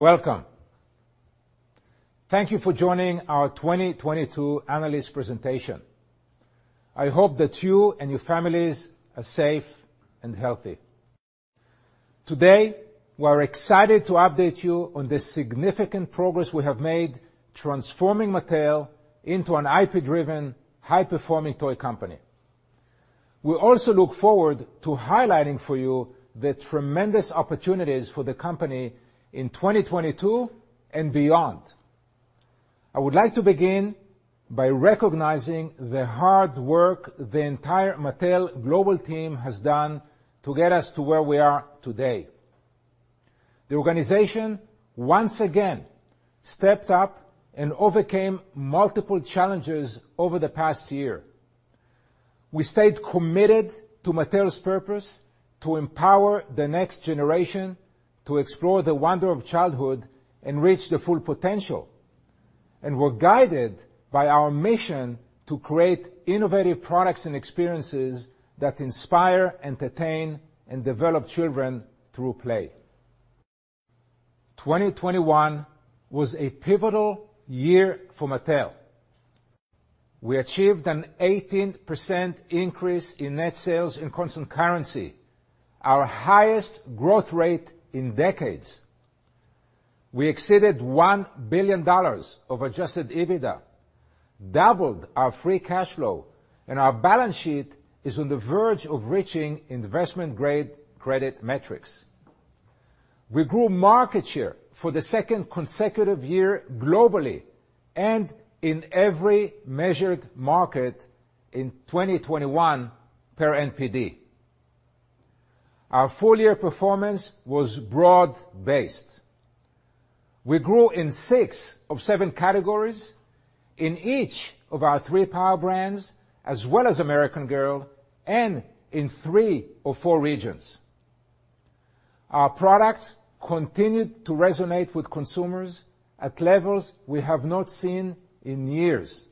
Welcome. Thank you for joining our 2022 Analyst Presentation. I hope that you and your families are safe and healthy. Today, we are excited to update you on the significant progress we have made, transforming Mattel into an IP-driven, high-performing toy company. We also look forward to highlighting for you the tremendous opportunities for the company in 2022 and beyond. I would like to begin by recognizing the hard work the entire Mattel global team has done to get us to where we are today. The organization once again stepped up and overcame multiple challenges over the past year. We stayed committed to Mattel's purpose to empower the next generation to explore the wonder of childhood and reach their full potential, and were guided by our mission to create innovative products and experiences that inspire, entertain, and develop children through play. 2021 was a pivotal year for Mattel. We achieved an 18% increase in net sales in constant currency, our highest growth rate in decades. We exceeded $1 billion of adjusted EBITDA, doubled our free cash flow, and our balance sheet is on the verge of reaching investment-grade credit metrics. We grew market share for the second consecutive year globally and in every measured market in 2021 per NPD. Our full-year performance was broad-based. We grew in six of seven categories, in each of our three power brands, as well as American Girl and in three of four regions. Our products continued to resonate with consumers at levels we have not seen in years.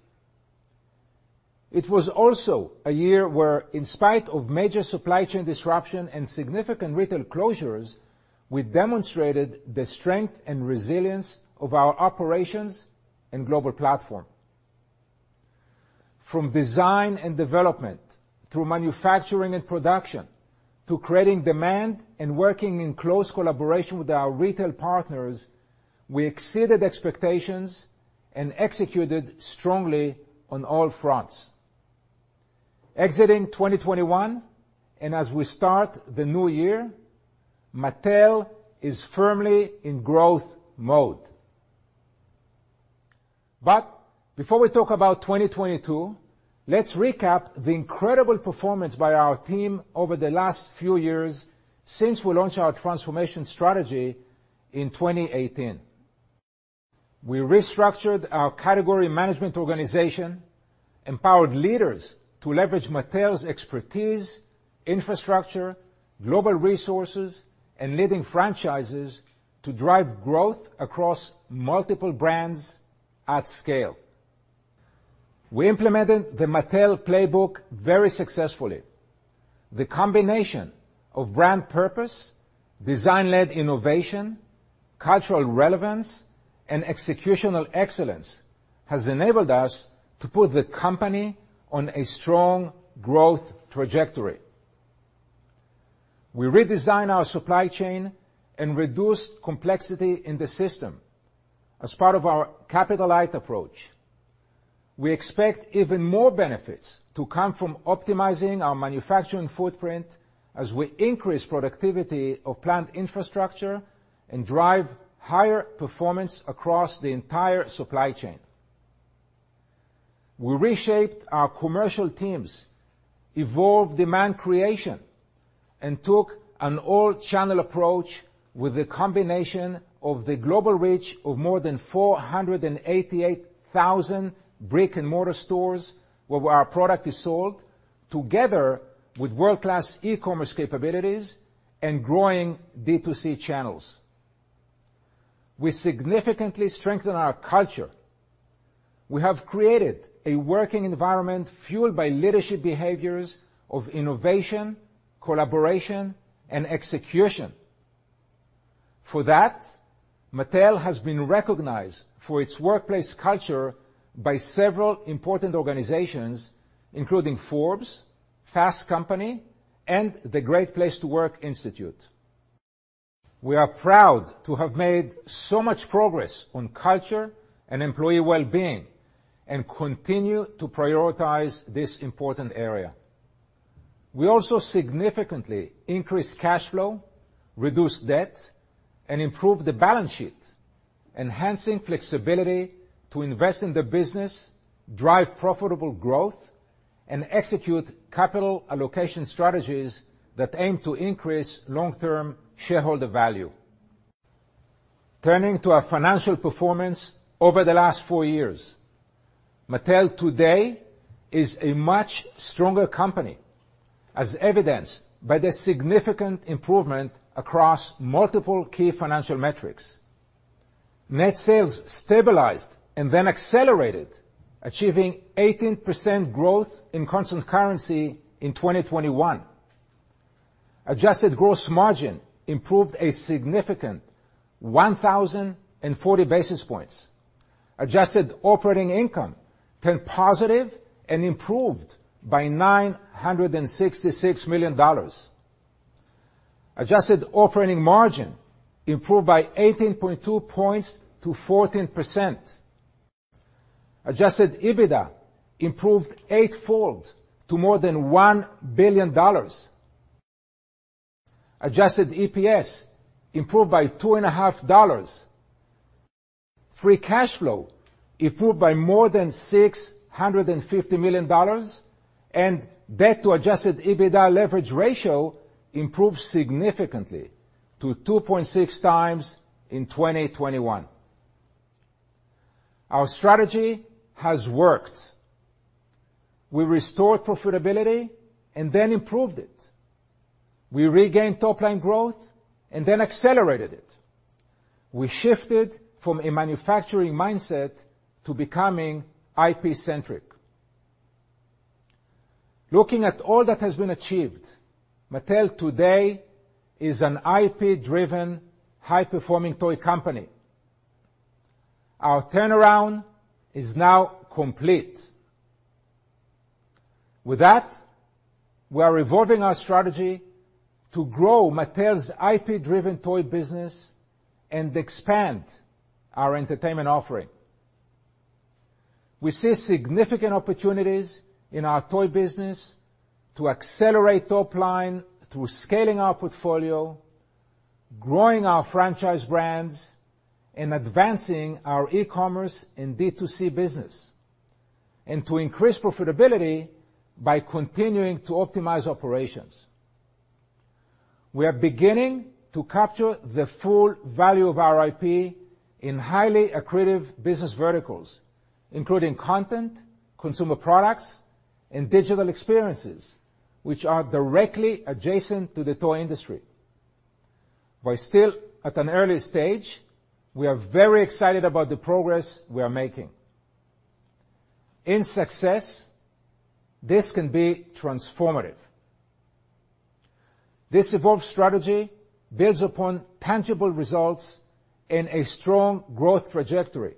It was also a year where, in spite of major supply chain disruption and significant retail closures, we demonstrated the strength and resilience of our operations and global platform. From design and development, through manufacturing and production, to creating demand and working in close collaboration with our retail partners, we exceeded expectations and executed strongly on all fronts. Exiting 2021, as we start the new year, Mattel is firmly in growth mode. Before we talk about 2022, let's recap the incredible performance by our team over the last few years since we launched our transformation strategy in 2018. We restructured our category management organization, empowered leaders to leverage Mattel's expertise, infrastructure, global resources, and leading franchises to drive growth across multiple brands at scale. We implemented the Mattel Playbook very successfully. The combination of brand purpose, design-led innovation, cultural relevance, and executional excellence has enabled us to put the company on a strong growth trajectory. We redesigned our supply chain and reduced complexity in the system as part of our capital-light approach. We expect even more benefits to come from optimizing our manufacturing footprint as we increase productivity of plant infrastructure and drive higher performance across the entire supply chain. We reshaped our commercial teams, evolved demand creation, and took an all-channel approach with the combination of the global reach of more than 488,000 brick-and-mortar stores where our product is sold, together with world-class e-commerce capabilities and growing D2C channels. We significantly strengthened our culture. We have created a working environment fueled by leadership behaviors of innovation, collaboration, and execution. For that, Mattel has been recognized for its workplace culture by several important organizations, including Forbes, Fast Company, and the Great Place to Work Institute. We are proud to have made so much progress on culture and employee well-being and continue to prioritize this important area. We also significantly increased cash flow, reduced debt, and improved the balance sheet, enhancing flexibility to invest in the business, drive profitable growth, and execute capital allocation strategies that aim to increase long-term shareholder value. Turning to our financial performance over the last four years, Mattel today is a much stronger company, as evidenced by the significant improvement across multiple key financial metrics. Net sales stabilized and then accelerated, achieving 18% growth in constant currency in 2021. Adjusted gross margin improved a significant 1,040 basis points. Adjusted operating income turned positive and improved by $966 million. Adjusted operating margin improved by 18.2 percentage points to 14%. Adjusted EBITDA improved eightfold to more than $1 billion. Adjusted EPS improved by $2.50. Free cash flow improved by more than $650 million, and debt-to-adjusted EBITDA leverage ratio improved significantly to 2.6x in 2021. Our strategy has worked. We restored profitability and then improved it. We regained top-line growth and then accelerated it. We shifted from a manufacturing mindset to becoming IP-centric. Looking at all that has been achieved, Mattel today is an IP-driven, high-performing toy company. Our turnaround is now complete. With that, we are evolving our strategy to grow Mattel's IP-driven toy business and expand our entertainment offering. We see significant opportunities in our toy business to accelerate top-line through scaling our portfolio, growing our franchise brands, and advancing our e-commerce and D2C business, and to increase profitability by continuing to optimize operations. We are beginning to capture the full value of our IP in highly accretive business verticals, including content, consumer products, and digital experiences, which are directly adjacent to the toy industry. While still at an early stage, we are very excited about the progress we are making. In success, this can be transformative. This evolved strategy builds upon tangible results and a strong growth trajectory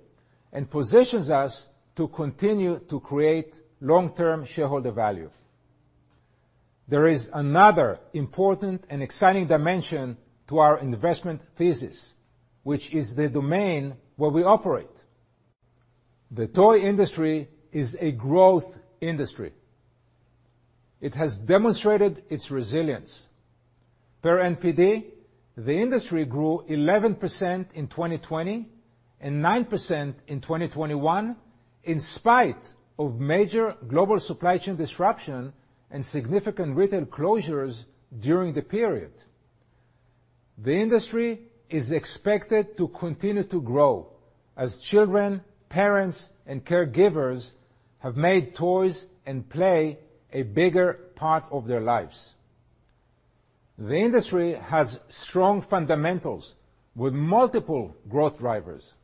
and positions us to continue to create long-term shareholder value. There is another important and exciting dimension to our investment thesis, which is the domain where we operate. The toy industry is a growth industry. It has demonstrated its resilience. Per NPD, the industry grew 11% in 2020 and 9% in 2021, in spite of major global supply chain disruption and significant retail closures during the period. The industry is expected to continue to grow as children, parents, and caregivers have made toys and play a bigger part of their lives. The industry has strong fundamentals with multiple growth drivers.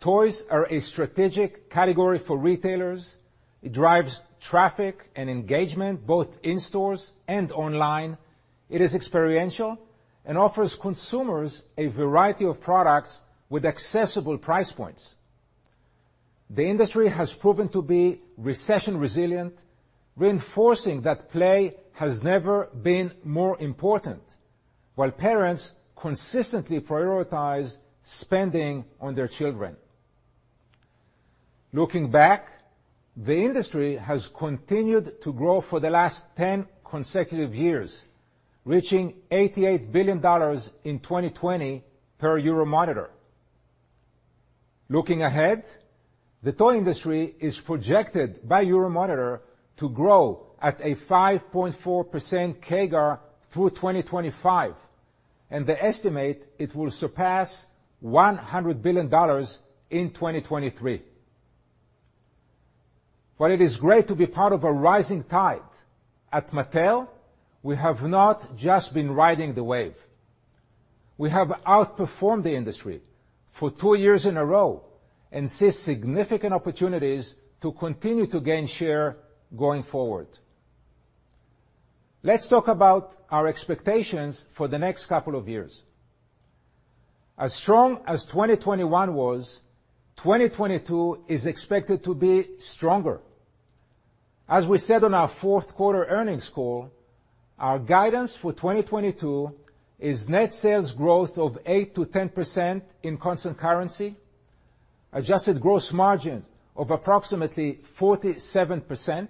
Toys are a strategic category for retailers. It drives traffic and engagement both in stores and online. It is experiential and offers consumers a variety of products with accessible price points. The industry has proven to be recession resilient, reinforcing that play has never been more important, while parents consistently prioritize spending on their children. Looking back, the industry has continued to grow for the last 10 consecutive years, reaching $88 billion in 2020 per Euromonitor. Looking ahead, the toy industry is projected by Euromonitor to grow at a 5.4% CAGR through 2025, and they estimate it will surpass $100 billion in 2023. While it is great to be part of a rising tide, at Mattel, we have not just been riding the wave. We have outperformed the industry for two years in a row and see significant opportunities to continue to gain share going forward. Let's talk about our expectations for the next couple of years. As strong as 2021 was, 2022 is expected to be stronger. As we said on our fourth quarter earnings call, our guidance for 2022 is net sales growth of 8%-10% in constant currency, adjusted gross margin of approximately 47%,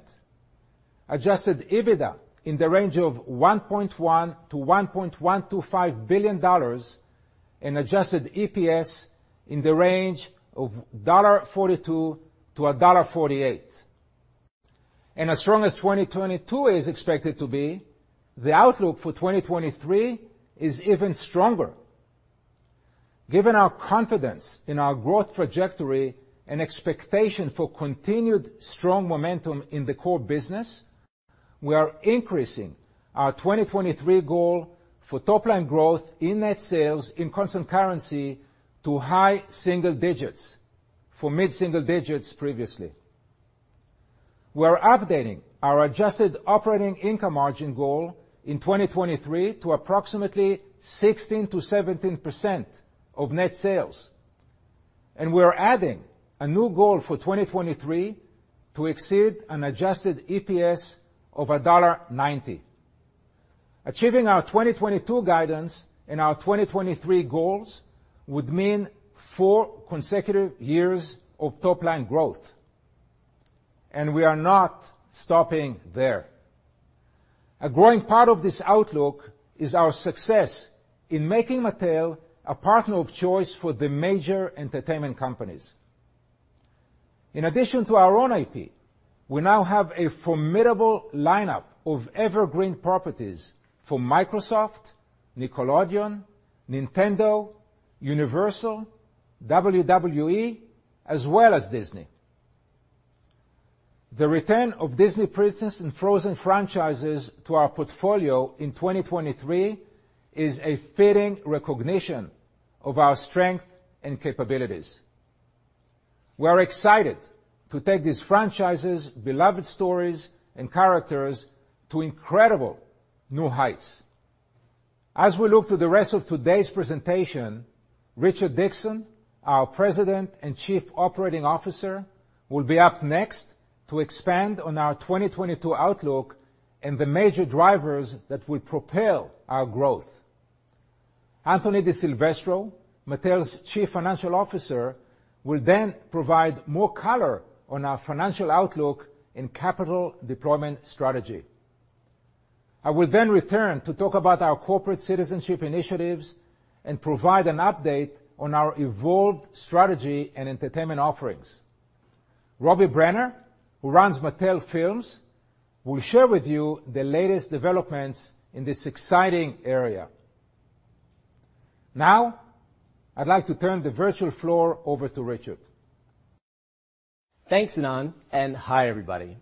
adjusted EBITDA in the range of $1.1 billion-$1.125 billion, and adjusted EPS in the range of $1.42-$1.48. As strong as 2022 is expected to be, the outlook for 2023 is even stronger. Given our confidence in our growth trajectory and expectation for continued strong momentum in the core business, we are increasing our 2023 goal for top-line growth in net sales in constant currency to high single digits from mid-single digits previously. We are updating our adjusted operating income margin goal in 2023 to approximately 16%-17% of net sales, and we are adding a new goal for 2023 to exceed an adjusted EPS of $1.90. Achieving our 2022 guidance and our 2023 goals would mean four consecutive years of top-line growth, and we are not stopping there. A growing part of this outlook is our success in making Mattel a partner of choice for the major entertainment companies. In addition to our own IP, we now have a formidable lineup of evergreen properties for Microsoft, Nickelodeon, Nintendo, Universal, WWE, as well as Disney. The return of Disney Princess and Frozen franchises to our portfolio in 2023 is a fitting recognition of our strength and capabilities. We are excited to take these franchises, beloved stories, and characters to incredible new heights. As we look to the rest of today's presentation, Richard Dickson, our President and Chief Operating Officer, will be up next to expand on our 2022 outlook and the major drivers that will propel our growth. Anthony DiSilvestro, Mattel's Chief Financial Officer, will then provide more color on our financial outlook and capital deployment strategy. I will then return to talk about our corporate citizenship initiatives and provide an update on our evolved strategy and entertainment offerings. Robbie Brenner, who runs Mattel Films, will share with you the latest developments in this exciting area. Now, I'd like to turn the virtual floor over to Richard. Thanks, Ynon, and hi, everybody.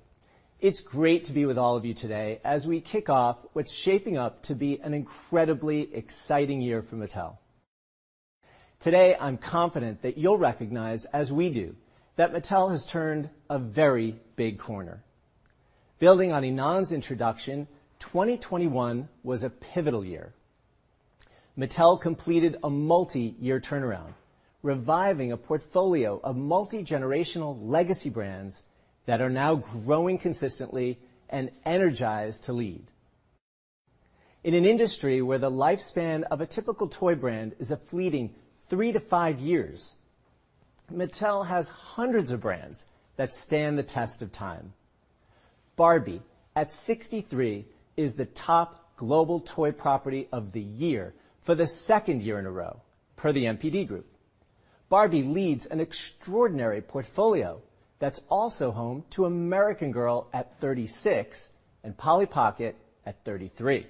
It's great to be with all of you today as we kick off what's shaping up to be an incredibly exciting year for Mattel. Today, I'm confident that you'll recognize, as we do, that Mattel has turned a very big corner. Building on Ynon's introduction, 2021 was a pivotal year. Mattel completed a multi-year turnaround, reviving a portfolio of multi-generational legacy brands that are now growing consistently and energized to lead. In an industry where the lifespan of a typical toy brand is a fleeting three to five years, Mattel has hundreds of brands that stand the test of time. Barbie, at 63, is the top global toy property of the year for the second year in a row, per the NPD Group. Barbie leads an extraordinary portfolio that's also home to American Girl at 36 and Polly Pocket at 33.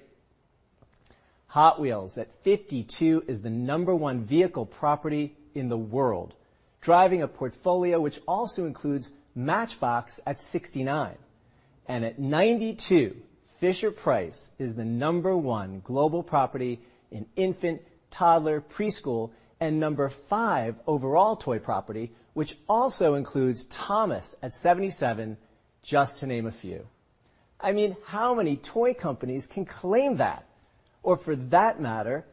Hot Wheels at 52 is the number one vehicle property in the world, driving a portfolio which also includes Matchbox at 69. At 92, Fisher-Price is the number one global property in infant, toddler, preschool, and number five overall toy property, which also includes Thomas at 77, just to name a few. I mean, how many toy companies can claim that? For that matter,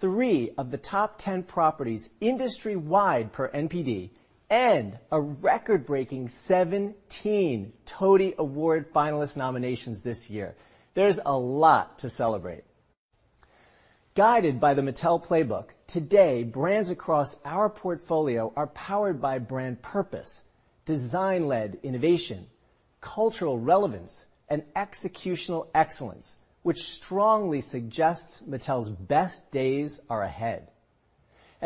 three of the top 10 properties industry-wide, per NPD, and a record-breaking 17 TOTY Award finalist nominations this year. There's a lot to celebrate. Guided by the Mattel Playbook, today, brands across our portfolio are powered by brand purpose, design-led innovation, cultural relevance, and executional excellence, which strongly suggests Mattel's best days are ahead.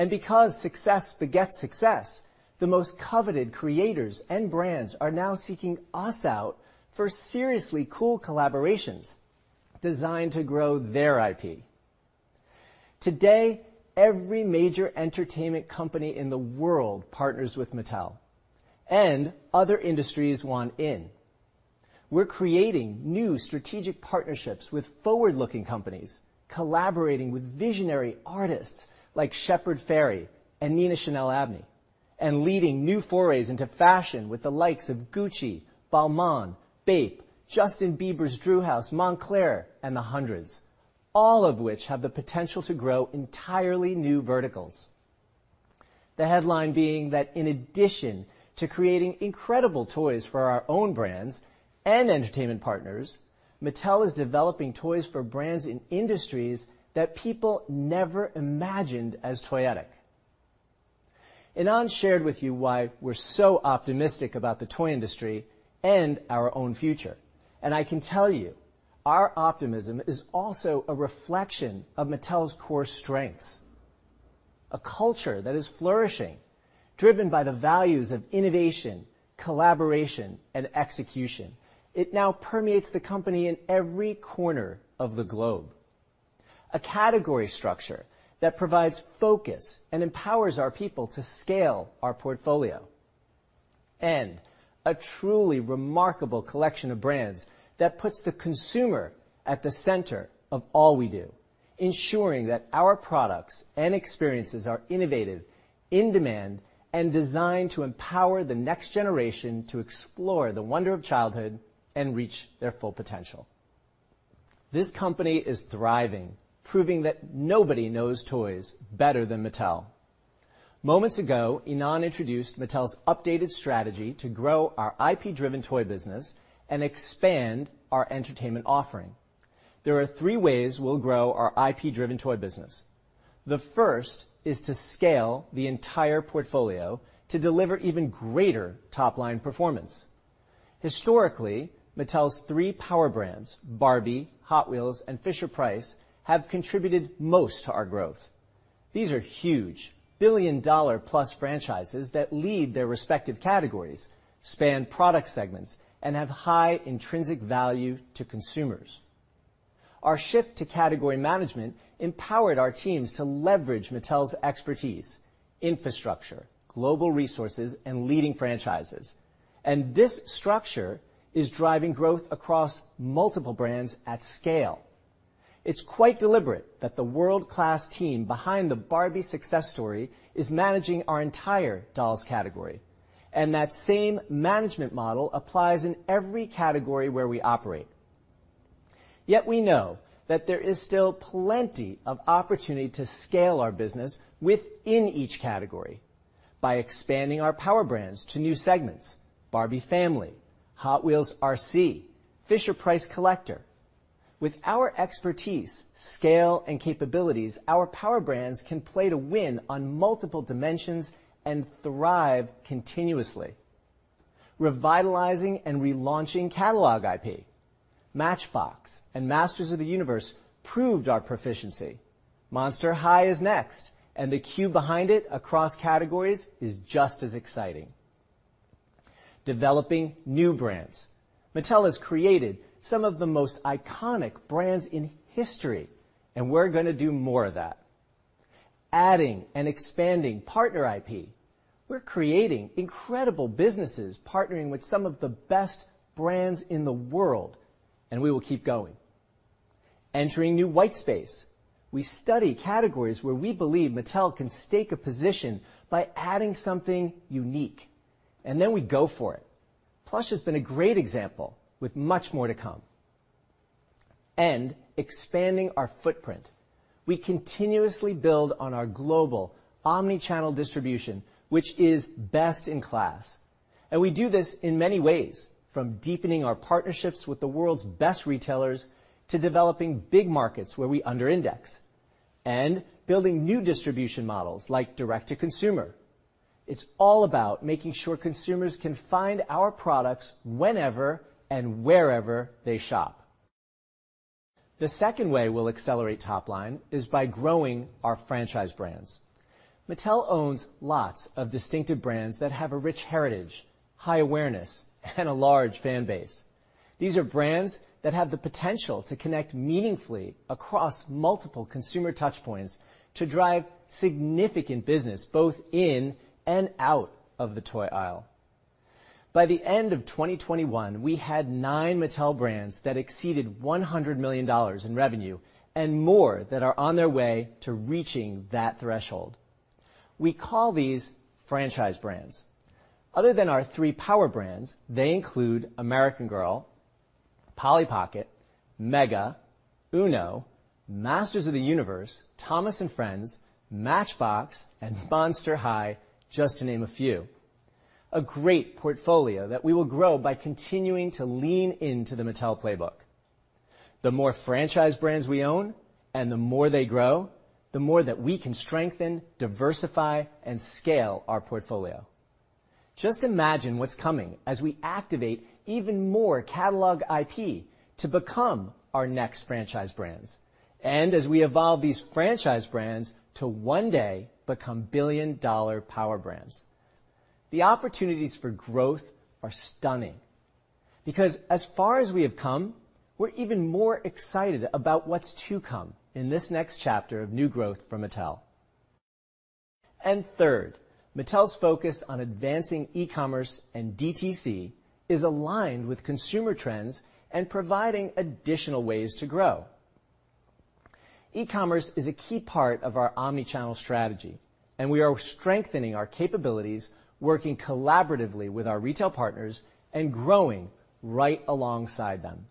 Because success begets success, the most coveted creators and brands are now seeking us out for seriously cool collaborations designed to grow their IP. Today, every major entertainment company in the world partners with Mattel, and other industries want in. We're creating new strategic partnerships with forward-looking companies, collaborating with visionary artists like Shepard Fairey and Nina Chanel Abney, and leading new forays into fashion with the likes of Gucci, Balmain, BAPE, Justin Bieber's Drew House, Moncler, and The Hundreds, all of which have the potential to grow entirely new verticals. The headline being that, in addition to creating incredible toys for our own brands and entertainment partners, Mattel is developing toys for brands in industries that people never imagined as toyetic. Ynon shared with you why we're so optimistic about the toy industry and our own future, and I can tell you our optimism is also a reflection of Mattel's core strengths. A culture that is flourishing, driven by the values of innovation, collaboration, and execution. It now permeates the company in every corner of the globe. A category structure that provides focus and empowers our people to scale our portfolio. A truly remarkable collection of brands that puts the consumer at the center of all we do, ensuring that our products and experiences are innovative, in demand, and designed to empower the next generation to explore the wonder of childhood and reach their full potential. This company is thriving, proving that nobody knows toys better than Mattel. Moments ago, Ynon introduced Mattel's updated strategy to grow our IP-driven toy business and expand our entertainment offering. There are three ways we'll grow our IP-driven toy business. The first is to scale the entire portfolio to deliver even greater top-line performance. Historically, Mattel's three power brands, Barbie, Hot Wheels, and Fisher-Price, have contributed most to our growth. These are huge billion-dollar-plus franchises that lead their respective categories, span product segments, and have high intrinsic value to consumers. Our shift to category management empowered our teams to leverage Mattel's expertise, infrastructure, global resources, and leading franchises. This structure is driving growth across multiple brands at scale. It's quite deliberate that the world-class team behind the Barbie success story is managing our entire dolls category, and that same management model applies in every category where we operate. Yet we know that there is still plenty of opportunity to scale our business within each category by expanding our power brands to new segments: Barbie Family, Hot Wheels RC, Fisher-Price Collector. With our expertise, scale, and capabilities, our power brands can play to win on multiple dimensions and thrive continuously. Revitalizing and relaunching catalog IP, Matchbox, and Masters of the Universe proved our proficiency. Monster High is next, and the queue behind it across categories is just as exciting. Developing new brands. Mattel has created some of the most iconic brands in history, and we're going to do more of that. Adding and expanding partner IP. We're creating incredible businesses partnering with some of the best brands in the world, and we will keep going. Entering new white space. We study categories where we believe Mattel can stake a position by adding something unique, and then we go for it. Plush has been a great example with much more to come. Expanding our footprint, we continuously build on our global omnichannel distribution, which is best in class. We do this in many ways, from deepening our partnerships with the world's best retailers to developing big markets where we underindex and building new distribution models like direct-to-consumer. It's all about making sure consumers can find our products whenever and wherever they shop. The second way we'll accelerate top-line is by growing our franchise brands. Mattel owns lots of distinctive brands that have a rich heritage, high awareness, and a large fan base. These are brands that have the potential to connect meaningfully across multiple consumer touchpoints to drive significant business both in and out of the toy aisle. By the end of 2021, we had nine Mattel brands that exceeded $100 million in revenue and more that are on their way to reaching that threshold. We call these franchise brands. Other than our three power brands, they include American Girl, Polly Pocket, Mega, Uno, Masters of the Universe, Thomas & Friends, Matchbox, and Monster High, just to name a few. A great portfolio that we will grow by continuing to lean into the Mattel Playbook. The more franchise brands we own and the more they grow, the more that we can strengthen, diversify, and scale our portfolio. Just imagine what's coming as we activate even more catalog IP to become our next franchise brands, and as we evolve these franchise brands to one day become billion-dollar power brands. The opportunities for growth are stunning because, as far as we have come, we're even more excited about what's to come in this next chapter of new growth for Mattel. Third, Mattel's focus on advancing e-commerce and DTC is aligned with consumer trends and providing additional ways to grow. E-commerce is a key part of our omnichannel strategy, and we are strengthening our capabilities, working collaboratively with our retail partners and growing right alongside them.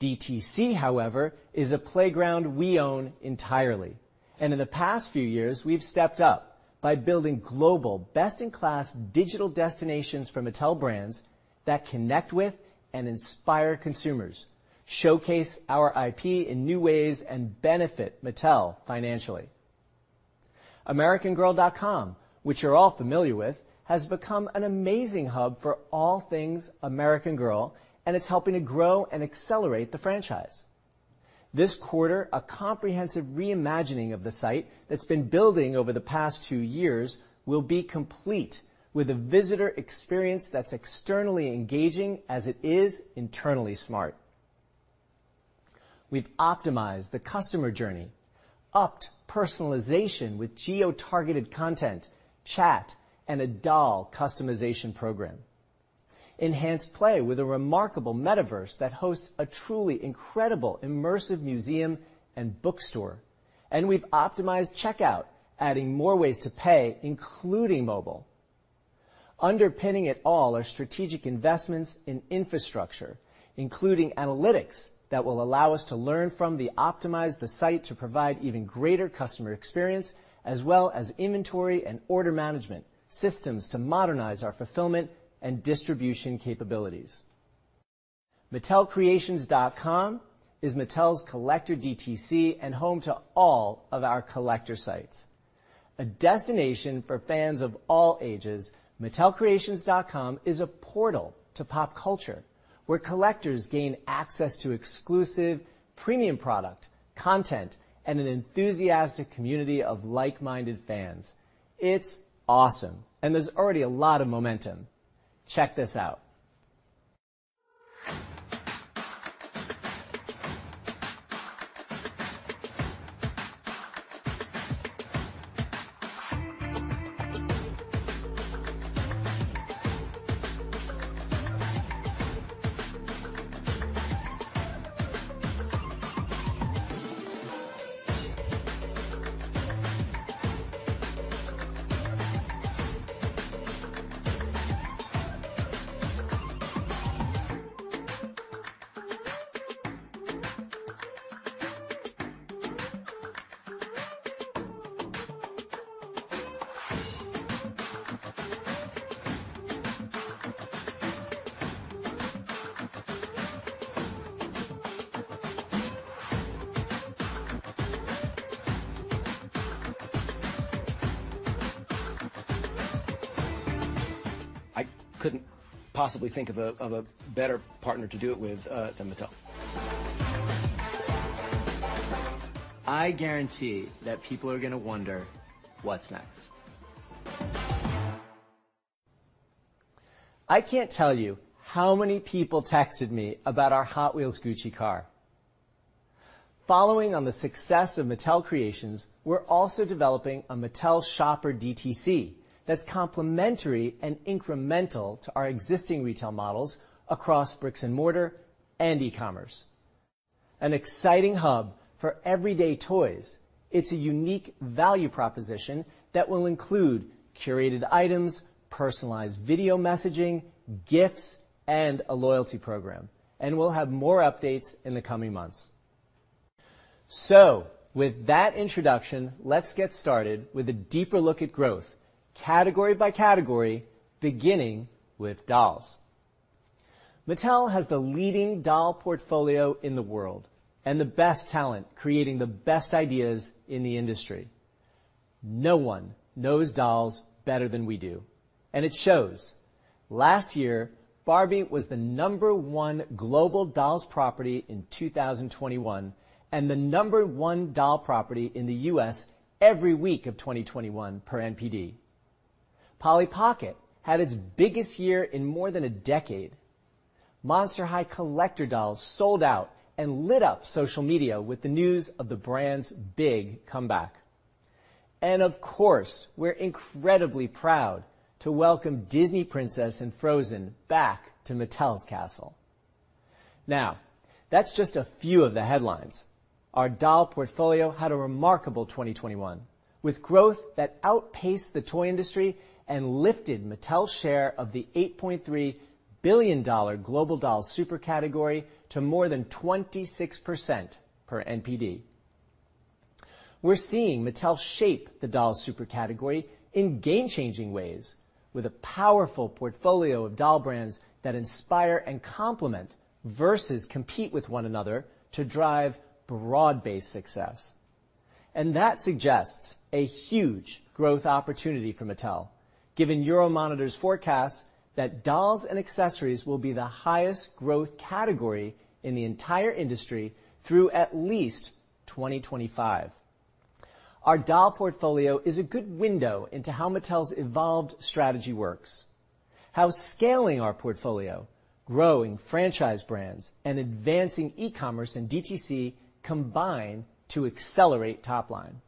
DTC, however, is a playground we own entirely, and in the past few years, we've stepped up by building global best-in-class digital destinations for Mattel brands that connect with and inspire consumers, showcase our IP in new ways, and benefit Mattel financially. AmericanGirl.com, which you're all familiar with, has become an amazing hub for all things American Girl, and it's helping to grow and accelerate the franchise. This quarter, a comprehensive reimagining of the site that's been building over the past two years will be complete with a visitor experience that's externally engaging as it is internally smart. We've optimized the customer journey, upped personalization with geo-targeted content, chat, and a doll customization program, enhanced play with a remarkable metaverse that hosts a truly incredible immersive museum and bookstore, and we've optimized checkout, adding more ways to pay, including mobile. Underpinning it all are strategic investments in infrastructure, including analytics that will allow us to learn from the optimized site to provide even greater customer experience, as well as inventory and order management systems to modernize our fulfillment and distribution capabilities. MattelCreations.com is Mattel's collector DTC and home to all of our collector sites. A destination for fans of all ages, MattelCreations.com is a portal to pop culture where collectors gain access to exclusive premium product content and an enthusiastic community of like-minded fans. It's awesome, and there's already a lot of momentum. Check this out. I couldn't possibly think of a better partner to do it with than Mattel. I guarantee that people are going to wonder what's next. I can't tell you how many people texted me about our Hot Wheels Gucci car. Following on the success of Mattel Creations, we're also developing a Mattel Shopper DTC that's complementary and incremental to our existing retail models across bricks and mortar and e-commerce. An exciting hub for everyday toys. It's a unique value proposition that will include curated items, personalized video messaging, gifts, and a loyalty program, and we'll have more updates in the coming months. With that introduction, let's get started with a deeper look at growth category by category, beginning with dolls. Mattel has the leading doll portfolio in the world and the best talent creating the best ideas in the industry. No one knows dolls better than we do, and it shows. Last year, Barbie was the number one global dolls property in 2021 and the number one doll property in the U.S. every week of 2021 per NPD. Polly Pocket had its biggest year in more than a decade. Monster High collector dolls sold out and lit up social media with the news of the brand's big comeback. Of course, we're incredibly proud to welcome Disney Princess and Frozen back to Mattel's castle. Now, that's just a few of the headlines. Our doll portfolio had a remarkable 2021 with growth that outpaced the toy industry and lifted Mattel's share of the $8.3 billion global dolls super category to more than 26% per NPD. We are seeing Mattel shape the dolls super category in game-changing ways with a powerful portfolio of doll brands that inspire and complement versus compete with one another to drive broad-based success. That suggests a huge growth opportunity for Mattel, given Euromonitor's forecast that dolls and accessories will be the highest growth category in the entire industry through at least 2025. Our doll portfolio is a good window into how Mattel's evolved strategy works, how scaling our portfolio, growing franchise brands, and advancing e-commerce and DTC combine to accelerate top-line.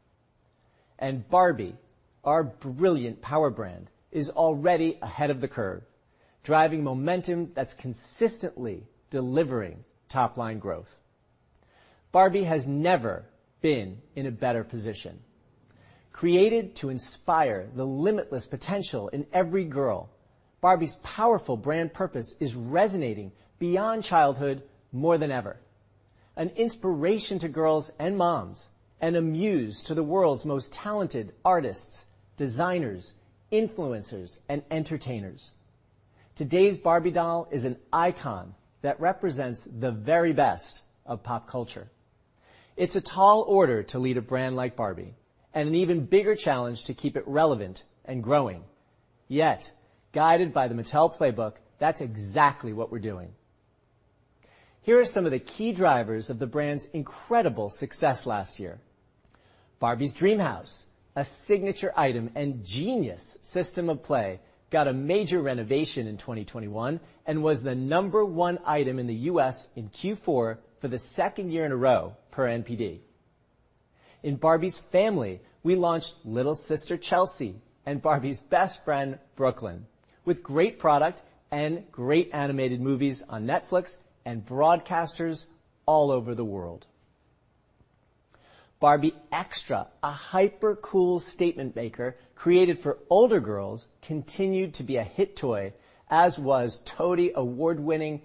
Barbie, our brilliant power brand, is already ahead of the curve, driving momentum that is consistently delivering top-line growth. Barbie has never been in a better position. Created to inspire the limitless potential in every girl, Barbie's powerful brand purpose is resonating beyond childhood more than ever, an inspiration to girls and moms, and a muse to the world's most talented artists, designers, influencers, and entertainers. Today's Barbie doll is an icon that represents the very best of pop culture. It's a tall order to lead a brand like Barbie and an even bigger challenge to keep it relevant and growing. Yet, guided by the Mattel Playbook, that's exactly what we're doing. Here are some of the key drivers of the brand's incredible success last year. Barbie's DreamHouse, a signature item and genius system of play, got a major renovation in 2021 and was the number one item in the U.S. in Q4 for the second year in a row per NPD. In Barbie's family, we launched Little Sister Chelsea and Barbie's best friend Brooklyn with great product and great animated movies on Netflix and broadcasters all over the world. Barbie Extra, a hyper-cool statement maker created for older girls, continued to be a hit toy, as was TOTY award-winning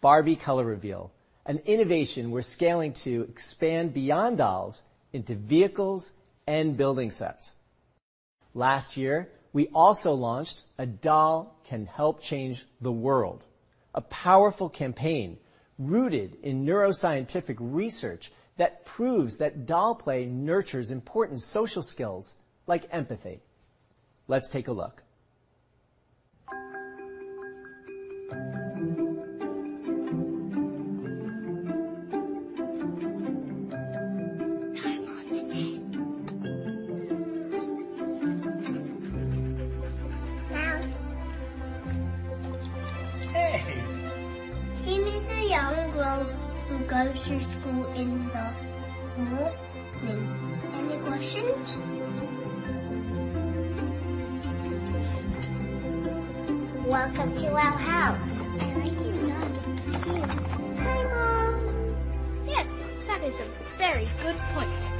Barbie Color Reveal, an innovation we're scaling to expand beyond dolls into vehicles and building sets. Last year, we also launched a doll can help change the world, a powerful campaign rooted in neuroscientific research that proves that doll play nurtures important social skills like empathy. Let's take a look. Hey. Hey, Ms. Young Girl who goes to school in the morning. Any questions? Welcome to our house. I like your dog. It's cute. Hi, Mom. Yes, that is a very good point.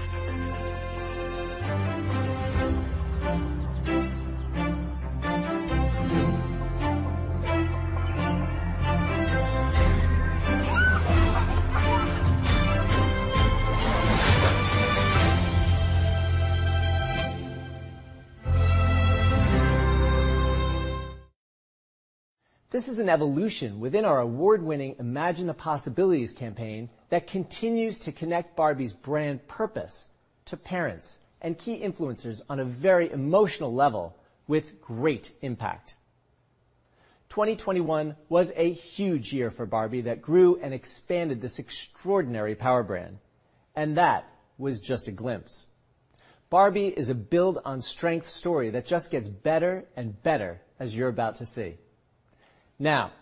This is an evolution within our award-winning Imagine the Possibilities campaign that continues to connect Barbie's brand purpose to parents and key influencers on a very emotional level with great impact. 2021 was a huge year for Barbie that grew and expanded this extraordinary power brand, and that was just a glimpse. Barbie is a build-on-strength story that just gets better and better, as you're about to see. Now,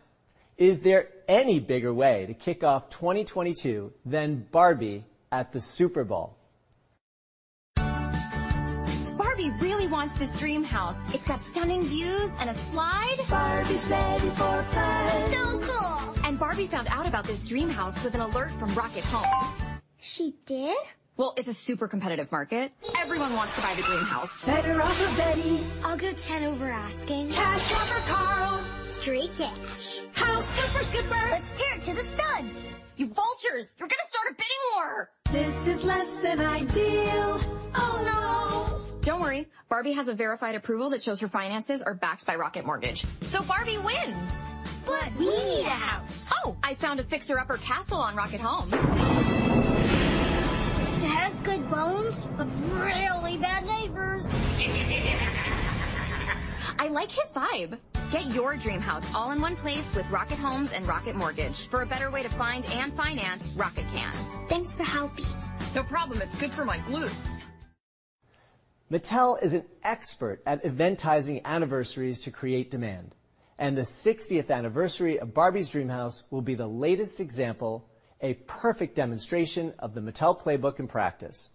is there any bigger way to kick off 2022 than Barbie at the Super Bowl? Barbie really wants this Dreamhouse. It's got stunning views and a slide. Barbie's ready for fun. So cool. And Barbie found out about this Dreamhouse with an alert from Rocket Homes. She did? It is a super competitive market. Everyone wants to buy the Dreamhouse. Better off a betty. I'll go 10 over asking. Cash off for Carl. Straight cash. House flip for Skipper. Let's tear it to the studs. You vultures, you're going to start a bidding war. This is less than ideal. Oh, no. Don't worry. Barbie has a verified approval that shows her finances are backed by Rocket Mortgage. So Barbie wins. But we need a house. Oh, I found a fixer-upper castle on Rocket Homes. It has good bones but really bad neighbors. I like his vibe. Get your Dreamhouse all in one place with Rocket Homes and Rocket Mortgage for a better way to find and finance Rocket Can. Thanks for helping. No problem. It's good for my glutes. Mattel is an expert at eventizing anniversaries to create demand, and the 60th anniversary of Barbie's Dreamhouse will be the latest example, a perfect demonstration of the Mattel Playbook in practice.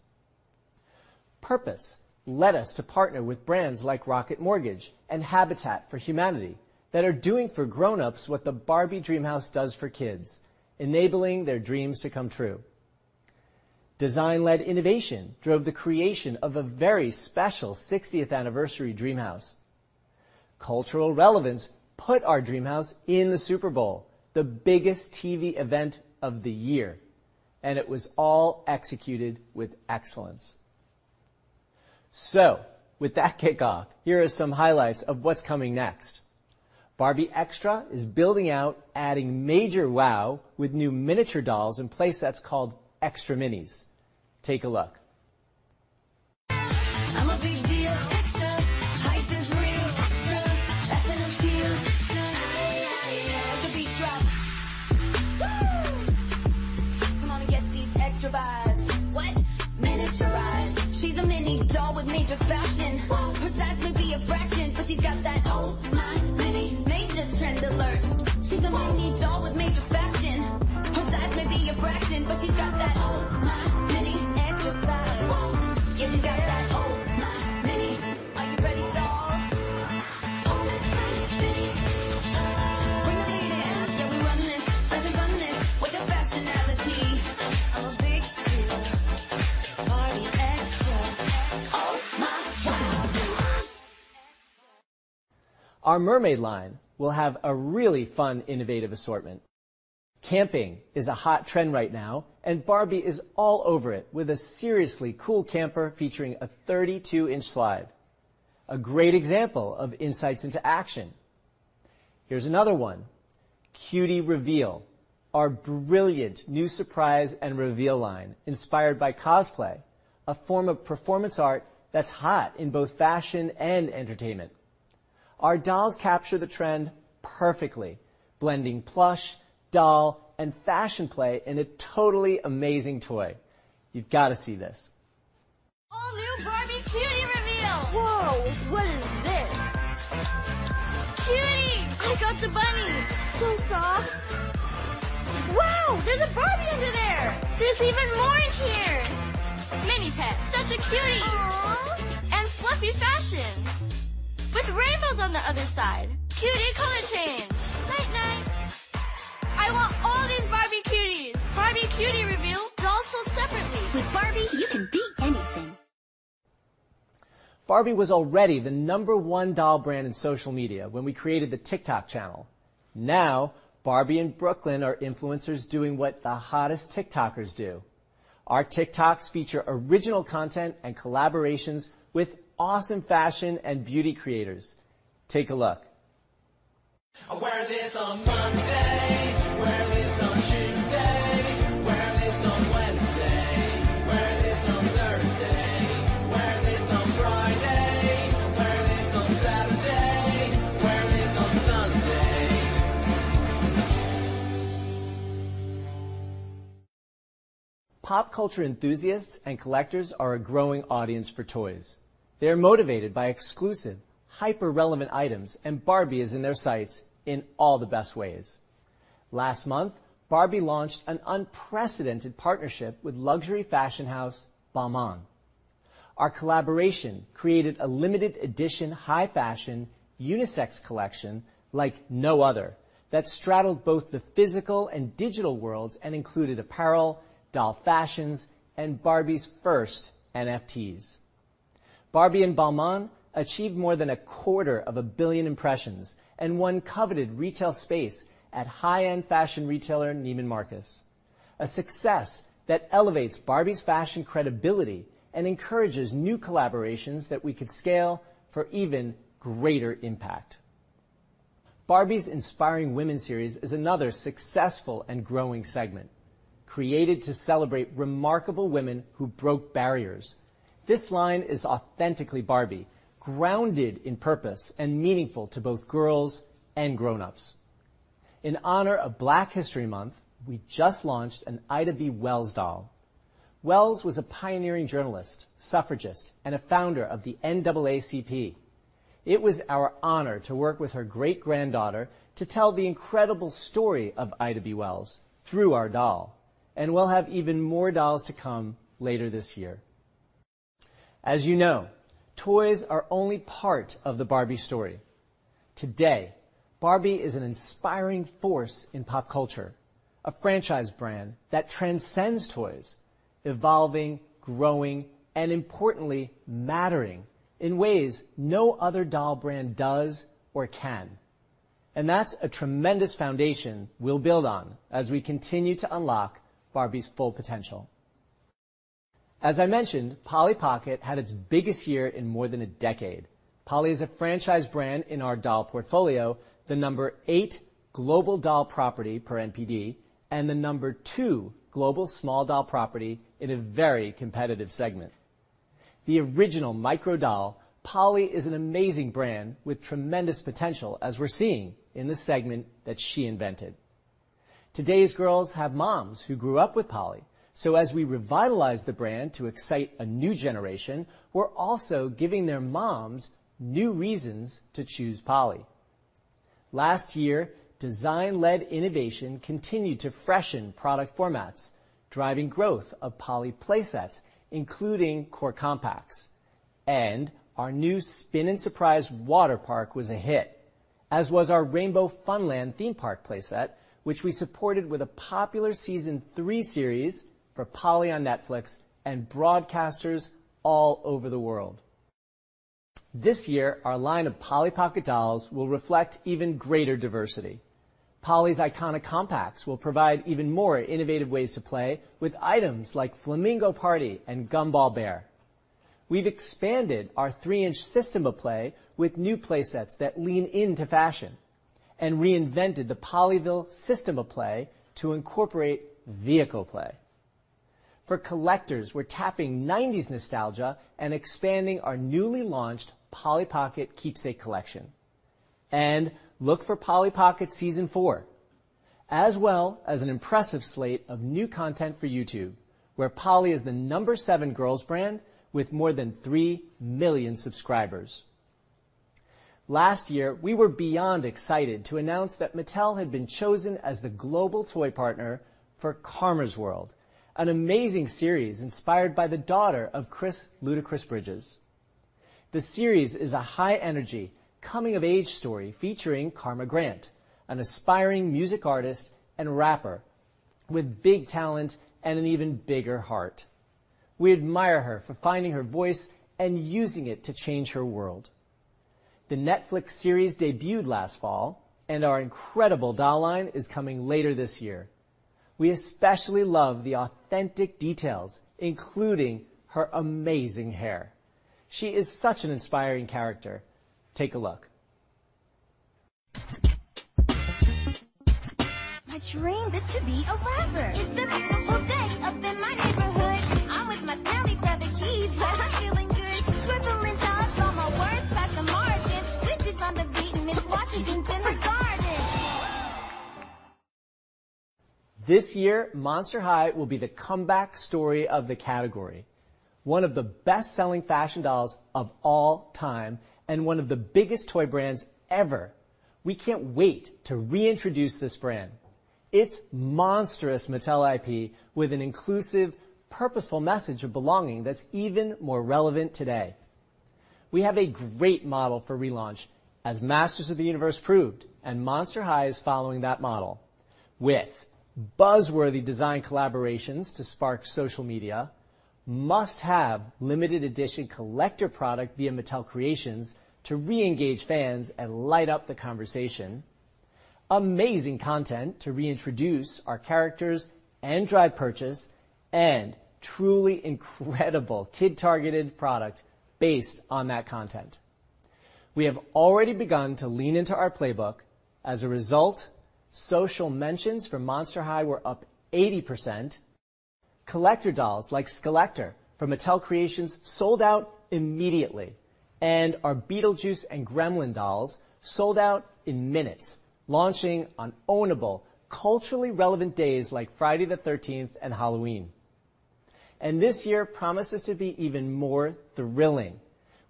Purpose led us to partner with brands like Rocket Mortgage and Habitat for Humanity that are doing for grown-ups what the Barbie Dreamhouse does for kids, enabling their dreams to come true. Design-led innovation drove the creation of a very special 60th anniversary Dreamhouse. Cultural relevance put our Dreamhouse in the Super Bowl, the biggest TV event of the year, and it was all executed with excellence. With that kickoff, here are some highlights of what's coming next. Barbie Extra is building out, adding major wow with new miniature dolls and playsets called Extra Minis. Take a look. I'm a big deal. Extra. Height is real. Extra. Fashion appeal. Extra. Ayy, ayy, ayy. Like a beat drop. Come on and get these extra vibes. What? Miniaturized. She's a mini doll with major fashion. Her size may be a fraction, but she's got that Oh My Mini. Major trend alert. She's a mini doll with major fashion. Her size may be a fraction, but she's got that Oh My Mini. Extra vibe. Yeah, she's got that Oh My Mini. Are you ready, dolls? Oh My Mini. Bring the meeting. Yeah, we run this. Fashion run this. What's your fashionality? I'm a big deal. Barbie Extra. Oh My Mini. Our mermaid line will have a really fun, innovative assortment. Camping is a hot trend right now, and Barbie is all over it with a seriously cool camper featuring a 32-inch slide. A great example of insights into action. Here's another one. Cutie Reveal, our brilliant new surprise and reveal line inspired by cosplay, a form of performance art that's hot in both fashion and entertainment. Our dolls capture the trend perfectly, blending plush, doll, and fashion play in a totally amazing toy. You've got to see this. All new Barbie Cutie Reveal. Whoa, what is this? Cutie. I got the bunny. So soft. Wow, there's a Barbie under there. There's even more in here. Mini pets. Such a cutie. Aw. And fluffy fashion with rainbows on the other side. Cutie color change. Night, night. I want all these Barbie cuties. Barbie Cutie Reveal, dolls sold separately. With Barbie, you can be anything. Barbie was already the number one doll brand in social media when we created the TikTok channel. Now, Barbie and Brooklyn are influencers doing what the hottest TikTokers do. Our TikToks feature original content and collaborations with awesome fashion and beauty creators. Take a look. Where are they on Monday? Where are they on Tuesday? Where are they on Wednesday? Where are they on Thursday? Where are they on Friday? Where are they on Saturday? Where are they on Sunday? Pop culture enthusiasts and collectors are a growing audience for toys. They're motivated by exclusive, hyper-relevant items, and Barbie is in their sights in all the best ways. Last month, Barbie launched an unprecedented partnership with luxury fashion house Balmain. Our collaboration created a limited-edition high-fashion unisex collection like no other that straddled both the physical and digital worlds and included apparel, doll fashions, and Barbie's first NFTs. Barbie and Balmain achieved more than a quarter of a billion impressions and won coveted retail space at high-end fashion retailer Neiman Marcus, a success that elevates Barbie's fashion credibility and encourages new collaborations that we could scale for even greater impact. Barbie's Inspiring Women series is another successful and growing segment created to celebrate remarkable women who broke barriers. This line is authentically Barbie, grounded in purpose and meaningful to both girls and grown-ups. In honor of Black History Month, we just launched an Ida B. Wells doll. Wells was a pioneering journalist, suffragist, and a founder of the NAACP. It was our honor to work with her great-granddaughter to tell the incredible story of Ida B. Wells through our doll, and we'll have even more dolls to come later this year. As you know, toys are only part of the Barbie story. Today, Barbie is an inspiring force in pop culture, a franchise brand that transcends toys, evolving, growing, and importantly, mattering in ways no other doll brand does or can. That is a tremendous foundation we'll build on as we continue to unlock Barbie's full potential. As I mentioned, Polly Pocket had its biggest year in more than a decade. Polly is a franchise brand in our doll portfolio, the number eight global doll property per NPD, and the number two global small doll property in a very competitive segment. The original micro doll, Polly is an amazing brand with tremendous potential, as we're seeing in the segment that she invented. Today's girls have moms who grew up with Polly, so as we revitalize the brand to excite a new generation, we're also giving their moms new reasons to choose Polly. Last year, design-led innovation continued to freshen product formats, driving growth of Polly playsets, including Core Compacts. Our new Spin 'n Surprise Waterpark was a hit, as was our Rainbow Funland Theme Park playset, which we supported with a popular Season 3 series for Polly on Netflix and broadcasters all over the world. This year, our line of Polly Pocket dolls will reflect even greater diversity. Polly's iconic compacts will provide even more innovative ways to play with items like Flamingo Party and Gumball Bear. We have expanded our 3-inch system of play with new playsets that lean into fashion and reinvented the Pollyville system of play to incorporate vehicle play. For collectors, we are tapping '90s nostalgia and expanding our newly launched Polly Pocket Keepsake Collection. Look for Polly Pocket Season 4, as well as an impressive slate of new content for YouTube, where Polly is the number seven girls brand with more than 3 million subscribers. Last year, we were beyond excited to announce that Mattel had been chosen as the global toy partner for Karma's World, an amazing series inspired by the daughter of Chris Ludacris Bridges. The series is a high-energy, coming-of-age story featuring Karma Grant, an aspiring music artist and rapper with big talent and an even bigger heart. We admire her for finding her voice and using it to change her world. The Netflix series debuted last fall, and our incredible doll line is coming later this year. We especially love the authentic details, including her amazing hair. She is such an inspiring character. Take a look. My dream is to be a rapper. It's a beautiful day up in my neighborhood. I'm with my family, crowd of kids, but I'm feeling good. Swiveling dolls, all my words pass the margins. Switches on the beat, Miss Washington's in the garden. This year, Monster High will be the comeback story of the category, one of the best-selling fashion dolls of all time and one of the biggest toy brands ever. We can't wait to reintroduce this brand. It's monstrous Mattel IP with an inclusive, purposeful message of belonging that's even more relevant today. We have a great model for relaunch, as Masters of the Universe proved, and Monster High is following that model with buzzworthy design collaborations to spark social media, must-have limited-edition collector product via Mattel Creations to reengage fans and light up the conversation, amazing content to reintroduce our characters and drive purchase, and truly incredible kid-targeted product based on that content. We have already begun to lean into our playbook. As a result, social mentions for Monster High were up 80%. Collector dolls like Skeletor from Mattel Creations sold out immediately, and our Beetlejuice and Gremlin dolls sold out in minutes, launching on ownable, culturally relevant days like Friday the 13th and Halloween. This year promises to be even more thrilling.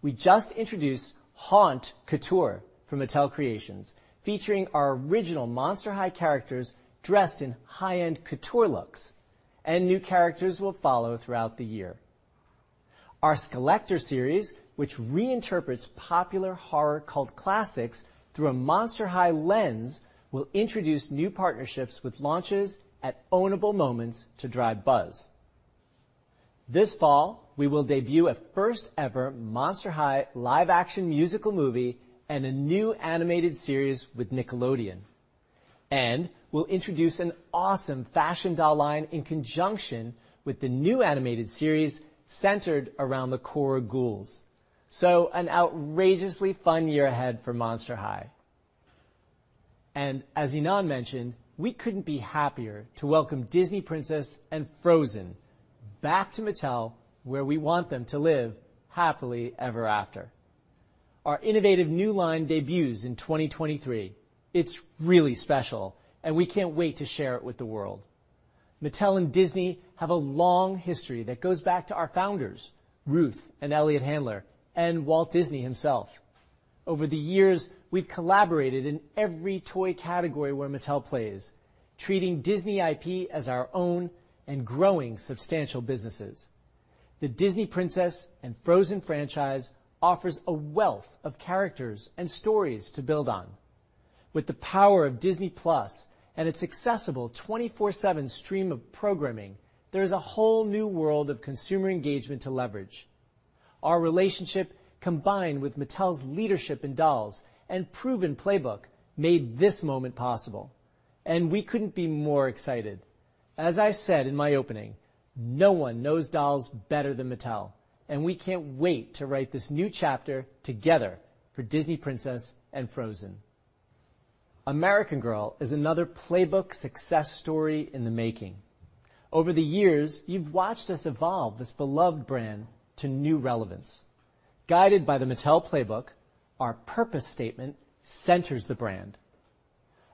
We just introduced Haunt Couture from Mattel Creations, featuring our original Monster High characters dressed in high-end couture looks, and new characters will follow throughout the year. Our Skeletor series, which reinterprets popular horror cult classics through a Monster High lens, will introduce new partnerships with launches at ownable moments to drive buzz. This fall, we will debut a first-ever Monster High live-action musical movie and a new animated series with Nickelodeon. We will introduce an awesome fashion doll line in conjunction with the new animated series centered around the core ghouls. An outrageously fun year ahead for Monster High. As Ynon mentioned, we couldn't be happier to welcome Disney Princess and Frozen back to Mattel, where we want them to live happily ever after. Our innovative new line debuts in 2023. It's really special, and we can't wait to share it with the world. Mattel and Disney have a long history that goes back to our founders, Ruth and Elliot Handler, and Walt Disney himself. Over the years, we've collaborated in every toy category where Mattel plays, treating Disney IP as our own and growing substantial businesses. The Disney Princess and Frozen franchise offers a wealth of characters and stories to build on. With the power of Disney+ and its accessible 24/7 stream of programming, there is a whole new world of consumer engagement to leverage. Our relationship, combined with Mattel's leadership in dolls and proven playbook, made this moment possible. We couldn't be more excited. As I said in my opening, no one knows dolls better than Mattel, and we can't wait to write this new chapter together for Disney Princess and Frozen. American Girl is another playbook success story in the making. Over the years, you've watched us evolve this beloved brand to new relevance. Guided by the Mattel playbook, our purpose statement centers the brand.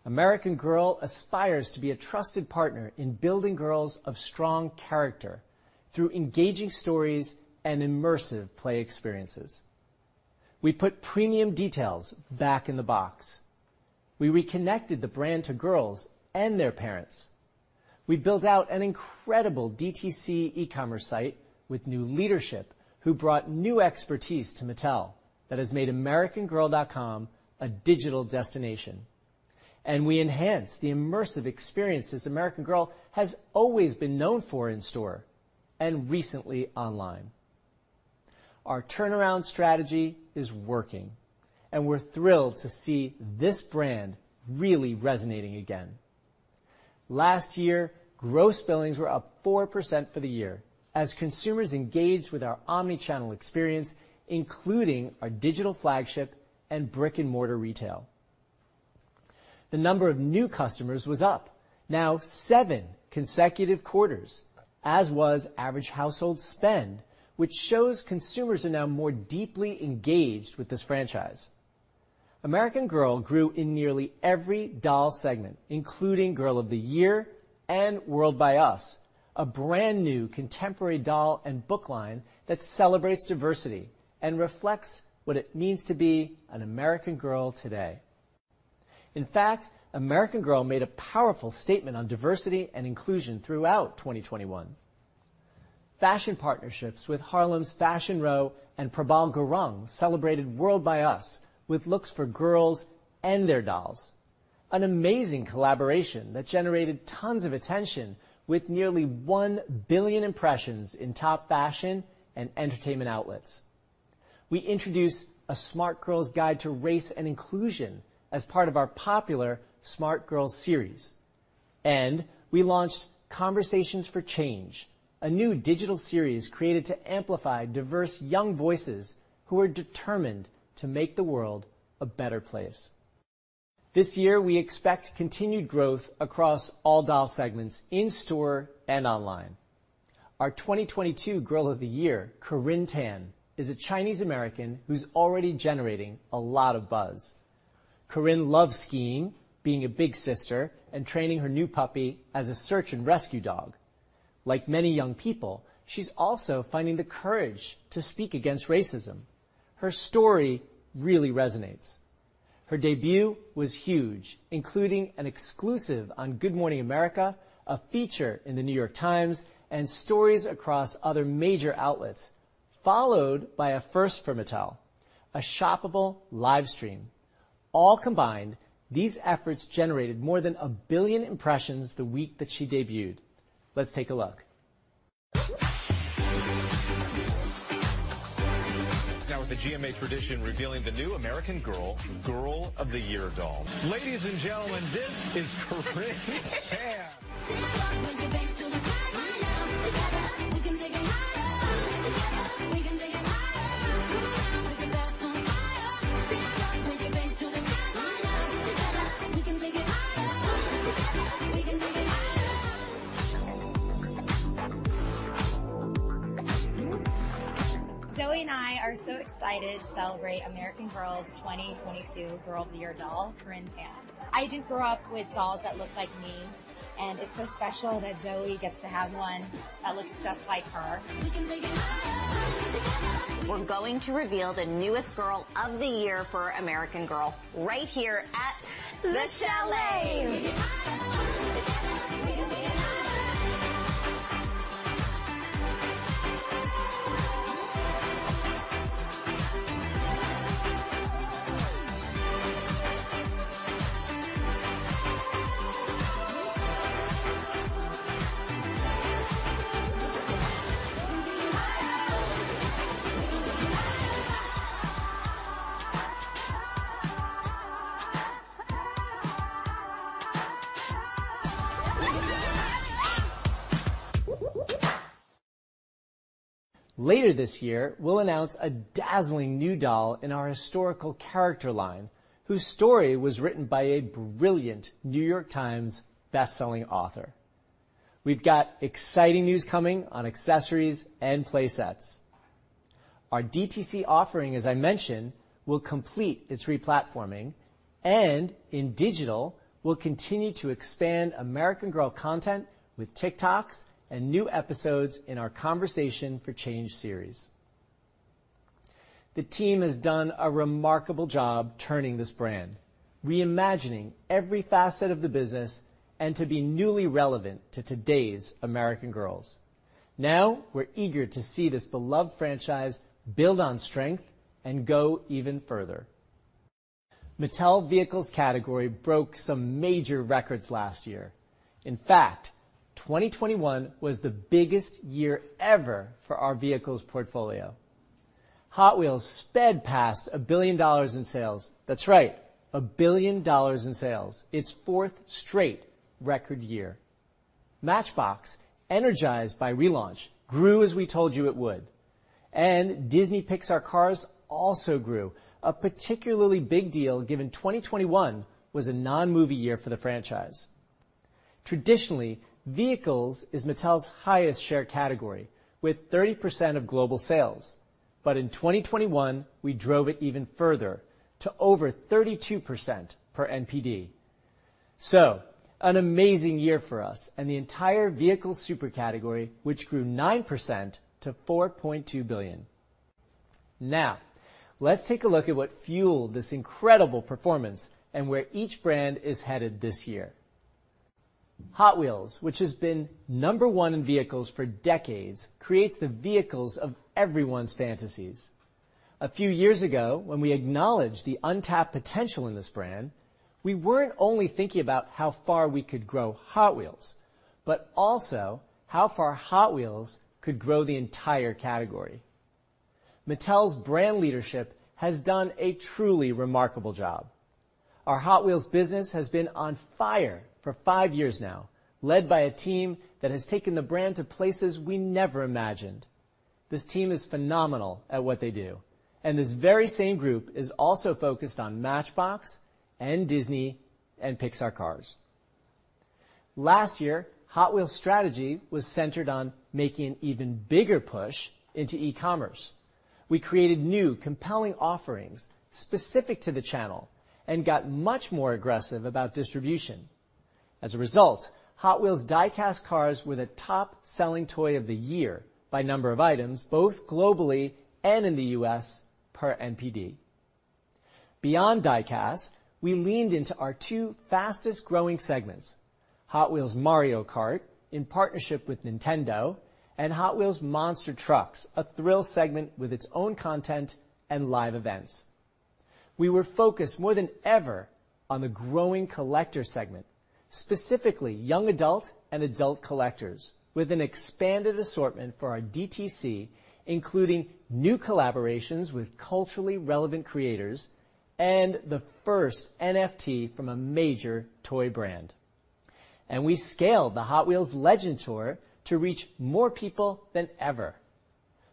American Girl aspires to be a trusted partner in building girls of strong character through engaging stories and immersive play experiences. We put premium details back in the box. We reconnected the brand to girls and their parents. We built out an incredible DTC e-commerce site with new leadership who brought new expertise to Mattel that has made AmericanGirl.com a digital destination. We enhanced the immersive experiences American Girl has always been known for in store and recently online. Our turnaround strategy is working, and we're thrilled to see this brand really resonating again. Last year, gross billings were up 4% for the year as consumers engaged with our omnichannel experience, including our digital flagship and brick-and-mortar retail. The number of new customers was up, now seven consecutive quarters, as was average household spend, which shows consumers are now more deeply engaged with this franchise. American Girl grew in nearly every doll segment, including Girl of the Year and World by Us, a brand new contemporary doll and book line that celebrates diversity and reflects what it means to be an American girl today. In fact, American Girl made a powerful statement on diversity and inclusion throughout 2021. Fashion partnerships with Harlem's Fashion Row and Prabal Gurung celebrated World by Us with looks for girls and their dolls, an amazing collaboration that generated tons of attention with nearly 1 billion impressions in top fashion and entertainment outlets. We introduced a Smart Girls Guide to Race and Inclusion as part of our popular Smart Girls series. We launched Conversations for Change, a new digital series created to amplify diverse young voices who are determined to make the world a better place. This year, we expect continued growth across all doll segments in store and online. Our 2022 Girl of the Year, Corinne Tan, is a Chinese-American who's already generating a lot of buzz. Corinne loves skiing, being a big sister, and training her new puppy as a search and rescue dog. Like many young people, she's also finding the courage to speak against racism. Her story really resonates. Her debut was huge, including an exclusive on Good Morning America, a feature in The New York Times, and stories across other major outlets, followed by a first for Mattel, a shoppable livestream. All combined, these efforts generated more than a billion impressions the week that she debuted. Let's take a look. Now, with the GMA tradition revealing the new American Girl, Girl of the Year doll. Ladies and gentlemen, this is Corinne Tan. Stand up, raise your face to the sky. Come on now, together, we can take it higher. Come on together, we can take it higher. Come on now, take the best one higher. Stand up, raise your face to the sky. Come on now, together, we can take it higher. Come on together, we can take it higher. Zoe and I are so excited to celebrate American Girl's 2022 Girl of the Year doll, Corinne Tan. I didn't grow up with dolls that looked like me, and it's so special that Zoe gets to have one that looks just like her. We can take it higher. Come on together. We're going to reveal the newest Girl of the Year for American Girl right here at the chalet. We can take it higher. Come on together, we can take it higher. Later this year, we'll announce a dazzling new doll in our historical character line whose story was written by a brilliant New York Times bestselling author. We've got exciting news coming on accessories and playsets. Our DTC offering, as I mentioned, will complete its replatforming. In digital, we'll continue to expand American Girl content with TikToks and new episodes in our Conversation for Change series. The team has done a remarkable job turning this brand, reimagining every facet of the business and to be newly relevant to today's American Girls. Now, we're eager to see this beloved franchise build on strength and go even further. Mattel Vehicles category broke some major records last year. In fact, 2021 was the biggest year ever for our vehicles portfolio. Hot Wheels sped past $1 billion in sales. That's right, $1 billion in sales. Its fourth straight record year. Matchbox, energized by relaunch, grew as we told you it would. Disney Pixar cars also grew, a particularly big deal given 2021 was a non-movie year for the franchise. Traditionally, vehicles is Mattel's highest share category with 30% of global sales. In 2021, we drove it even further to over 32% per NPD. An amazing year for us and the entire Vehicle Super category, which grew 9% to $4.2 billion. Now, let's take a look at what fueled this incredible performance and where each brand is headed this year. Hot Wheels, which has been number one in vehicles for decades, creates the vehicles of everyone's fantasies. A few years ago, when we acknowledged the untapped potential in this brand, we weren't only thinking about how far we could grow Hot Wheels, but also how far Hot Wheels could grow the entire category. Mattel's brand leadership has done a truly remarkable job. Our Hot Wheels business has been on fire for five years now, led by a team that has taken the brand to places we never imagined. This team is phenomenal at what they do. This very same group is also focused on Matchbox and Disney and Pixar cars. Last year, Hot Wheels' strategy was centered on making an even bigger push into e-commerce. We created new compelling offerings specific to the channel and got much more aggressive about distribution. As a result, Hot Wheels diecast cars were the top-selling toy of the year by number of items, both globally and in the U.S. per NPD. Beyond diecast, we leaned into our two fastest-growing segments, Hot Wheels Mario Kart in partnership with Nintendo and Hot Wheels Monster Trucks, a thrill segment with its own content and live events. We were focused more than ever on the growing collector segment, specifically young adult and adult collectors, with an expanded assortment for our DTC, including new collaborations with culturally relevant creators and the first NFT from a major toy brand. We scaled the Hot Wheels Legend Tour to reach more people than ever.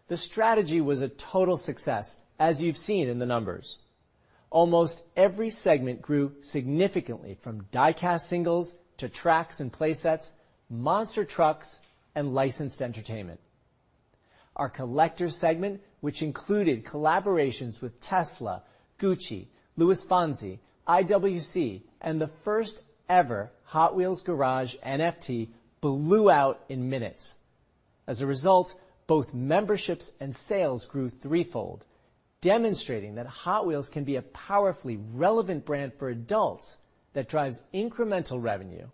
The strategy was a total success, as you've seen in the numbers. Almost every segment grew significantly from diecast singles to tracks and playsets, Monster Trucks, and licensed entertainment. Our collector segment, which included collaborations with Tesla, Gucci, Luis Fonsi, IWC, and the first-ever Hot Wheels Garage NFT, blew out in minutes. As a result, both memberships and sales grew threefold, demonstrating that Hot Wheels can be a powerfully relevant brand for adults that drives incremental revenue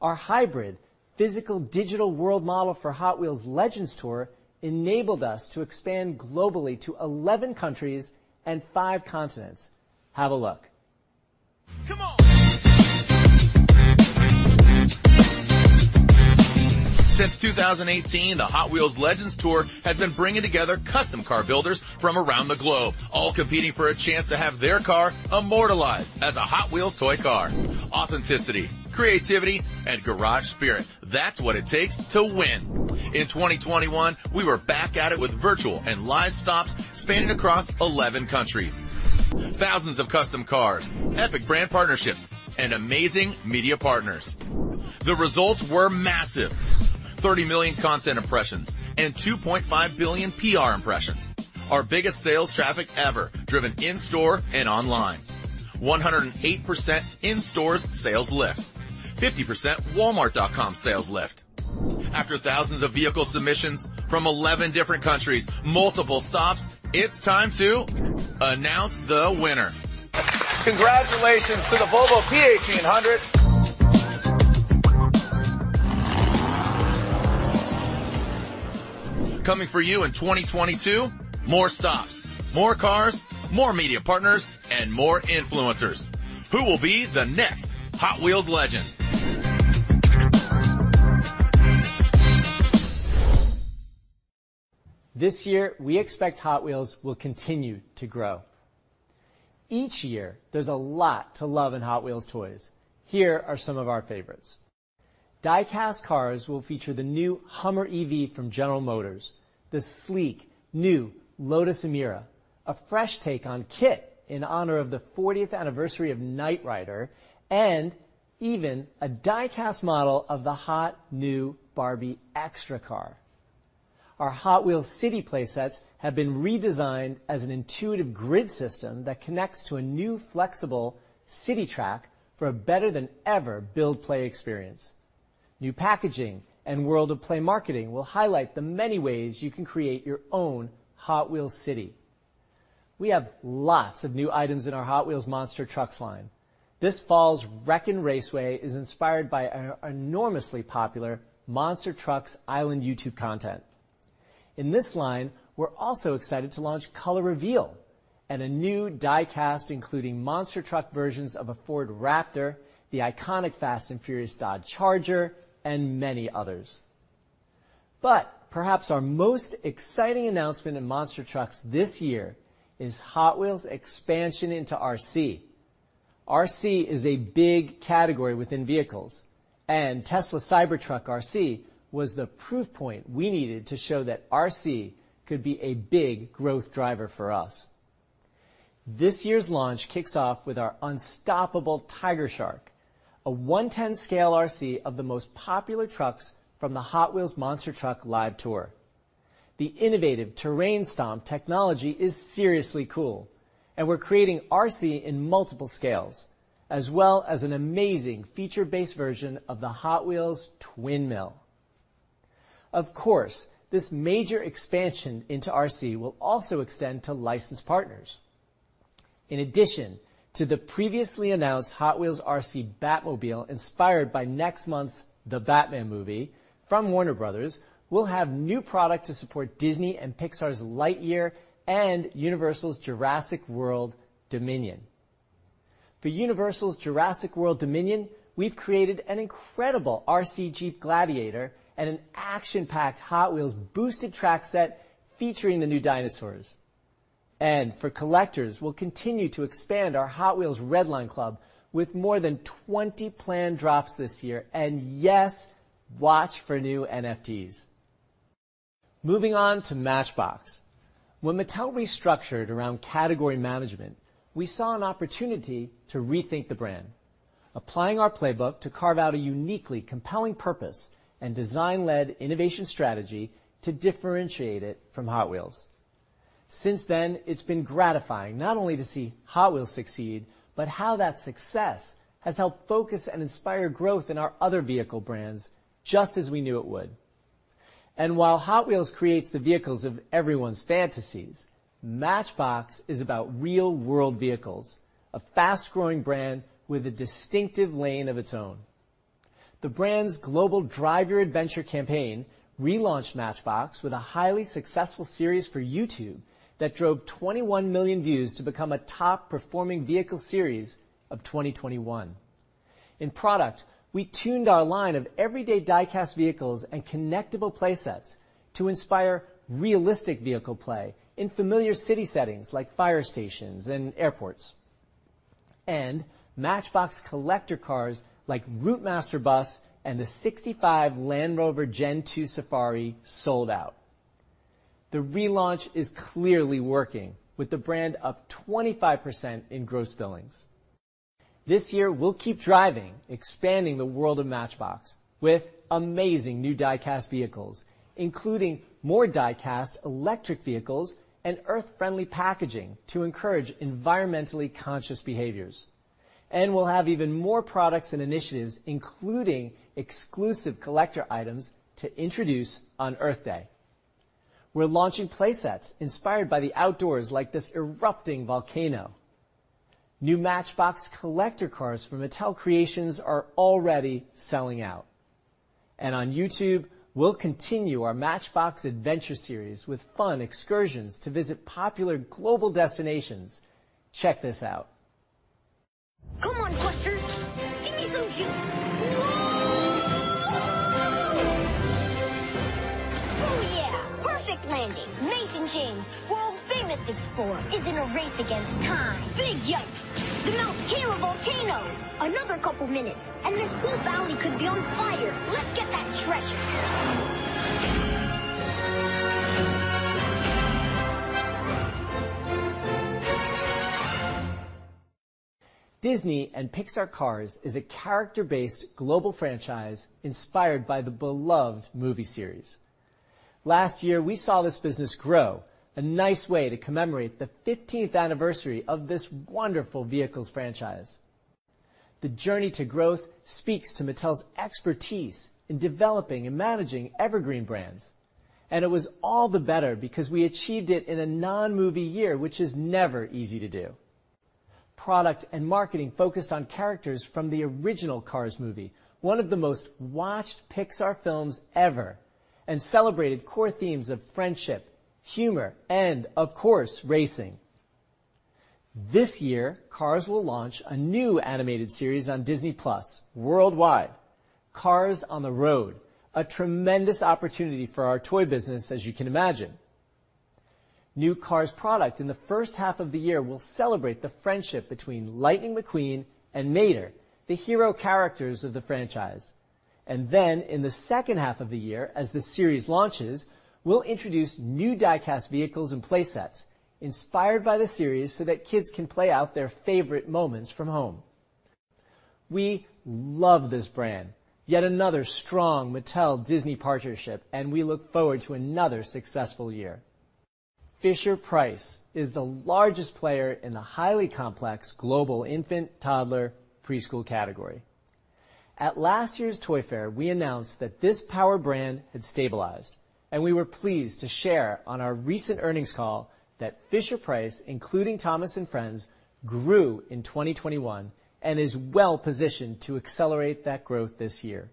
Our hybrid physical-digital world model for Hot Wheels Legends Tour enabled us to expand globally to 11 countries and five continents. Have a look. Come on. Since 2018, the Hot Wheels Legends Tour has been bringing together custom car builders from around the globe, all competing for a chance to have their car immortalized as a Hot Wheels toy car. Authenticity, creativity, and garage spirit, that's what it takes to win. In 2021, we were back at it with virtual and live stops spanning across 11 countries. Thousands of custom cars, epic brand partnerships, and amazing media partners. The results were massive: 30 million content impressions and 2.5 billion PR impressions. Our biggest sales traffic ever, driven in store and online. 108% in-store sales lift, 50% Walmart.com sales lift. After thousands of vehicle submissions from 11 different countries, multiple stops, it's time to announce the winner. Congratulations to the Volvo PHEV 100. Coming for you in 2022, more stops, more cars, more media partners, and more influencers. Who will be the next Hot Wheels legend? This year, we expect Hot Wheels will continue to grow. Each year, there's a lot to love in Hot Wheels toys. Here are some of our favorites. Die-Cast cars will feature the new Hummer EV from General Motors, the sleek new Lotus Emira, a fresh take on Kit in honor of the 40th anniversary of Knight Rider, and even a diecast model of the hot new Barbie Extra car. Our Hot Wheels City playsets have been redesigned as an intuitive grid system that connects to a new flexible city track for a better-than-ever build-play experience. New packaging and World of Play marketing will highlight the many ways you can create your own Hot Wheels city. We have lots of new items in our Hot Wheels Monster Trucks line. This fall's Wreck-'n'-Raceway is inspired by our enormously popular Monster Trucks Island YouTube content. In this line, we're also excited to launch Color Reveal and a new diecast, including Monster Truck versions of a Ford Raptor, the iconic Fast and Furious Dodge Charger, and many others. Perhaps our most exciting announcement in Monster Trucks this year is Hot Wheels' expansion into RC. RC is a big category within vehicles, and Tesla Cybertruck RC was the proof point we needed to show that RC could be a big growth driver for us. This year's launch kicks off with our unstoppable Tiger Shark, a 1/10 scale RC of the most popular trucks from the Hot Wheels Monster Truck Live Tour. The innovative Terrain Stomp Technology is seriously cool, and we're creating RC in multiple scales, as well as an amazing feature-based version of the Hot Wheels Twin Mill. Of course, this major expansion into RC will also extend to licensed partners. In addition to the previously announced Hot Wheels RC Batmobile inspired by next month's The Batman Movie from Warner Bros., we'll have new product to support Disney and Pixar's Lightyear and Universal's Jurassic World Dominion. For Universal's Jurassic World Dominion, we've created an incredible RC Jeep Gladiator and an action-packed Hot Wheels boosted track set featuring the new dinosaurs. For collectors, we'll continue to expand our Hot Wheels Redline Club with more than 20 planned drops this year. Yes, watch for new NFTs. Moving on to Matchbox. When Mattel restructured around category management, we saw an opportunity to rethink the brand, applying our playbook to carve out a uniquely compelling purpose and design-led innovation strategy to differentiate it from Hot Wheels. Since then, it has been gratifying not only to see Hot Wheels succeed, but how that success has helped focus and inspire growth in our other vehicle brands just as we knew it would. While Hot Wheels creates the vehicles of everyone's fantasies, Matchbox is about real-world vehicles, a fast-growing brand with a distinctive lane of its own. The brand's global Drive Your Adventure campaign relaunched Matchbox with a highly successful series for YouTube that drove 21 million views to become a top-performing vehicle series of 2021. In product, we tuned our line of everyday diecast vehicles and connectable playsets to inspire realistic vehicle play in familiar city settings like fire stations and airports. Matchbox collector cars like Routemaster Bus and the '65 Land Rover Gen II Safari sold out. The relaunch is clearly working, with the brand up 25% in gross billings. This year, we will keep driving, expanding the world of Matchbox with amazing new diecast vehicles, including more diecast electric vehicles and Earth-friendly packaging to encourage environmentally conscious behaviors. We will have even more products and initiatives, including exclusive collector items to introduce on Earth Day. We are launching playsets inspired by the outdoors like this erupting volcano. New Matchbox collector cars from Mattel Creations are already selling out. On YouTube, we will continue our Matchbox Adventure series with fun excursions to visit popular global destinations. Check this out. Come on, Buster. Give me some juice. Whoa! Oh, yeah. Perfect landing. Mason James, world-famous explorer, is in a race against time. Big yikes. The Mount Kala volcano. Another couple of minutes, and this whole valley could be on fire. Let's get that treasure. Disney and Pixar Cars is a character-based global franchise inspired by the beloved movie series. Last year, we saw this business grow, a nice way to commemorate the 15th anniversary of this wonderful vehicles franchise. The journey to growth speaks to Mattel's expertise in developing and managing evergreen brands. It was all the better because we achieved it in a non-movie year, which is never easy to do. Product and marketing focused on characters from the original Cars movie, one of the most watched Pixar films ever, and celebrated core themes of friendship, humor, and, of course, racing. This year, Cars will launch a new animated series on Disney+ worldwide, Cars on the Road, a tremendous opportunity for our toy business, as you can imagine. New Cars product in the first half of the year will celebrate the friendship between Lightning McQueen and Mater, the hero characters of the franchise. In the second half of the year, as the series launches, we'll introduce new diecast vehicles and playsets inspired by the series so that kids can play out their favorite moments from home. We love this brand. Yet another strong Mattel Disney partnership, and we look forward to another successful year. Fisher-Price is the largest player in the highly complex global infant, toddler, preschool category. At last year's Toy Fair, we announced that this power brand had stabilized, and we were pleased to share on our recent earnings call that Fisher-Price, including Thomas & Friends, grew in 2021 and is well-positioned to accelerate that growth this year.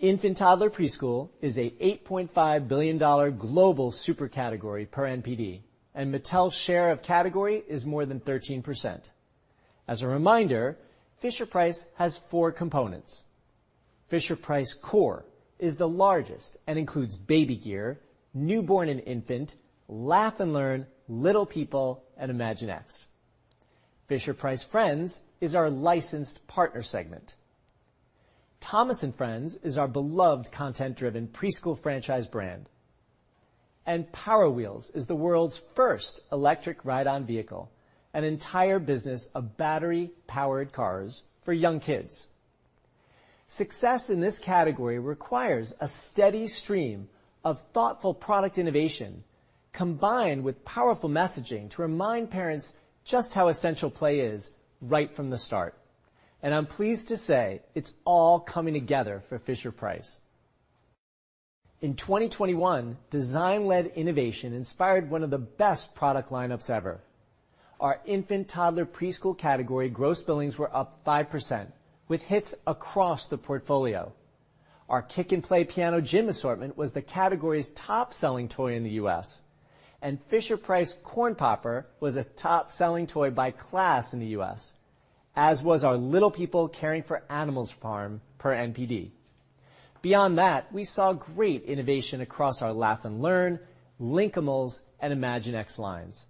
Infant, toddler, preschool is an $8.5 billion global super category per NPD, and Mattel's share of category is more than 13%. As a reminder, Fisher-Price has four components. Fisher-Price Core is the largest and includes Baby Gear, Newborn and Infant, Laugh & Learn, Little People, and Imaginext. Fisher-Price Friends is our licensed partner segment. Thomas & Friends is our beloved content-driven preschool franchise brand. Power Wheels is the world's first electric ride-on vehicle, an entire business of battery-powered cars for young kids. Success in this category requires a steady stream of thoughtful product innovation combined with powerful messaging to remind parents just how essential play is right from the start. I'm pleased to say it's all coming together for Fisher-Price. In 2021, design-led innovation inspired one of the best product lineups ever. Our infant, toddler, preschool category gross billings were up 5%, with hits across the portfolio. Our Kick and Play Piano Gym assortment was the category's top-selling toy in the U.S., and Fisher-Price Corn Popper was a top-selling toy by class in the U.S., as was our Little People Caring for Animals farm per NPD. Beyond that, we saw great innovation across our Laugh and Learn, Linkimals, and Imaginext lines.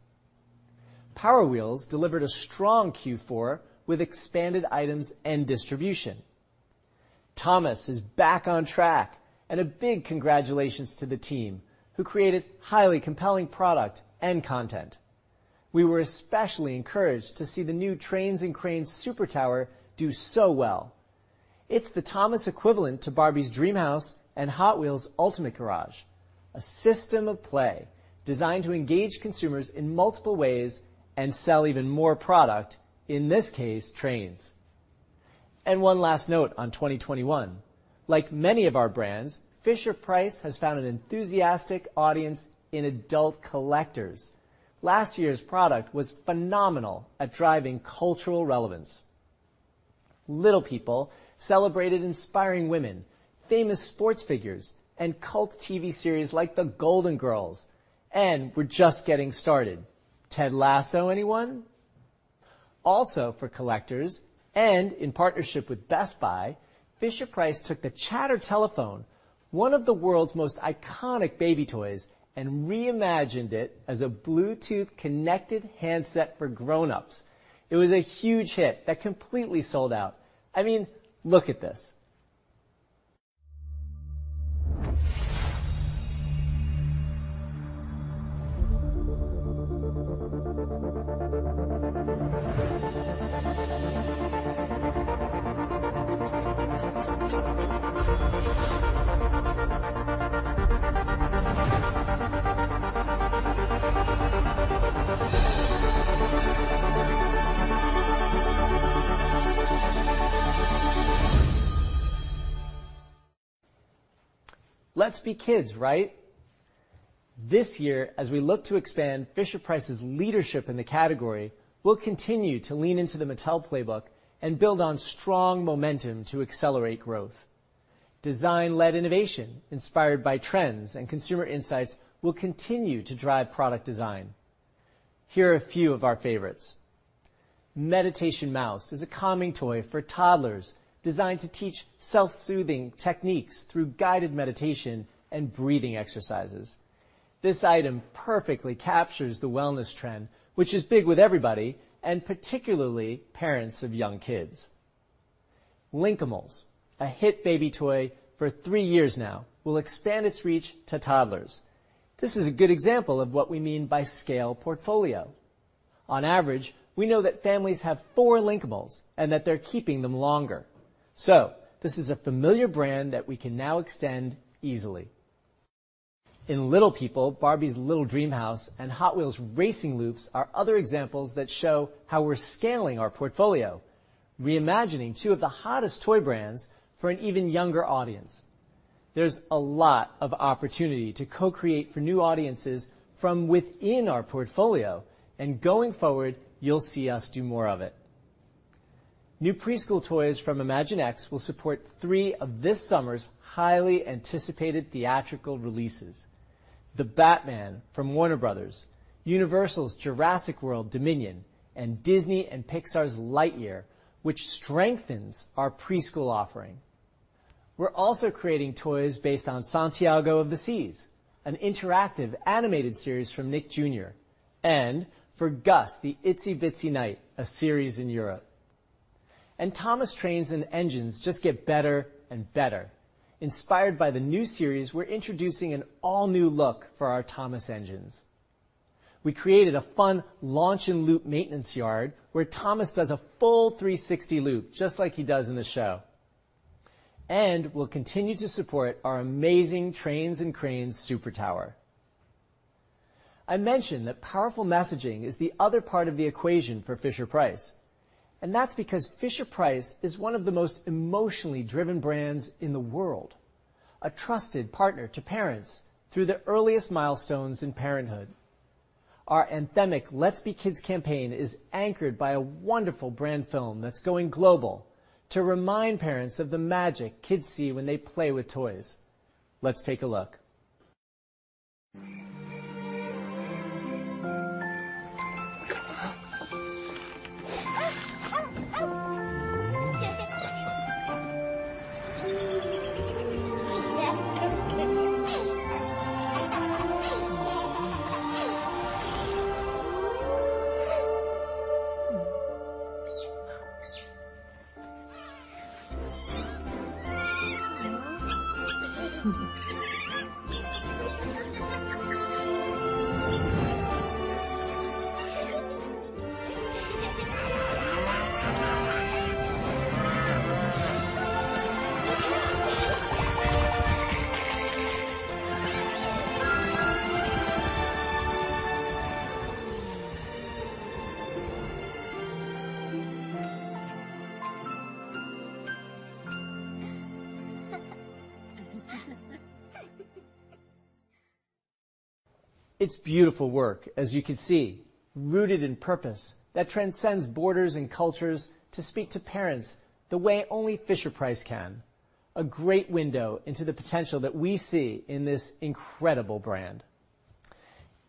Power Wheels delivered a strong Q4 with expanded items and distribution. Thomas is back on track, and a big congratulations to the team who created highly compelling product and content. We were especially encouraged to see the new Trains and Cranes Super Tower do so well. It is the Thomas equivalent to Barbie's Dreamhouse and Hot Wheels Ultimate Garage, a system of play designed to engage consumers in multiple ways and sell even more product, in this case, trains. One last note on 2021. Like many of our brands, Fisher-Price has found an enthusiastic audience in adult collectors. Last year's product was phenomenal at driving cultural relevance. Little People celebrated inspiring women, famous sports figures, and cult TV series like The Golden Girls. We're just getting started. Ted Lasso, anyone? Also, for collectors and in partnership with Best Buy, Fisher-Price took the Chatter Telephone, one of the world's most iconic baby toys, and reimagined it as a Bluetooth-connected handset for grown-ups. It was a huge hit that completely sold out. I mean, look at this. Let's be kids, right? This year, as we look to expand Fisher-Price's leadership in the category, we'll continue to lean into the Mattel playbook and build on strong momentum to accelerate growth. Design-led innovation inspired by trends and consumer insights will continue to drive product design. Here are a few of our favorites. Meditation Mouse is a calming toy for toddlers designed to teach self-soothing techniques through guided meditation and breathing exercises. This item perfectly captures the wellness trend, which is big with everybody, and particularly parents of young kids. Linkimals, a hit baby toy for three years now, will expand its reach to toddlers. This is a good example of what we mean by scale portfolio. On average, we know that families have four Linkimals and that they're keeping them longer. So this is a familiar brand that we can now extend easily. In Little People, Barbie's Little Dreamhouse, and Hot Wheels Racing Loops are other examples that show how we're scaling our portfolio, reimagining two of the hottest toy brands for an even younger audience. There's a lot of opportunity to co-create for new audiences from within our portfolio, and going forward, you'll see us do more of it. New preschool toys from Imaginext will support three of this summer's highly anticipated theatrical releases: The Batman from Warner Bros., Universal's Jurassic World Dominion, and Disney and Pixar's Lightyear, which strengthens our preschool offering. We're also creating toys based on Santiago of the Seas, an interactive animated series from Nick Jr., and for Gus, the Itsy Bitsy Knight, a series in Europe. Thomas Trains and Engines just get better and better. Inspired by the new series, we're introducing an all-new look for our Thomas engines. We created a fun launch and loop maintenance yard where Thomas does a full 360 loop just like he does in the show. We'll continue to support our amazing Trains and Cranes Super Tower. I mentioned that powerful messaging is the other part of the equation for Fisher-Price. That is because Fisher-Price is one of the most emotionally driven brands in the world, a trusted partner to parents through the earliest milestones in parenthood. Our anthemic Let's Be Kids campaign is anchored by a wonderful brand film that is going global to remind parents of the magic kids see when they play with toys. Let's take a look. It is beautiful work, as you can see, rooted in purpose that transcends borders and cultures to speak to parents the way only Fisher-Price can. A great window into the potential that we see in this incredible brand.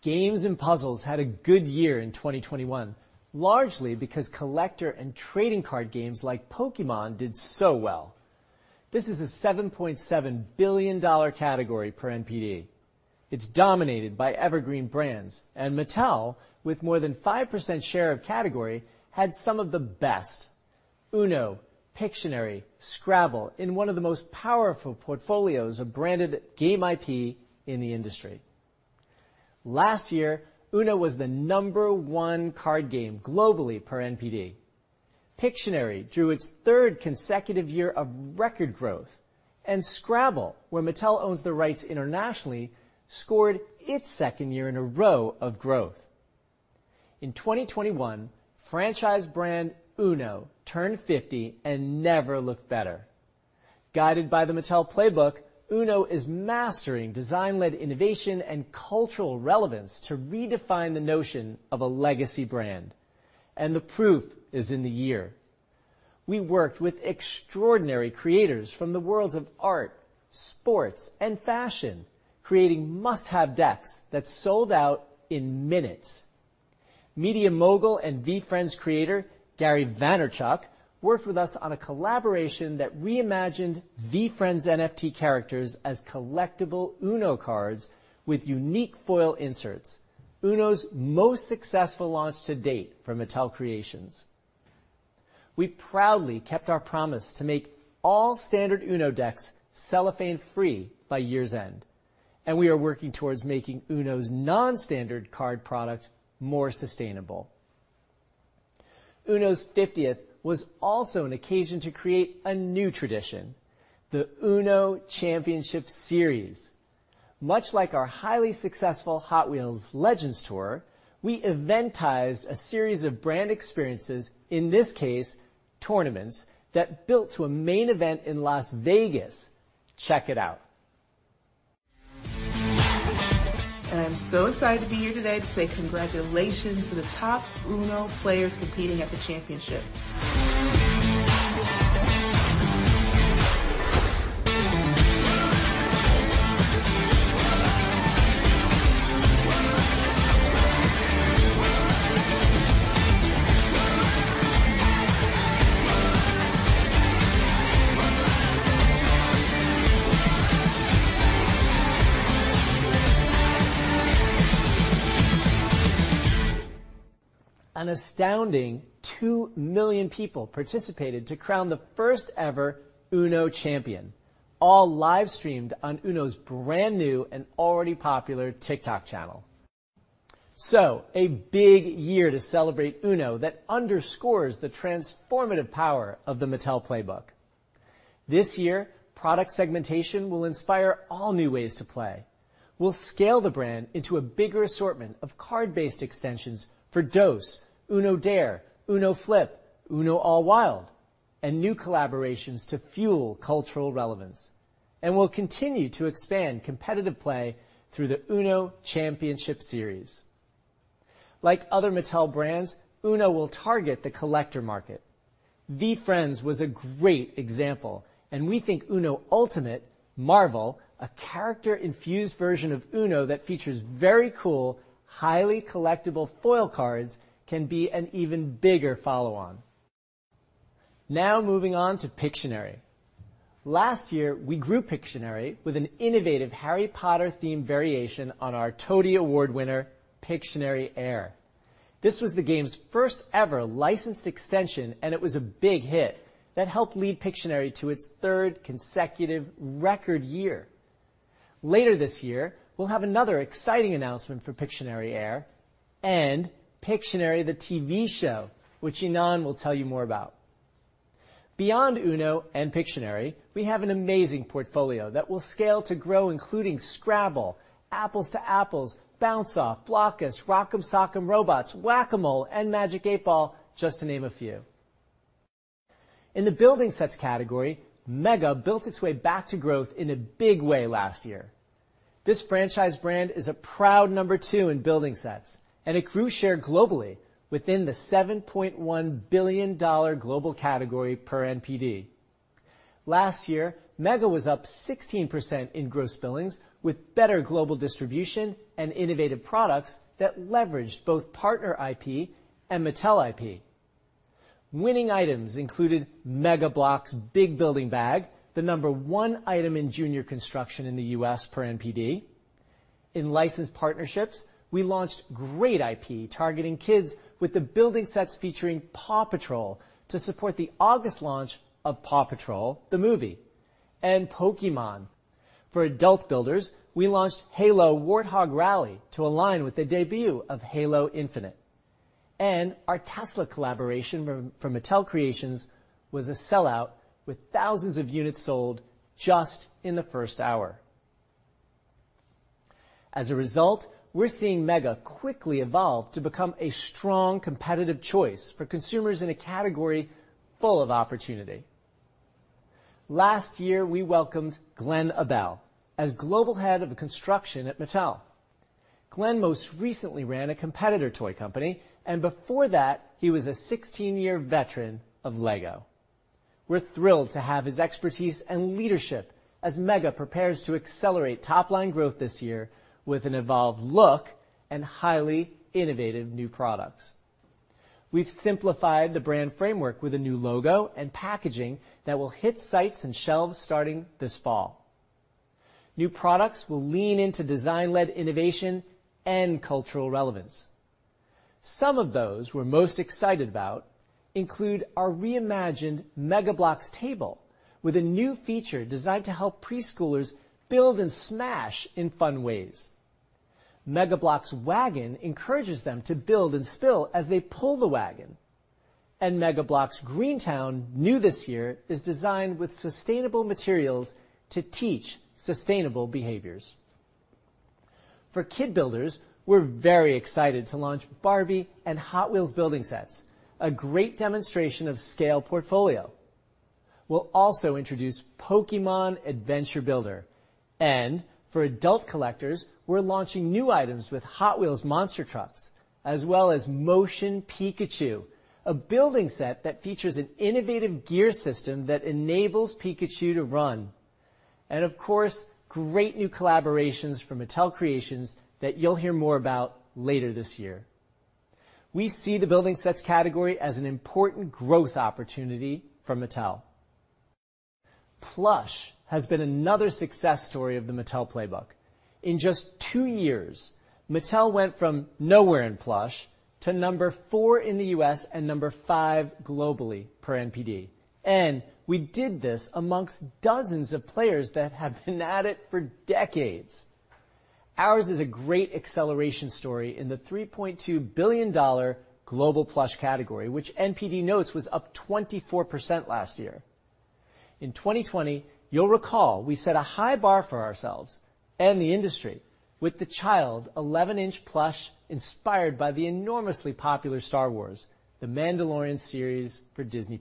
Games and puzzles had a good year in 2021, largely because collector and trading card games like Pokémon did so well. This is a $7.7 billion category per NPD. It's dominated by evergreen brands, and Mattel, with more than 5% share of category, had some of the best: UNO, Pictionary, Scrabble in one of the most powerful portfolios of branded game IP in the industry. Last year, UNO was the number one card game globally per NPD. Pictionary drew its third consecutive year of record growth, and Scrabble, where Mattel owns the rights internationally, scored its second year in a row of growth. In 2021, franchise brand UNO turned 50 and never looked better. Guided by the Mattel playbook, UNO is mastering design-led innovation and cultural relevance to redefine the notion of a legacy brand. The proof is in the year. We worked with extraordinary creators from the worlds of art, sports, and fashion, creating must-have decks that sold out in minutes. Media mogul and V-Friends creator Gary Vaynerchuk worked with us on a collaboration that reimagined V-Friends NFT characters as collectible UNO cards with unique foil inserts, UNO's most successful launch to date for Mattel Creations. We proudly kept our promise to make all standard UNO decks cellophane-free by year's end, and we are working towards making UNO's non-standard card product more sustainable. UNO's 50th was also an occasion to create a new tradition, the UNO Championship Series. Much like our highly successful Hot Wheels Legends tour, we eventized a series of brand experiences, in this case, tournaments, that built to a main event in Las Vegas. Check it out. I am so excited to be here today to say congratulations to the top UNO players competing at the championship. An astounding 2 million people participated to crown the first-ever UNO champion, all live-streamed on UNO's brand new and already popular TikTok channel. A big year to celebrate UNO that underscores the transformative power of the Mattel Playbook. This year, product segmentation will inspire all new ways to play. We'll scale the brand into a bigger assortment of card-based extensions for DOS, UNO Dare, UNO Flip, UNO All Wild, and new collaborations to fuel cultural relevance. We'll continue to expand competitive play through the UNO Championship Series. Like other Mattel brands, UNO will target the collector market. VeeFriends was a great example, and we think UNO Ultimate, Marvel, a character-infused version of UNO that features very cool, highly collectible foil cards, can be an even bigger follow-on. Now moving on to Pictionary. Last year, we grew Pictionary with an innovative Harry Potter-themed variation on our TOTY Award winner, Pictionary Air. This was the game's first-ever licensed extension, and it was a big hit that helped lead Pictionary to its third consecutive record year. Later this year, we'll have another exciting announcement for Pictionary Air and Pictionary the TV show, which Ynon will tell you more about. Beyond UNO and Pictionary, we have an amazing portfolio that will scale to grow, including Scrabble, Apples to Apples, Bounce-Off, Blokus, Rock 'Em Sock 'Em Robots, Whac-A-Mole, and Magic 8 Ball, just to name a few. In the building sets category, Mega built its way back to growth in a big way last year. This franchise brand is a proud number two in building sets and accrues share globally within the $7.1 billion global category per NPD. Last year, Mega was up 16% in gross billings with better global distribution and innovative products that leveraged both partner IP and Mattel IP. Winning items included Mega Bloks Big Building Bag, the number one item in junior construction in the U.S. per NPD. In licensed partnerships, we launched great IP targeting kids with the building sets featuring Paw Patrol to support the August launch of Paw Patrol: The Movie and Pokémon. For adult builders, we launched Halo: Warthog Rally to align with the debut of Halo Infinite. Our Tesla collaboration from Mattel Creations was a sellout with thousands of units sold just in the first hour. As a result, we are seeing Mega quickly evolve to become a strong competitive choice for consumers in a category full of opportunity. Last year, we welcomed Glenn Abell as Global Head of Construction at Mattel. Glenn most recently ran a competitor toy company, and before that, he was a 16-year veteran of LEGO. We're thrilled to have his expertise and leadership as Mega prepares to accelerate top-line growth this year with an evolved look and highly innovative new products. We've simplified the brand framework with a new logo and packaging that will hit sites and shelves starting this fall. New products will lean into design-led innovation and cultural relevance. Some of those we're most excited about include our reimagined Mega Bloks table with a new feature designed to help preschoolers build and smash in fun ways. Mega Bloks wagon encourages them to build and spill as they pull the wagon. Mega Bloks Green Town, new this year, is designed with sustainable materials to teach sustainable behaviors. For kid builders, we're very excited to launch Barbie and Hot Wheels building sets, a great demonstration of scale portfolio. We'll also introduce Pokémon Adventure Builder. For adult collectors, we're launching new items with Hot Wheels Monster Truck, as well as Motion Pikachu, a building set that features an innovative gear system that enables Pikachu to run. Of course, great new collaborations from Mattel Creations that you'll hear more about later this year. We see the building sets category as an important growth opportunity for Mattel. Plush has been another success story of the Mattel playbook. In just two years, Mattel went from nowhere in Plush to number four in the U.S. and number five globally per NPD. We did this amongst dozens of players that have been at it for decades. Ours is a great acceleration story in the $3.2 billion global Plush category, which NPD notes was up 24% last year. In 2020, you'll recall we set a high bar for ourselves and the industry with the Child 11-inch Plush inspired by the enormously popular Star Wars, The Mandalorian series for Disney+.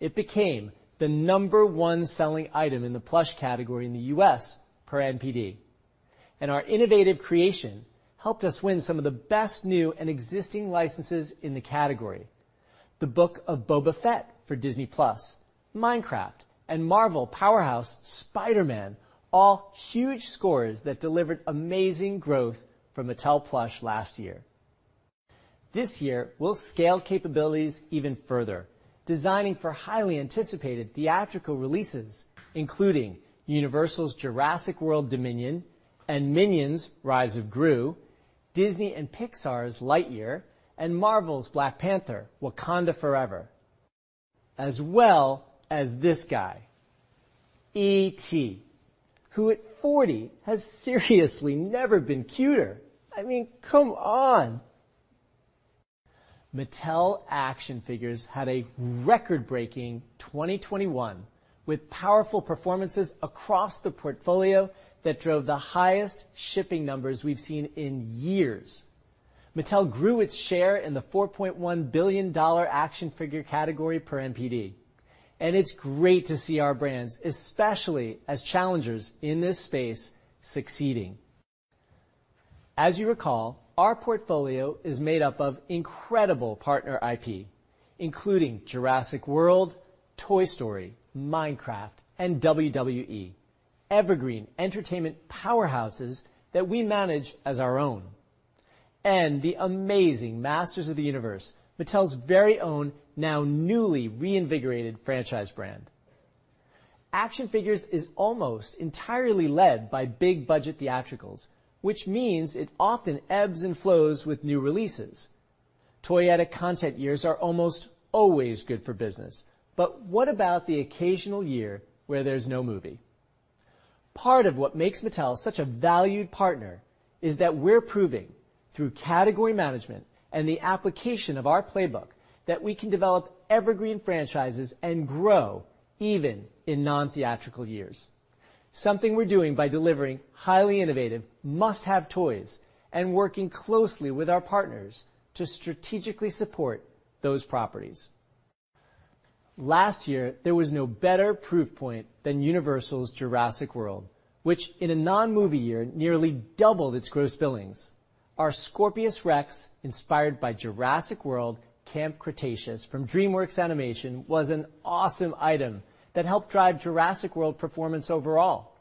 It became the number one selling item in the Plush category in the U.S. per NPD. Our innovative creation helped us win some of the best new and existing licenses in the category: The Book of Boba Fett for Disney+, Minecraft, and Marvel Powerhouse Spider-Man, all huge scores that delivered amazing growth for Mattel Plush last year. This year, we'll scale capabilities even further, designing for highly anticipated theatrical releases, including Universal's Jurassic World: Dominion and Minions: Rise of Gru, Disney and Pixar's Lightyear, and Marvel's Black Panther: Wakanda Forever, as well as this guy, E.T., who at 40 has seriously never been cuter. I mean, come on. Mattel action figures had a record-breaking 2021 with powerful performances across the portfolio that drove the highest shipping numbers we've seen in years. Mattel grew its share in the $4.1 billion action figure category per NPD. It's great to see our brands, especially as challengers in this space, succeeding. As you recall, our portfolio is made up of incredible partner IP, including Jurassic World, Toy Story, Minecraft, and WWE, evergreen entertainment powerhouses that we manage as our own, and the amazing Masters of the Universe, Mattel's very own now newly reinvigorated franchise brand. Action figures is almost entirely led by big-budget theatricals, which means it often ebbs and flows with new releases. Toyota content years are almost always good for business, but what about the occasional year where there's no movie? Part of what makes Mattel such a valued partner is that we're proving through category management and the application of our playbook that we can develop evergreen franchises and grow even in non-theatrical years, something we're doing by delivering highly innovative must-have toys and working closely with our partners to strategically support those properties. Last year, there was no better proof point than Universal's Jurassic World, which in a non-movie year nearly doubled its gross billings. Our Scorpius Rex, inspired by Jurassic World: Camp Cretaceous from DreamWorks Animation, was an awesome item that helped drive Jurassic World performance overall,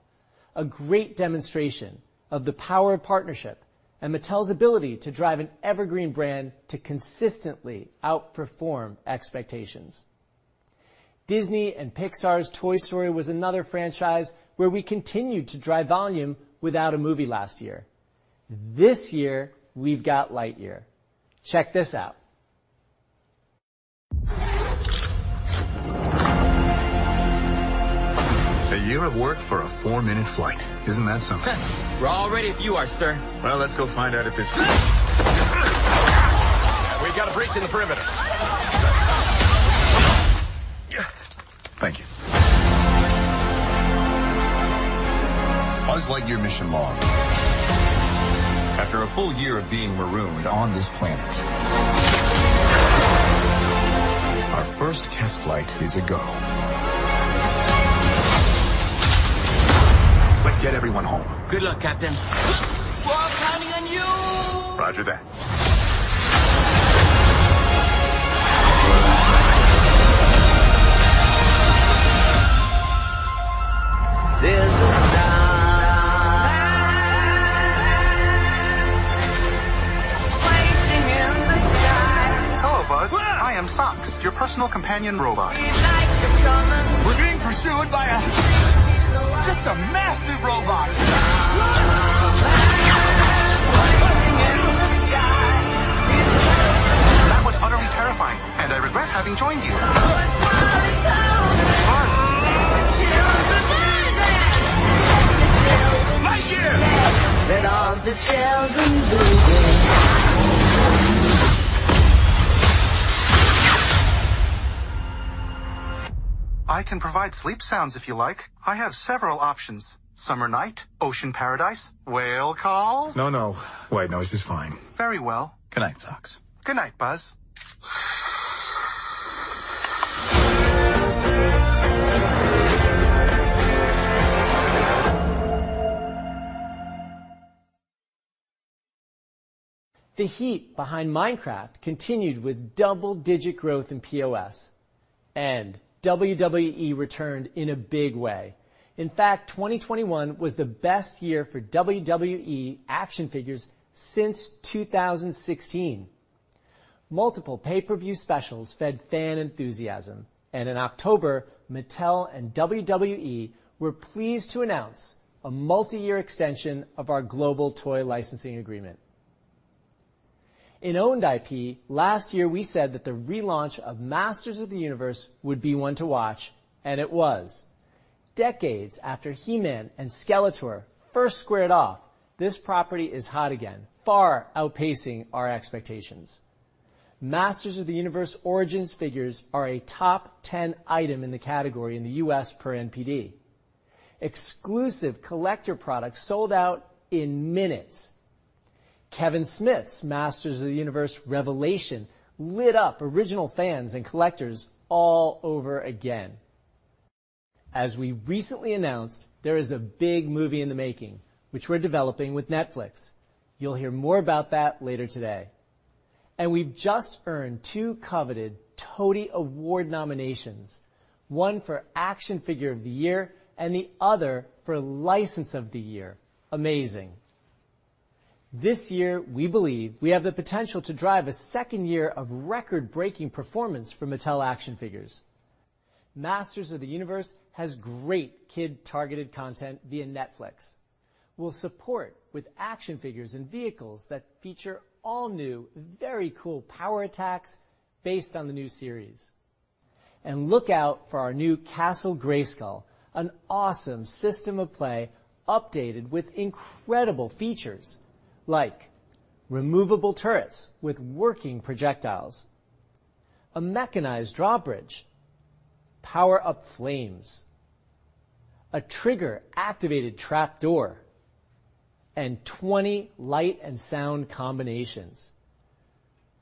a great demonstration of the power of partnership and Mattel's ability to drive an evergreen brand to consistently outperform expectations. Disney and Pixar's Toy Story was another franchise where we continued to drive volume without a movie last year. This year, we've got Lightyear. Check this out. A year of work for a four-minute flight. Isn't that something? We're already a few hours, sir. Let's go find out if this— We've got a breach in the perimeter. Thank you. I was like your mission log. After a full year of being marooned on this planet, our first test flight is a go. Let's get everyone home. Good luck, Captain. We're counting on you. Roger that. There's a star fighting in the sky. Hello, Buzz. I am Sox, your personal companion robot. We'd like to come and—we're being pursued by a—just a massive robot. Fighting in the sky. That was utterly terrifying, and I regret having joined you. But Buzz, the children are there! Lightyear! Let all the children do it. I can provide sleep sounds if you like. I have several options: Summer night, ocean paradise, whale calls. No, no. White noise is fine. Very well. Good night, Sox. Good night, Buzz. The heat behind Minecraft continued with double-digit growth in POS, and WWE returned in a big way. In fact, 2021 was the best year for WWE action figures since 2016. Multiple pay-per-view specials fed fan enthusiasm, and in October, Mattel and WWE were pleased to announce a multi-year extension of our global toy licensing agreement. In owned IP, last year, we said that the relaunch of Masters of the Universe would be one to watch, and it was. Decades after He-Man and Skeletor first squared off, this property is hot again, far outpacing our expectations. Masters of the Universe Origins figures are a top 10 item in the category in the U.S. per NPD. Exclusive collector products sold out in minutes. Kevin Smith's Masters of the Universe Revelation lit up original fans and collectors all over again. As we recently announced, there is a big movie in the making, which we're developing with Netflix. You'll hear more about that later today. We have just earned two coveted TOTY Award nominations, one for Action Figure of the Year and the other for License of the Year. Amazing. This year, we believe we have the potential to drive a second year of record-breaking performance for Mattel action figures. Masters of the Universe has great kid-targeted content via Netflix. We will support with action figures and vehicles that feature all new, very cool power attacks based on the new series. Look out for our new Castle Grayskull, an awesome system of play updated with incredible features like removable turrets with working projectiles, a mechanized drawbridge, power-up flames, a trigger-activated trap door, and 20 light and sound combinations.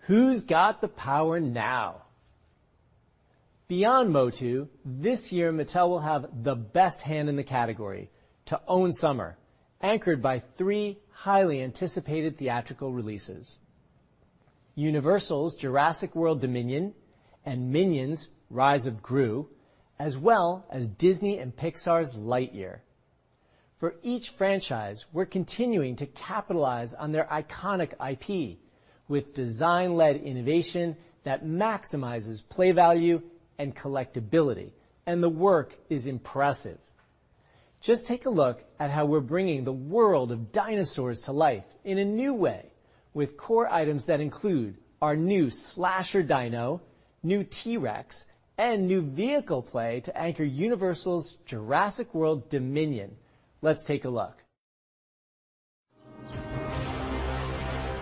Who's got the power now? Beyond MOTU, this year, Mattel will have the best hand in the category to own summer, anchored by three highly anticipated theatrical releases: Universal's Jurassic World: Dominion and Minions: Rise of Gru, as well as Disney and Pixar's Lightyear. For each franchise, we're continuing to capitalize on their iconic IP with design-led innovation that maximizes play value and collectibility, and the work is impressive. Just take a look at how we're bringing the world of dinosaurs to life in a new way with core items that include our new Slasher Dino, new T-Rex, and new vehicle play to anchor Universal's Jurassic World: Dominion. Let's take a look.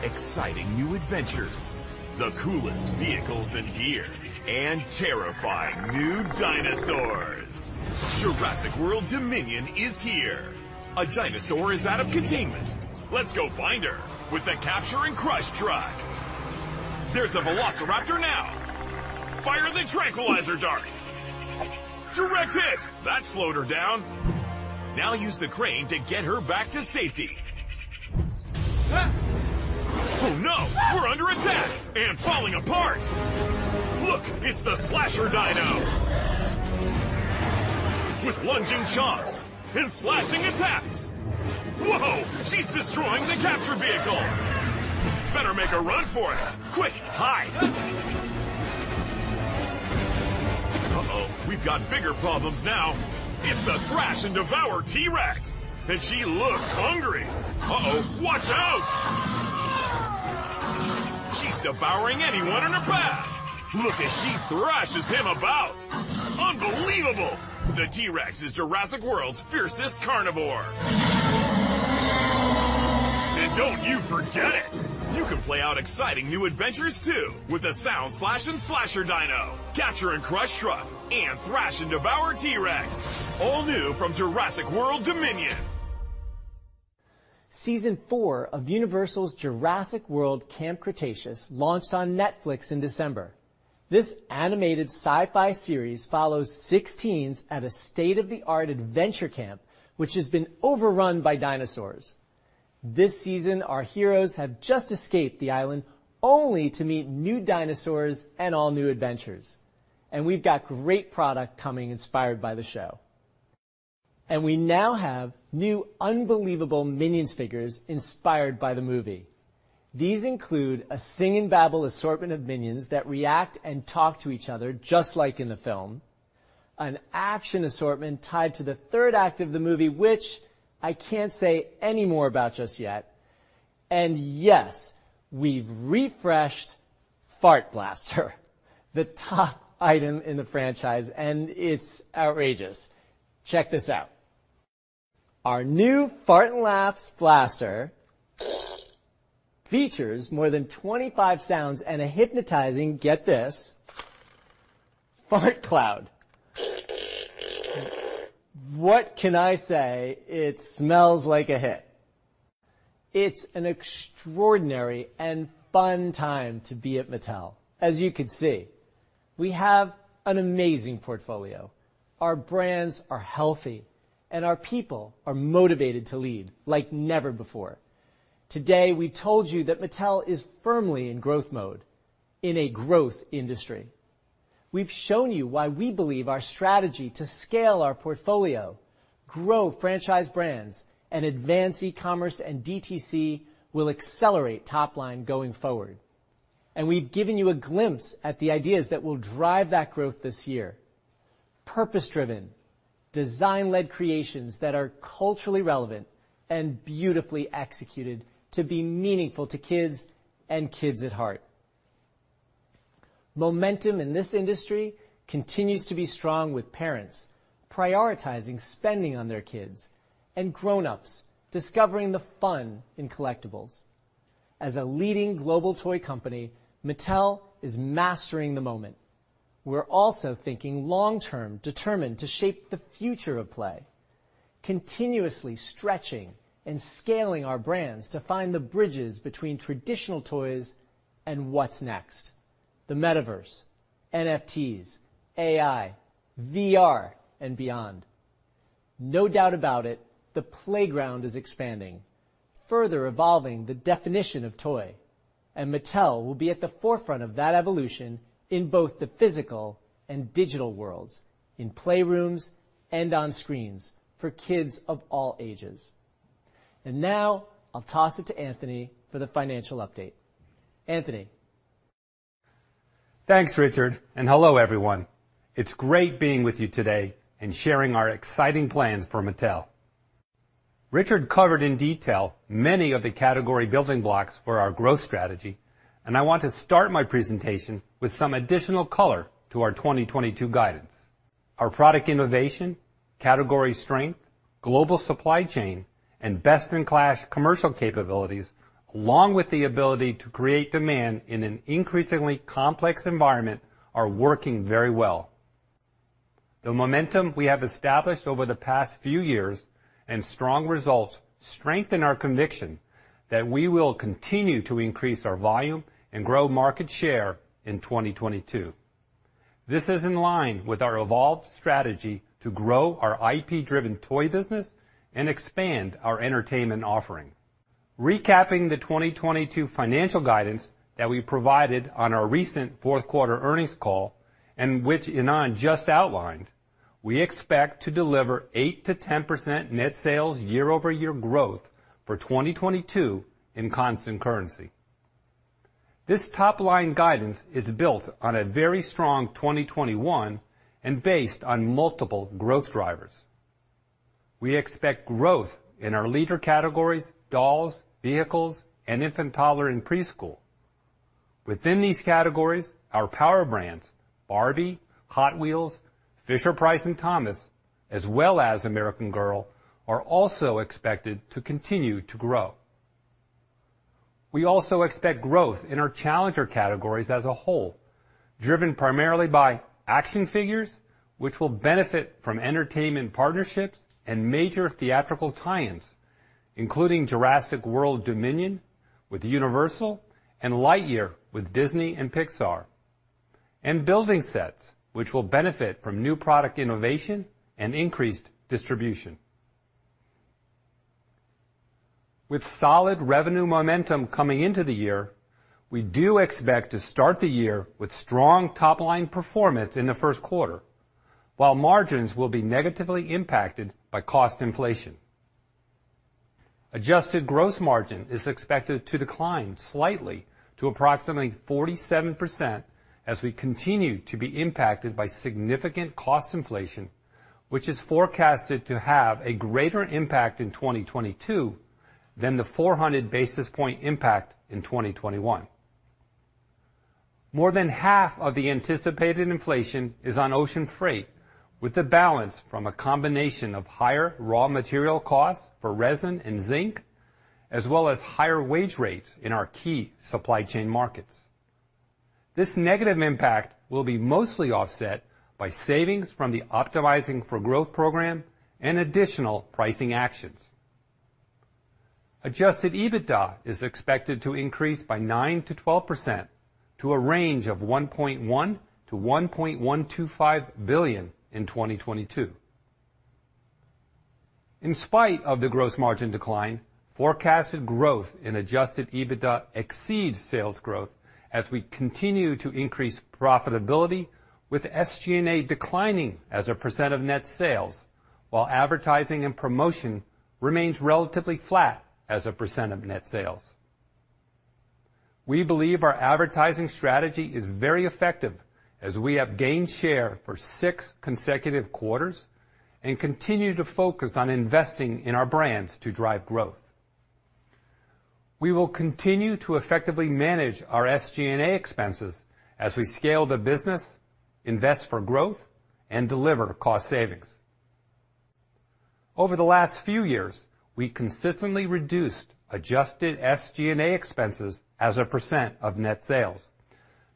Exciting new adventures, the coolest vehicles and gear, and terrifying new dinosaurs. Jurassic World: Dominion is here. A dinosaur is out of containment. Let's go find her with the Capture and Crush truck. There's a Velociraptor now. Fire the tranquilizer dart. Direct hit. That slowed her down. Now use the crane to get her back to safety. Oh, no. We're under attack and falling apart. Look, it's the Slasher Dino with lunging chomps and slashing attacks. Whoa, she's destroying the capture vehicle. Better make a run for it. Quick, hide. Oh, we've got bigger problems now. It's the Thrash and Devour T-Rex, and she looks hungry. Oh, watch out. She's devouring anyone in her path. Look as she thrashes him about. Unbelievable. The T-Rex is Jurassic World's fiercest carnivore. And don't you forget it. You can play out exciting new adventures, too, with the Sound Slash and Slasher Dino, Capture and Crush truck, and Thrash and Devour T-Rex, all new from Jurassic World: Dominion. Season four of Universal's Jurassic World: Camp Cretaceous launched on Netflix in December. This animated sci-fi series follows six teens at a state-of-the-art adventure camp, which has been overrun by dinosaurs. This season, our heroes have just escaped the island only to meet new dinosaurs and all new adventures. We've got great product coming inspired by the show. We now have new unbelievable Minions figures inspired by the movie. These include a sing-and-babble assortment of Minions that react and talk to each other, just like in the film, an action assortment tied to the third act of the movie, which I can't say any more about just yet. Yes, we've refreshed Fart Blaster, the top item in the franchise, and it's outrageous. Check this out. Our new Fart and Laughs Blaster features more than 25 sounds and a hypnotizing—get this—fart cloud. What can I say? It smells like a hit. It's an extraordinary and fun time to be at Mattel, as you could see. We have an amazing portfolio. Our brands are healthy, and our people are motivated to lead like never before. Today, we told you that Mattel is firmly in growth mode, in a growth industry. We've shown you why we believe our strategy to scale our portfolio, grow franchise brands, and advance e-commerce and DTC will accelerate top line going forward. We've given you a glimpse at the ideas that will drive that growth this year: purpose-driven, design-led creations that are culturally relevant and beautifully executed to be meaningful to kids and kids at heart. Momentum in this industry continues to be strong with parents prioritizing spending on their kids and grown-ups discovering the fun in collectibles. As a leading global toy company, Mattel is mastering the moment. We're also thinking long-term, determined to shape the future of play, continuously stretching and scaling our brands to find the bridges between traditional toys and what's next: the metaverse, NFTs, AI, VR, and beyond. No doubt about it, the playground is expanding, further evolving the definition of toy. Mattel will be at the forefront of that evolution in both the physical and digital worlds, in playrooms and on screens for kids of all ages. Now I'll toss it to Anthony for the financial update. Anthony. Thanks, Richard. Hello, everyone. It's great being with you today and sharing our exciting plans for Mattel. Richard covered in detail many of the category building blocks for our growth strategy, and I want to start my presentation with some additional color to our 2022 guidance. Our product innovation, category strength, global supply chain, and best-in-class commercial capabilities, along with the ability to create demand in an increasingly complex environment, are working very well. The momentum we have established over the past few years and strong results strengthen our conviction that we will continue to increase our volume and grow market share in 2022. This is in line with our evolved strategy to grow our IP-driven toy business and expand our entertainment offering. Recapping the 2022 financial guidance that we provided on our recent fourth-quarter earnings call, and which Ynon just outlined, we expect to deliver 8%-10% net sales year-over-year growth for 2022 in constant currency. This top-line guidance is built on a very strong 2021 and based on multiple growth drivers. We expect growth in our leader categories: dolls, vehicles, and infant toddler and preschool. Within these categories, our power brands—Barbie, Hot Wheels, Fisher-Price, and Thomas—as well as American Girl—are also expected to continue to grow. We also expect growth in our challenger categories as a whole, driven primarily by action figures, which will benefit from entertainment partnerships and major theatrical tie-ins, including Jurassic World: Dominion with Universal and Lightyear with Disney and Pixar, and building sets, which will benefit from new product innovation and increased distribution. With solid revenue momentum coming into the year, we do expect to start the year with strong top-line performance in the first quarter, while margins will be negatively impacted by cost inflation. Adjusted gross margin is expected to decline slightly to approximately 47% as we continue to be impacted by significant cost inflation, which is forecasted to have a greater impact in 2022 than the 400 basis point impact in 2021. More than half of the anticipated inflation is on ocean freight, with the balance from a combination of higher raw material costs for resin and zinc, as well as higher wage rates in our key supply chain markets. This negative impact will be mostly offset by savings from the Optimizing for Growth program and additional pricing actions. Adjusted EBITDA is expected to increase by 9%-12% to a range of $1.1 billion-$1.125 billion in 2022. In spite of the gross margin decline, forecasted growth in adjusted EBITDA exceeds sales growth as we continue to increase profitability, with SG&A declining as a percent of net sales, while advertising and promotion remains relatively flat as a percent of net sales. We believe our advertising strategy is very effective as we have gained share for six consecutive quarters and continue to focus on investing in our brands to drive growth. We will continue to effectively manage our SG&A expenses as we scale the business, invest for growth, and deliver cost savings. Over the last few years, we consistently reduced adjusted SG&A expenses as a percent of net sales,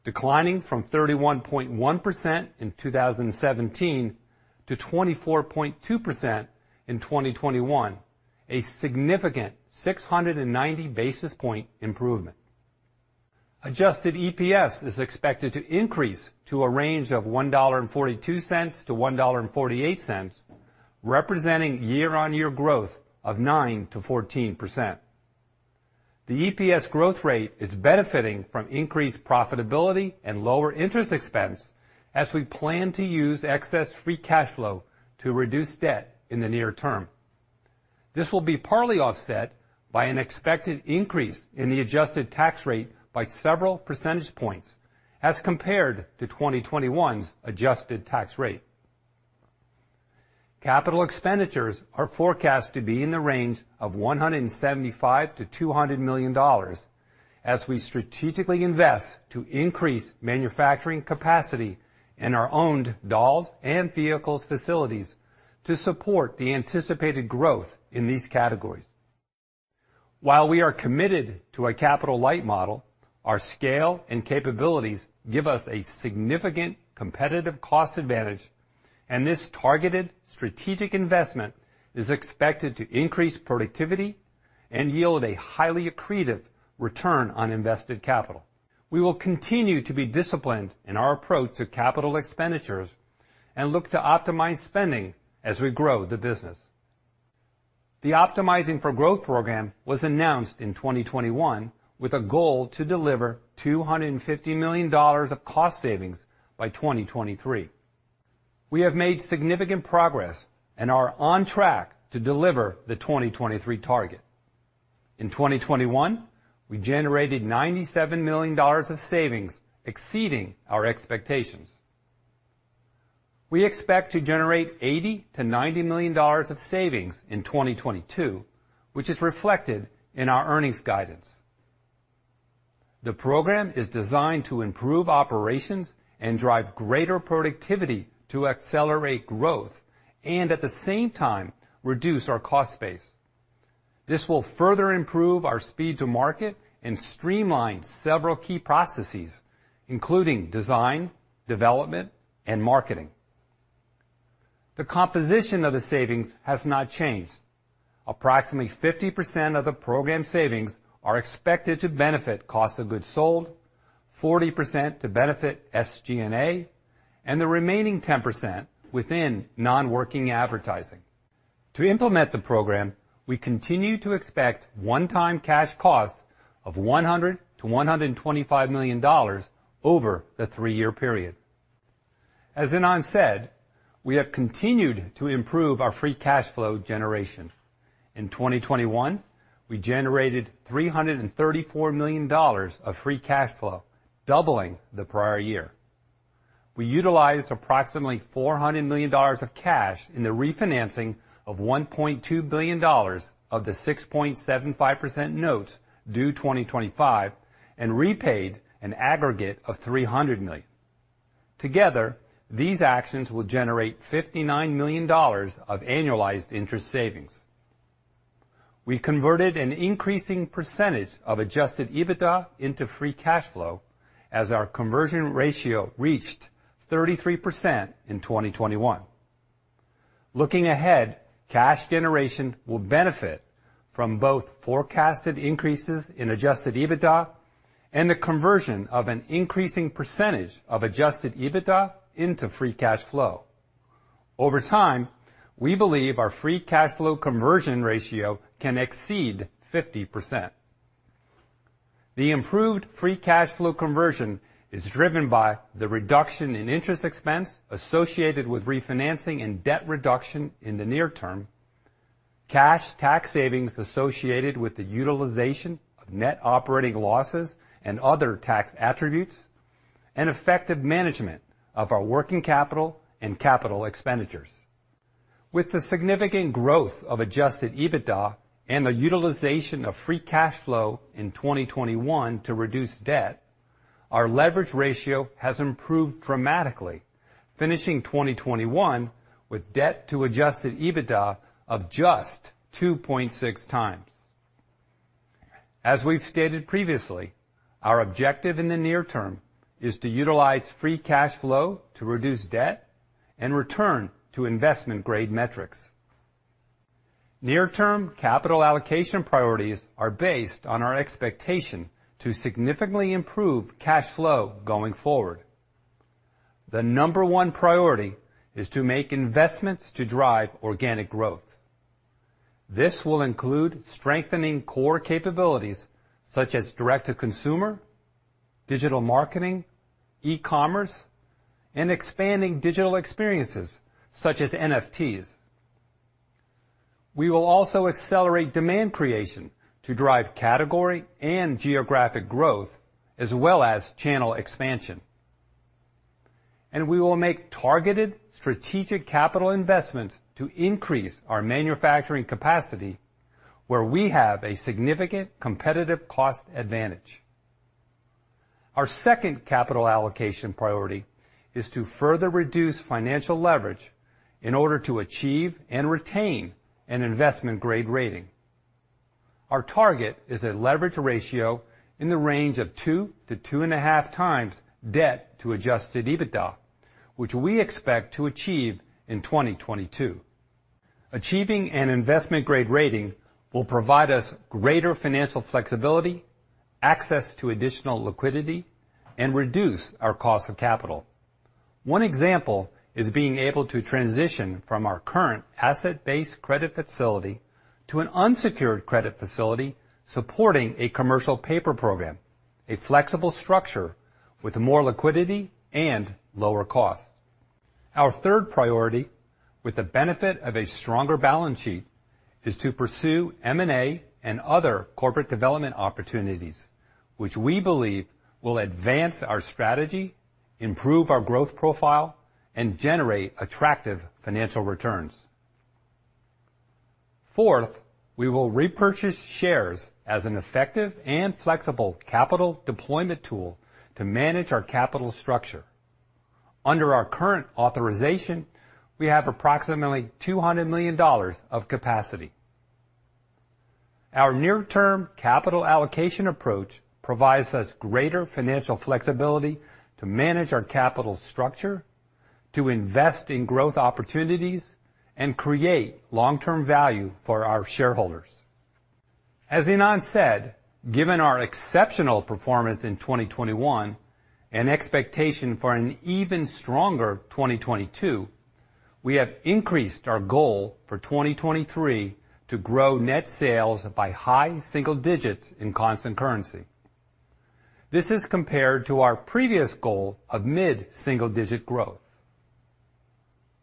declining from 31.1% in 2017 to 24.2% in 2021, a significant 690 basis point improvement. Adjusted EPS is expected to increase to a range of $1.42-$1.48, representing year-on-year growth of 9%-14%. The EPS growth rate is benefiting from increased profitability and lower interest expense as we plan to use excess free cash flow to reduce debt in the near term. This will be partly offset by an expected increase in the adjusted tax rate by several percentage points as compared to 2021's adjusted tax rate. Capital expenditures are forecast to be in the range of $175 million-$200 million as we strategically invest to increase manufacturing capacity in our owned dolls and vehicles facilities to support the anticipated growth in these categories. While we are committed to a capital light model, our scale and capabilities give us a significant competitive cost advantage, and this targeted strategic investment is expected to increase productivity and yield a highly accretive return on invested capital. We will continue to be disciplined in our approach to capital expenditures and look to optimize spending as we grow the business. The Optimizing for Growth program was announced in 2021 with a goal to deliver $250 million of cost savings by 2023. We have made significant progress and are on track to deliver the 2023 target. In 2021, we generated $97 million of savings exceeding our expectations. We expect to generate $80 million-$90 million of savings in 2022, which is reflected in our earnings guidance. The program is designed to improve operations and drive greater productivity to accelerate growth and, at the same time, reduce our cost base. This will further improve our speed to market and streamline several key processes, including design, development, and marketing. The composition of the savings has not changed. Approximately 50% of the program savings are expected to benefit cost of goods sold, 40% to benefit SG&A, and the remaining 10% within non-working advertising. To implement the program, we continue to expect one-time cash costs of $100 million-$125 million over the three-year period. As Ynon said, we have continued to improve our free cash flow generation. In 2021, we generated $334 million of free cash flow, doubling the prior year. We utilized approximately $400 million of cash in the refinancing of $1.2 billion of the 6.75% notes due 2025 and repaid an aggregate of $300 million. Together, these actions will generate $59 million of annualized interest savings. We converted an increasing percentage of adjusted EBITDA into free cash flow as our conversion ratio reached 33% in 2021. Looking ahead, cash generation will benefit from both forecasted increases in adjusted EBITDA and the conversion of an increasing percentage of adjusted EBITDA into free cash flow. Over time, we believe our free cash flow conversion ratio can exceed 50%. The improved free cash flow conversion is driven by the reduction in interest expense associated with refinancing and debt reduction in the near term, cash tax savings associated with the utilization of net operating losses and other tax attributes, and effective management of our working capital and capital expenditures. With the significant growth of adjusted EBITDA and the utilization of free cash flow in 2021 to reduce debt, our leverage ratio has improved dramatically, finishing 2021 with debt to adjusted EBITDA of just 2.6x. As we've stated previously, our objective in the near term is to utilize free cash flow to reduce debt and return to investment-grade metrics. Near-term capital allocation priorities are based on our expectation to significantly improve cash flow going forward. The number one priority is to make investments to drive organic growth. This will include strengthening core capabilities such as direct-to-consumer, digital marketing, e-commerce, and expanding digital experiences such as NFTs. We will also accelerate demand creation to drive category and geographic growth, as well as channel expansion. We will make targeted strategic capital investments to increase our manufacturing capacity where we have a significant competitive cost advantage. Our second capital allocation priority is to further reduce financial leverage in order to achieve and retain an investment-grade rating. Our target is a leverage ratio in the range of 2-2.5x debt to adjusted EBITDA, which we expect to achieve in 2022. Achieving an investment-grade rating will provide us greater financial flexibility, access to additional liquidity, and reduce our cost of capital. One example is being able to transition from our current asset-based credit facility to an unsecured credit facility supporting a commercial paper program, a flexible structure with more liquidity and lower costs. Our third priority, with the benefit of a stronger balance sheet, is to pursue M&A and other corporate development opportunities, which we believe will advance our strategy, improve our growth profile, and generate attractive financial returns. Fourth, we will repurchase shares as an effective and flexible capital deployment tool to manage our capital structure. Under our current authorization, we have approximately $200 million of capacity. Our near-term capital allocation approach provides us greater financial flexibility to manage our capital structure, to invest in growth opportunities, and create long-term value for our shareholders. As Ynon said, given our exceptional performance in 2021 and expectation for an even stronger 2022, we have increased our goal for 2023 to grow net sales by high single digits in constant currency. This is compared to our previous goal of mid-single digit growth.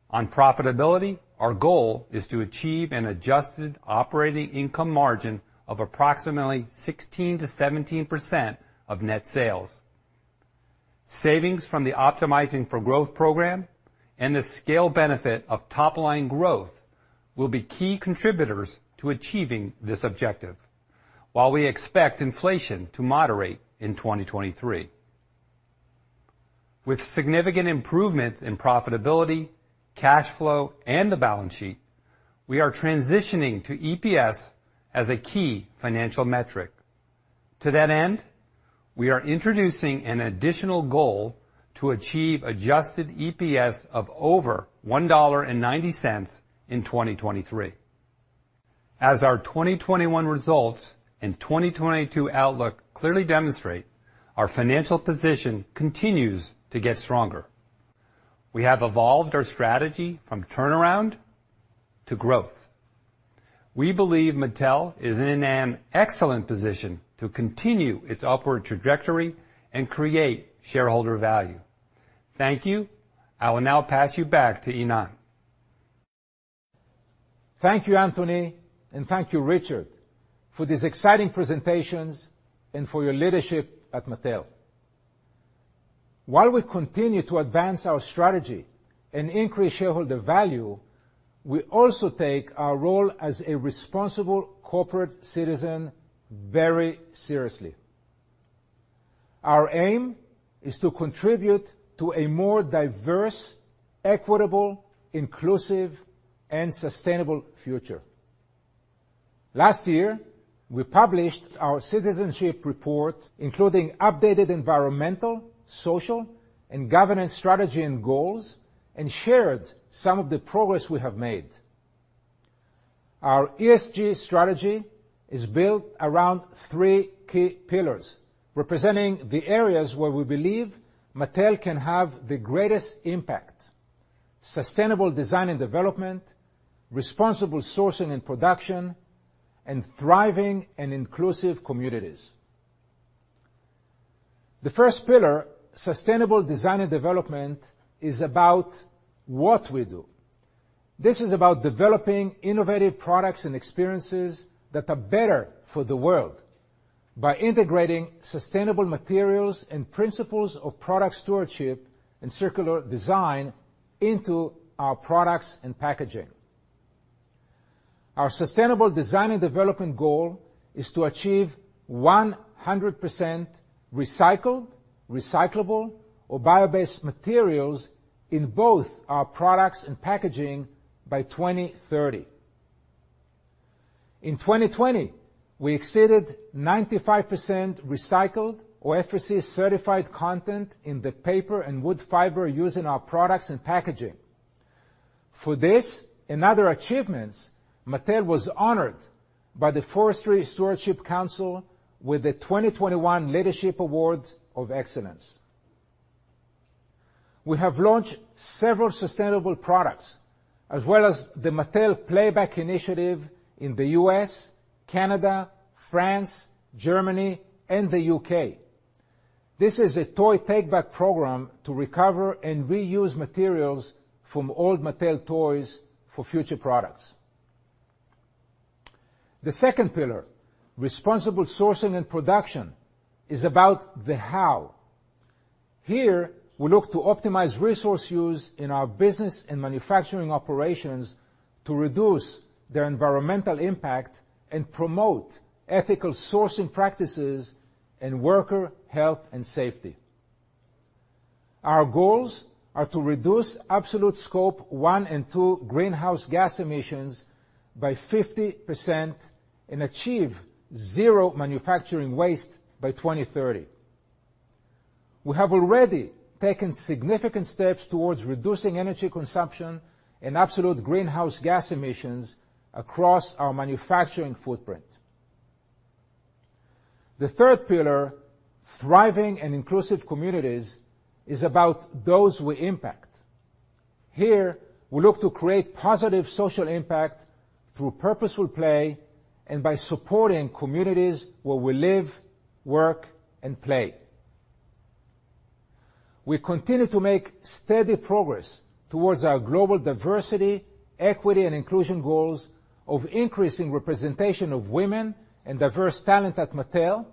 On profitability, our goal is to achieve an adjusted operating income margin of approximately 16%-17% of net sales. Savings from the Optimizing for Growth program and the scale benefit of top-line growth will be key contributors to achieving this objective, while we expect inflation to moderate in 2023. With significant improvements in profitability, cash flow, and the balance sheet, we are transitioning to EPS as a key financial metric. To that end, we are introducing an additional goal to achieve adjusted EPS of over $1.90 in 2023. As our 2021 results and 2022 outlook clearly demonstrate, our financial position continues to get stronger. We have evolved our strategy from turnaround to growth. We believe Mattel is in an excellent position to continue its upward trajectory and create shareholder value. Thank you. I will now pass you back to Ynon. Thank you, Anthony, and thank you, Richard, for these exciting presentations and for your leadership at Mattel. While we continue to advance our strategy and increase shareholder value, we also take our role as a responsible corporate citizen very seriously. Our aim is to contribute to a more diverse, equitable, inclusive, and sustainable future. Last year, we published our citizenship report, including updated environmental, social, and governance strategy and goals, and shared some of the progress we have made. Our ESG strategy is built around three key pillars representing the areas where we believe Mattel can have the greatest impact: sustainable design and development, responsible sourcing and production, and thriving and inclusive communities. The first pillar, sustainable design and development, is about what we do. This is about developing innovative products and experiences that are better for the world by integrating sustainable materials and principles of product stewardship and circular design into our products and packaging. Our sustainable design and development goal is to achieve 100% recycled, recyclable, or bio-based materials in both our products and packaging by 2030. In 2020, we exceeded 95% recycled or FSC-certified content in the paper and wood fiber used in our products and packaging. For this and other achievements, Mattel was honored by the Forest Stewardship Council with the 2021 Leadership Awards of Excellence. We have launched several sustainable products, as well as the Mattel Playback Initiative in the U.S., Canada, France, Germany, and the U.K. This is a toy take-back program to recover and reuse materials from old Mattel toys for future products. The second pillar, responsible sourcing and production, is about the how. Here, we look to optimize resource use in our business and manufacturing operations to reduce their environmental impact and promote ethical sourcing practices and worker health and safety. Our goals are to reduce absolute scope one and two greenhouse gas emissions by 50% and achieve zero manufacturing waste by 2030. We have already taken significant steps towards reducing energy consumption and absolute greenhouse gas emissions across our manufacturing footprint. The third pillar, thriving and inclusive communities, is about those we impact. Here, we look to create positive social impact through purposeful play and by supporting communities where we live, work, and play. We continue to make steady progress towards our global diversity, equity, and inclusion goals of increasing representation of women and diverse talent at Mattel.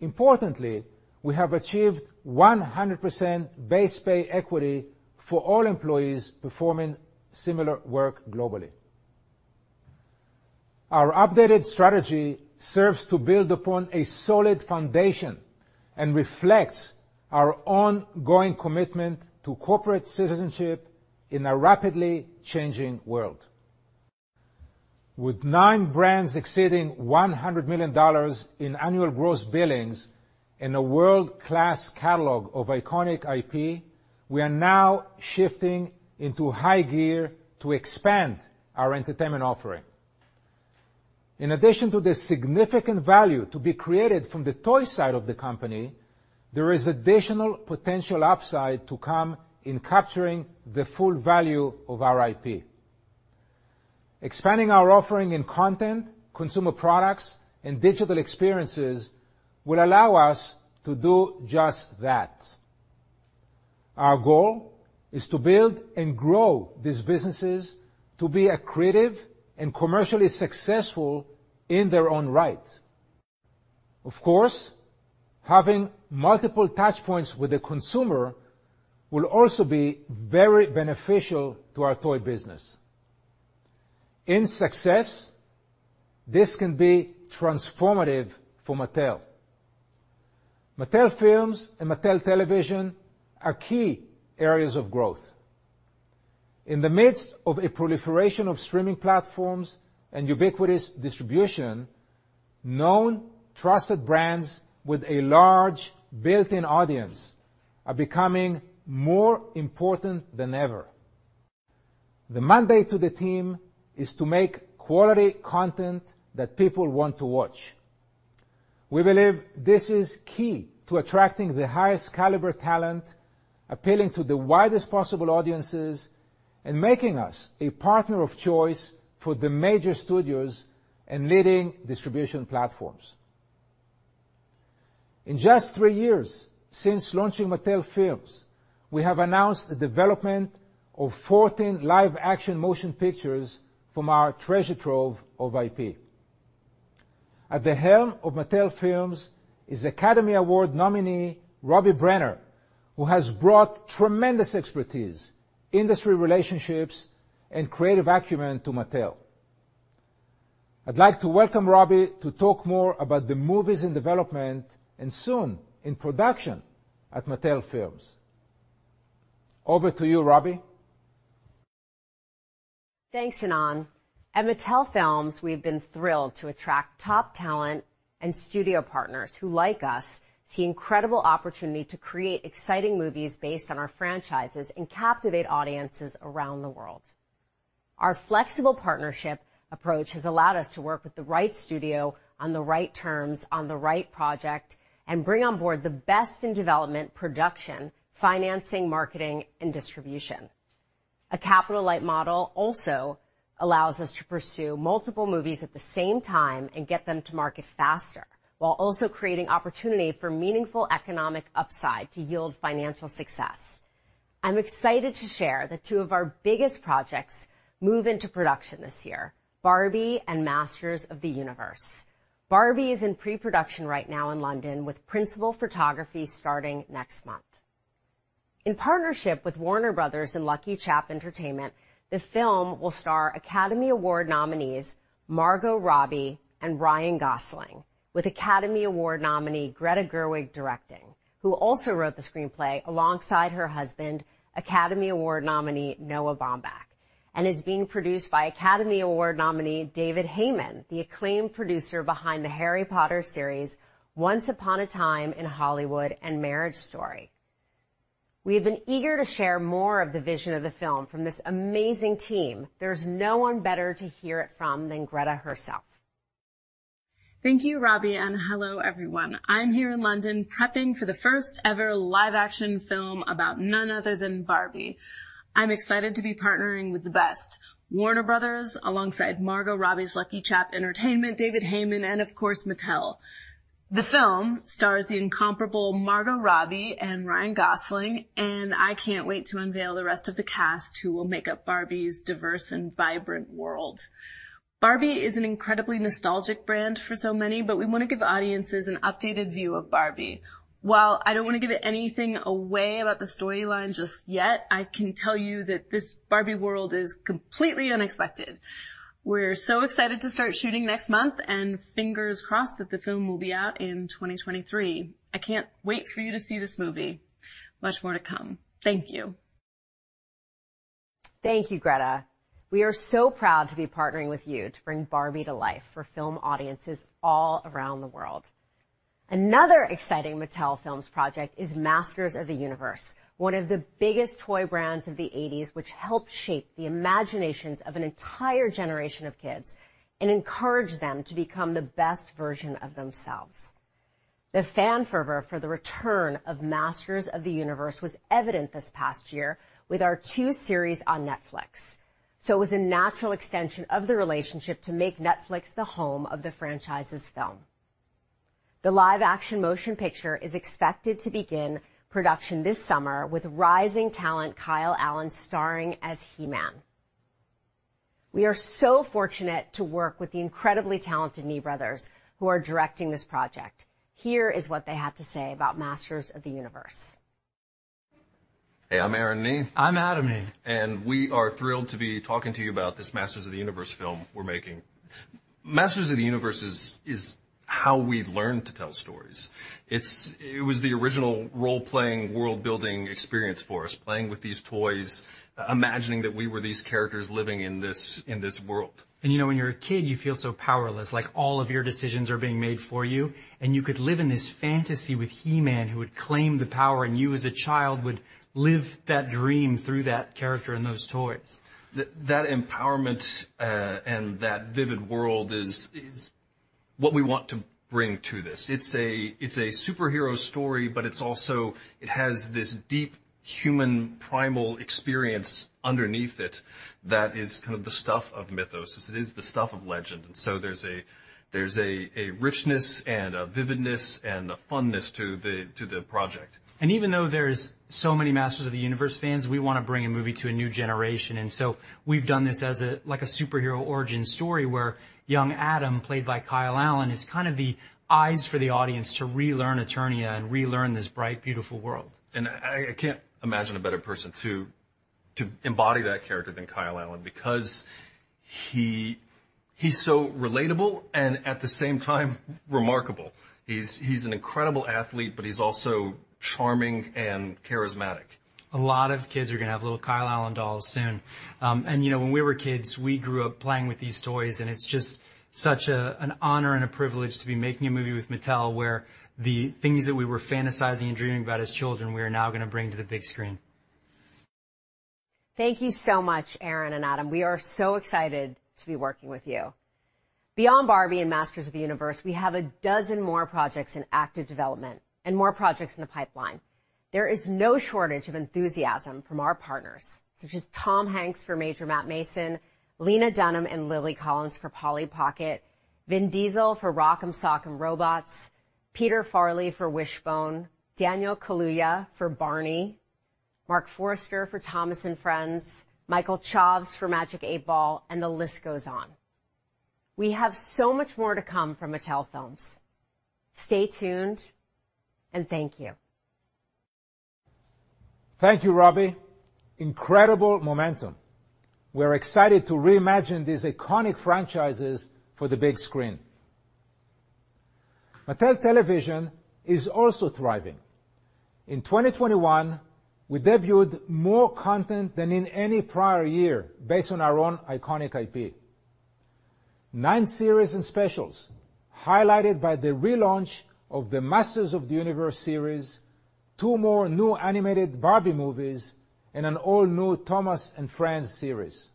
Importantly, we have achieved 100% base pay equity for all employees performing similar work globally. Our updated strategy serves to build upon a solid foundation and reflects our ongoing commitment to corporate citizenship in a rapidly changing world. With nine brands exceeding $100 million in annual gross billings and a world-class catalog of iconic IP, we are now shifting into high gear to expand our entertainment offering. In addition to the significant value to be created from the toy side of the company, there is additional potential upside to come in capturing the full value of our IP. Expanding our offering in content, consumer products, and digital experiences will allow us to do just that. Our goal is to build and grow these businesses to be accredited and commercially successful in their own right. Of course, having multiple touchpoints with the consumer will also be very beneficial to our toy business. In success, this can be transformative for Mattel. Mattel Films and Mattel Television are key areas of growth. In the midst of a proliferation of streaming platforms and ubiquitous distribution, known, trusted brands with a large built-in audience are becoming more important than ever. The mandate to the team is to make quality content that people want to watch. We believe this is key to attracting the highest caliber talent, appealing to the widest possible audiences, and making us a partner of choice for the major studios and leading distribution platforms. In just three years since launching Mattel Films, we have announced the development of 14 live-action motion pictures from our treasure trove of IP. At the helm of Mattel Films is Academy Award nominee Robbie Brenner, who has brought tremendous expertise, industry relationships, and creative acumen to Mattel. I'd like to welcome Robbie to talk more about the movies in development and soon in production at Mattel Films. Over to you, Robbie. Thanks, Ynon. At Mattel Films, we've been thrilled to attract top talent and studio partners who, like us, see incredible opportunity to create exciting movies based on our franchises and captivate audiences around the world. Our flexible partnership approach has allowed us to work with the right studio on the right terms, on the right project, and bring on board the best in development, production, financing, marketing, and distribution. A capital-light model also allows us to pursue multiple movies at the same time and get them to market faster, while also creating opportunity for meaningful economic upside to yield financial success. I'm excited to share that two of our biggest projects move into production this year: Barbie and Masters of the Universe. Barbie is in pre-production right now in London, with principal photography starting next month. In partnership with Warner Bros. and LuckyChap Entertainment, the film will star Academy Award nominees Margot Robbie and Ryan Gosling, with Academy Award nominee Greta Gerwig directing, who also wrote the screenplay alongside her husband, Academy Award nominee Noah Baumbach, and is being produced by Academy Award nominee David Heyman, the acclaimed producer behind the Harry Potter series, Once Upon a Time in Hollywood, and Marriage Story. We have been eager to share more of the vision of the film from this amazing team. There's no one better to hear it from than Greta herself. Thank you, Robbie, and hello, everyone. I'm here in London prepping for the first-ever live-action film about none other than Barbie. I'm excited to be partnering with the best: Warner Bros. alongside Margot Robbie's LuckyChap Entertainment, David Heyman, and of course, Mattel. The film stars the incomparable Margot Robbie and Ryan Gosling, and I can't wait to unveil the rest of the cast who will make up Barbie's diverse and vibrant world. Barbie is an incredibly nostalgic brand for so many, but we want to give audiences an updated view of Barbie. While I don't want to give anything away about the storyline just yet, I can tell you that this Barbie world is completely unexpected. We're so excited to start shooting next month, and fingers crossed that the film will be out in 2023. I can't wait for you to see this movie. Much more to come. Thank you. Thank you, Greta. We are so proud to be partnering with you to bring Barbie to life for film audiences all around the world. Another exciting Mattel Films project is Masters of the Universe, one of the biggest toy brands of the '80s, which helped shape the imaginations of an entire generation of kids and encouraged them to become the best version of themselves. The fan fervor for the return of Masters of the Universe was evident this past year with our two series on Netflix. It was a natural extension of the relationship to make Netflix the home of the franchise's film. The live-action motion picture is expected to begin production this summer with rising talent Kyle Allen starring as He-Man. We are so fortunate to work with the incredibly talented Nee Brothers, who are directing this project. Here is what they had to say about Masters of the Universe. Hey, I'm Aaron Nee. I'm Adam Nee. We are thrilled to be talking to you about this Masters of the Universe film we're making. Masters of the Universe is how we learn to tell stories. It was the original role-playing, world-building experience for us, playing with these toys, imagining that we were these characters living in this world. You know, when you're a kid, you feel so powerless, like all of your decisions are being made for you, and you could live in this fantasy with He-Man who would claim the power, and you, as a child, would live that dream through that character and those toys. That empowerment and that vivid world is what we want to bring to this. It's a superhero story, but it also has this deep human primal experience underneath it that is kind of the stuff of mythos. It is the stuff of legend. There is a richness and a vividness and a funness to the project. Even though there are so many Masters of the Universe fans, we want to bring a movie to a new generation. We have done this as a superhero origin story where young Adam, played by Kyle Allen, is kind of the eyes for the audience to relearn Eternia and relearn this bright, beautiful world. I cannot imagine a better person to embody that character than Kyle Allen, because he is so relatable and at the same time remarkable. He is an incredible athlete, but he is also charming and charismatic. A lot of kids are going to have little Kyle Allen dolls soon. You know, when we were kids, we grew up playing with these toys, and it's just such an honor and a privilege to be making a movie with Mattel where the things that we were fantasizing and dreaming about as children, we are now going to bring to the big screen. Thank you so much, Aaron and Adam. We are so excited to be working with you. Beyond Barbie and Masters of the Universe, we have a dozen more projects in active development and more projects in the pipeline. There is no shortage of enthusiasm from our partners, such as Tom Hanks for Major Matt Mason, Lena Dunham and Lily Collins for Polly Pocket, Vin Diesel for Rock 'Em Sock 'Em Robots, Peter Farrelly for Wishbone, Daniel Kaluuya for Barney, Marc Forster for Thomas & Friends, Michael Chaves for Magic 8 Ball, and the list goes on. We have so much more to come from Mattel Films. Stay tuned, and thank you. Thank you, Robbie. Incredible momentum. We're excited to reimagine these iconic franchises for the big screen. Mattel Television is also thriving. In 2021, we debuted more content than in any prior year based on our own iconic IP. Nine series and specials, highlighted by the relaunch of the Masters of the Universe series, two more new animated Barbie movies, and an all-new Thomas & Friends series.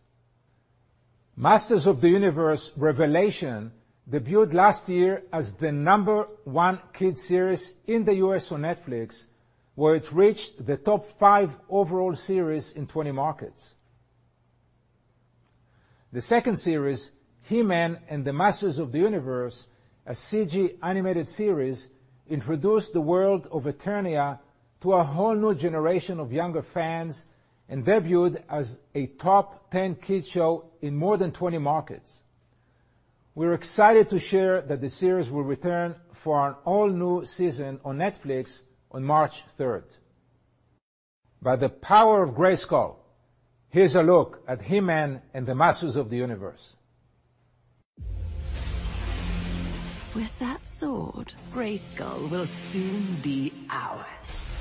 Masters of the Universe: Revelation debuted last year as the number one kid series in the U.S. on Netflix, where it reached the top five overall series in 20 markets. The second series, He-Man and the Masters of the Universe, a CG animated series, introduced the world of Eternia to a whole new generation of younger fans and debuted as a top 10 kid show in more than 20 markets. We're excited to share that the series will return for an all-new season on Netflix on March 3rd. By the power of Grayskull, here's a look at He-Man and the Masters of the Universe. With that sword, Grayskull will soon be ours.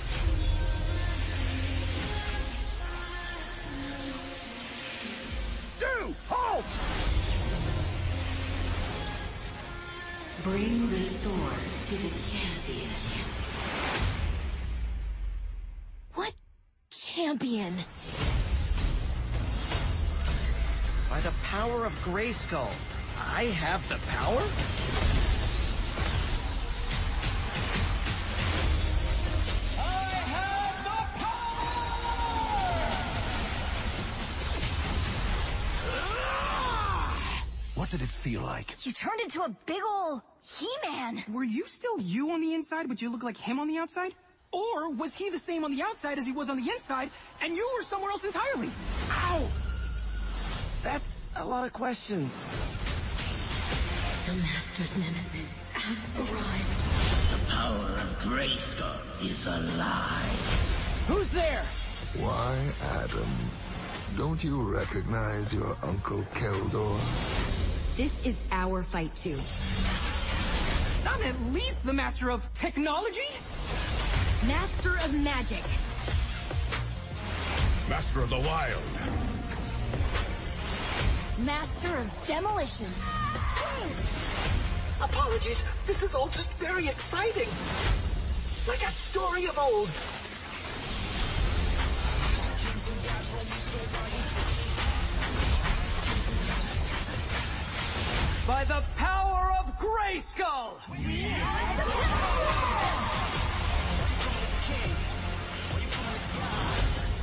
Do hold! Bring the sword to the champion. What champion? By the power of Grayskull, I have the power? I have the power! What did it feel like? You turned into a big old He-Man. Were you still you on the inside, but you looked like him on the outside? Or was he the same on the outside as he was on the inside, and you were somewhere else entirely? Ow! That's a lot of questions. The Masters' nemesis have arrived. The power of Grayskull is alive. Who's there? Why, Adam, don't you recognize your Uncle Keldor? This is our fight too. Not at least the Master of Technology? Master of Magic. Master of the Wild. Master of Demolition. Apologies, this is all just very exciting. Like a story of old. By the power of Grayskull! We have the power!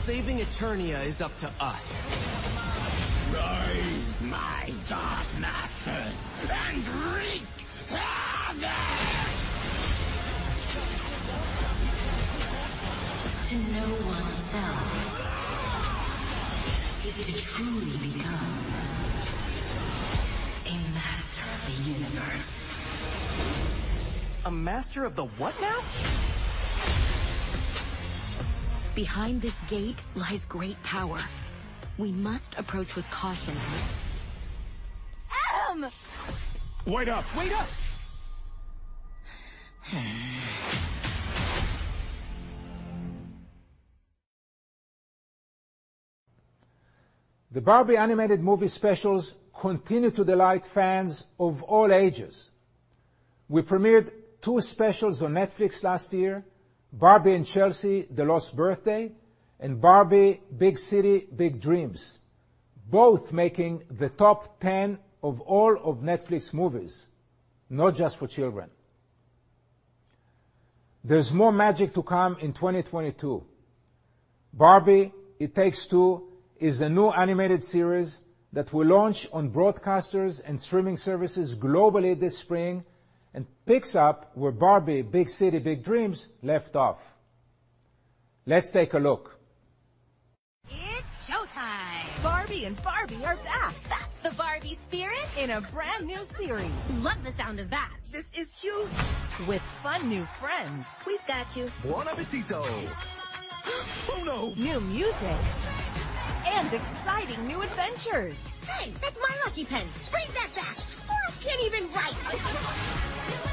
Saving Eternia is up to us. Rise my dark masters and wreak havoc! To know oneself is to truly become a Master of the Universe. A Master of the what now? Behind this gate lies great power. We must approach with caution. Adam! Wait up. Wait up! The Barbie animated movie specials continue to delight fans of all ages. We premiered two specials on Netflix last year, Barbie and Chelsea: The Lost Birthday and Barbie: Big City, Big Dreams, both making the top 10 of all of Netflix movies, not just for children. There's more magic to come in 2022. Barbie: It Takes Two is a new animated series that will launch on broadcasters and streaming services globally this spring and picks up where Barbie: Big City, Big Dreams left off. Let's take a look. It's showtime. Barbie and Barbie are back. That's the Barbie spirit in a brand new series. Love the sound of that. This is huge. With fun new friends. We've got you. Buon appetito. Oh no. New music and exciting new adventures. Hey, that's my Lucky Pen. Bring that back. I can't even write. Can't stop us.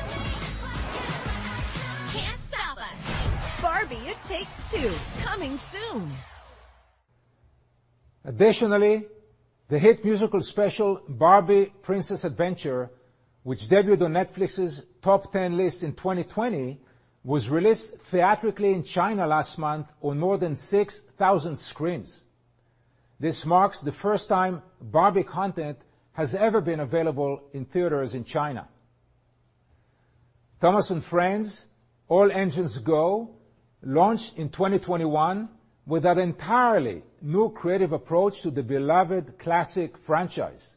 Barbie: It Takes Two, coming soon. Additionally, the hit musical special Barbie: Princess Adventure, which debuted on Netflix's top 10 list in 2020, was released theatrically in China last month on more than 6,000 screens. This marks the first time Barbie content has ever been available in theaters in China. Thomas & Friends: All Engines Go, launched in 2021 with an entirely new creative approach to the beloved classic franchise.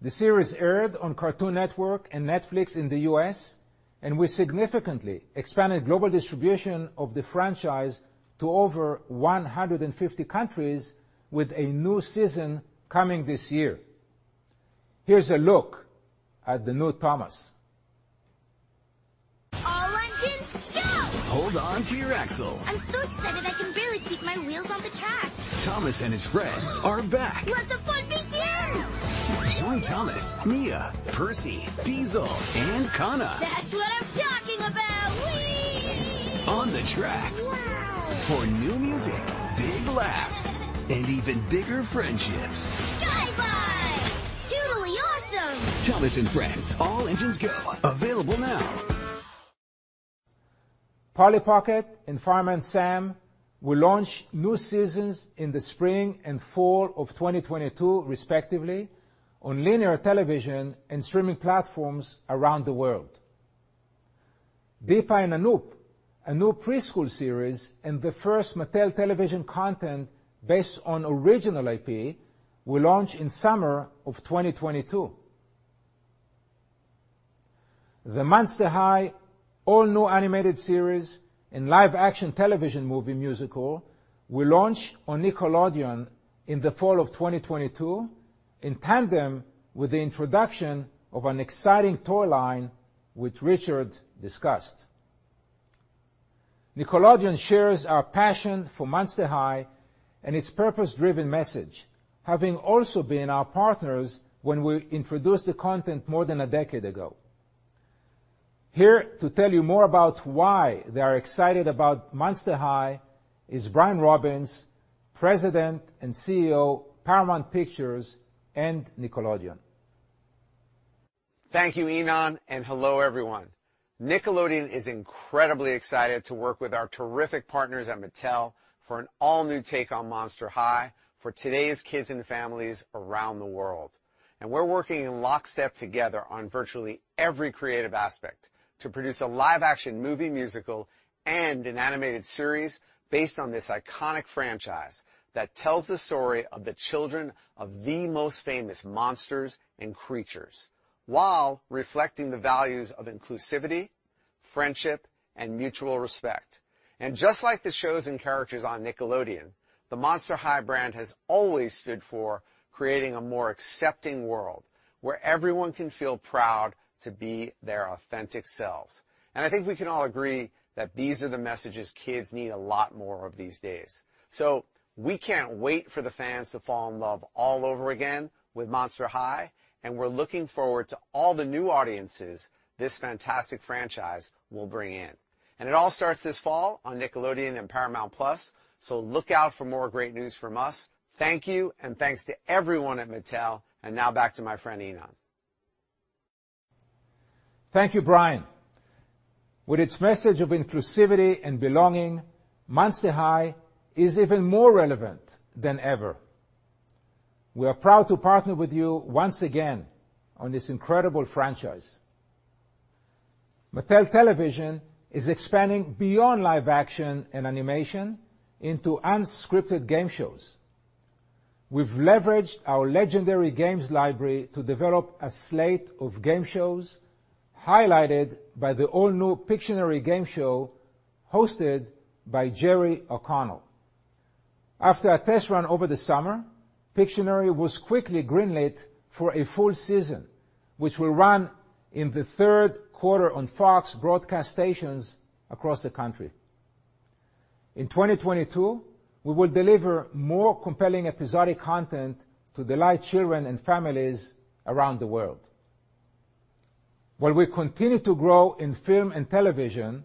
The series aired on Cartoon Network and Netflix in the U.S., and we significantly expanded global distribution of the franchise to over 150 countries with a new season coming this year. Here's a look at the new Thomas. All engines go! Hold on to your axles. I'm so excited I can barely keep my wheels on the tracks. Thomas and his friends are back. Let the fun begin! Join Thomas, Mia, Percy, Diesel, and Connor. That's what I'm talking about! Wee! On the tracks. Wow! For new music, big laughs, and even bigger friendships. Sky high! Totally awesome! Thomas & Friends: All Engines Go, available now. Polly Pocket and Fireman Sam will launch new seasons in the spring and fall of 2022, respectively, on linear television and streaming platforms around the world. Deepa & Anoop, a new preschool series and the first Mattel Television content based on original IP, will launch in summer of 2022. The Monster High: All New Animated Series and Live Action Television Movie Musical will launch on Nickelodeon in the fall of 2022, in tandem with the introduction of an exciting toy line which Richard discussed. Nickelodeon shares our passion for Monster High and its purpose-driven message, having also been our partners when we introduced the content more than a decade ago. Here to tell you more about why they are excited about Monster High is Brian Robbins, President and CEO of Paramount Pictures and Nickelodeon. Thank you, Ynon, and hello, everyone. Nickelodeon is incredibly excited to work with our terrific partners at Mattel for an all-new take on Monster High for today's kids and families around the world. We are working in lockstep together on virtually every creative aspect to produce a live-action movie musical and an animated series based on this iconic franchise that tells the story of the children of the most famous monsters and creatures, while reflecting the values of inclusivity, friendship, and mutual respect. Just like the shows and characters on Nickelodeon, the Monster High brand has always stood for creating a more accepting world where everyone can feel proud to be their authentic selves. I think we can all agree that these are the messages kids need a lot more of these days. We can't wait for the fans to fall in love all over again with Monster High, and we're looking forward to all the new audiences this fantastic franchise will bring in. It all starts this fall on Nickelodeon and Paramount Plus, so look out for more great news from us. Thank you, and thanks to everyone at Mattel, and now back to my friend Ynon. Thank you, Brian. With its message of inclusivity and belonging, Monster High is even more relevant than ever. We are proud to partner with you once again on this incredible franchise. Mattel Television is expanding beyond live action and animation into unscripted game shows. We've leveraged our legendary games library to develop a slate of game shows highlighted by the all-new Pictionary game show hosted by Jerry O'Connell. After a test run over the summer, Pictionary was quickly greenlit for a full season, which will run in the third quarter on FOX broadcast stations across the country. In 2022, we will deliver more compelling episodic content to delight children and families around the world. While we continue to grow in film and television,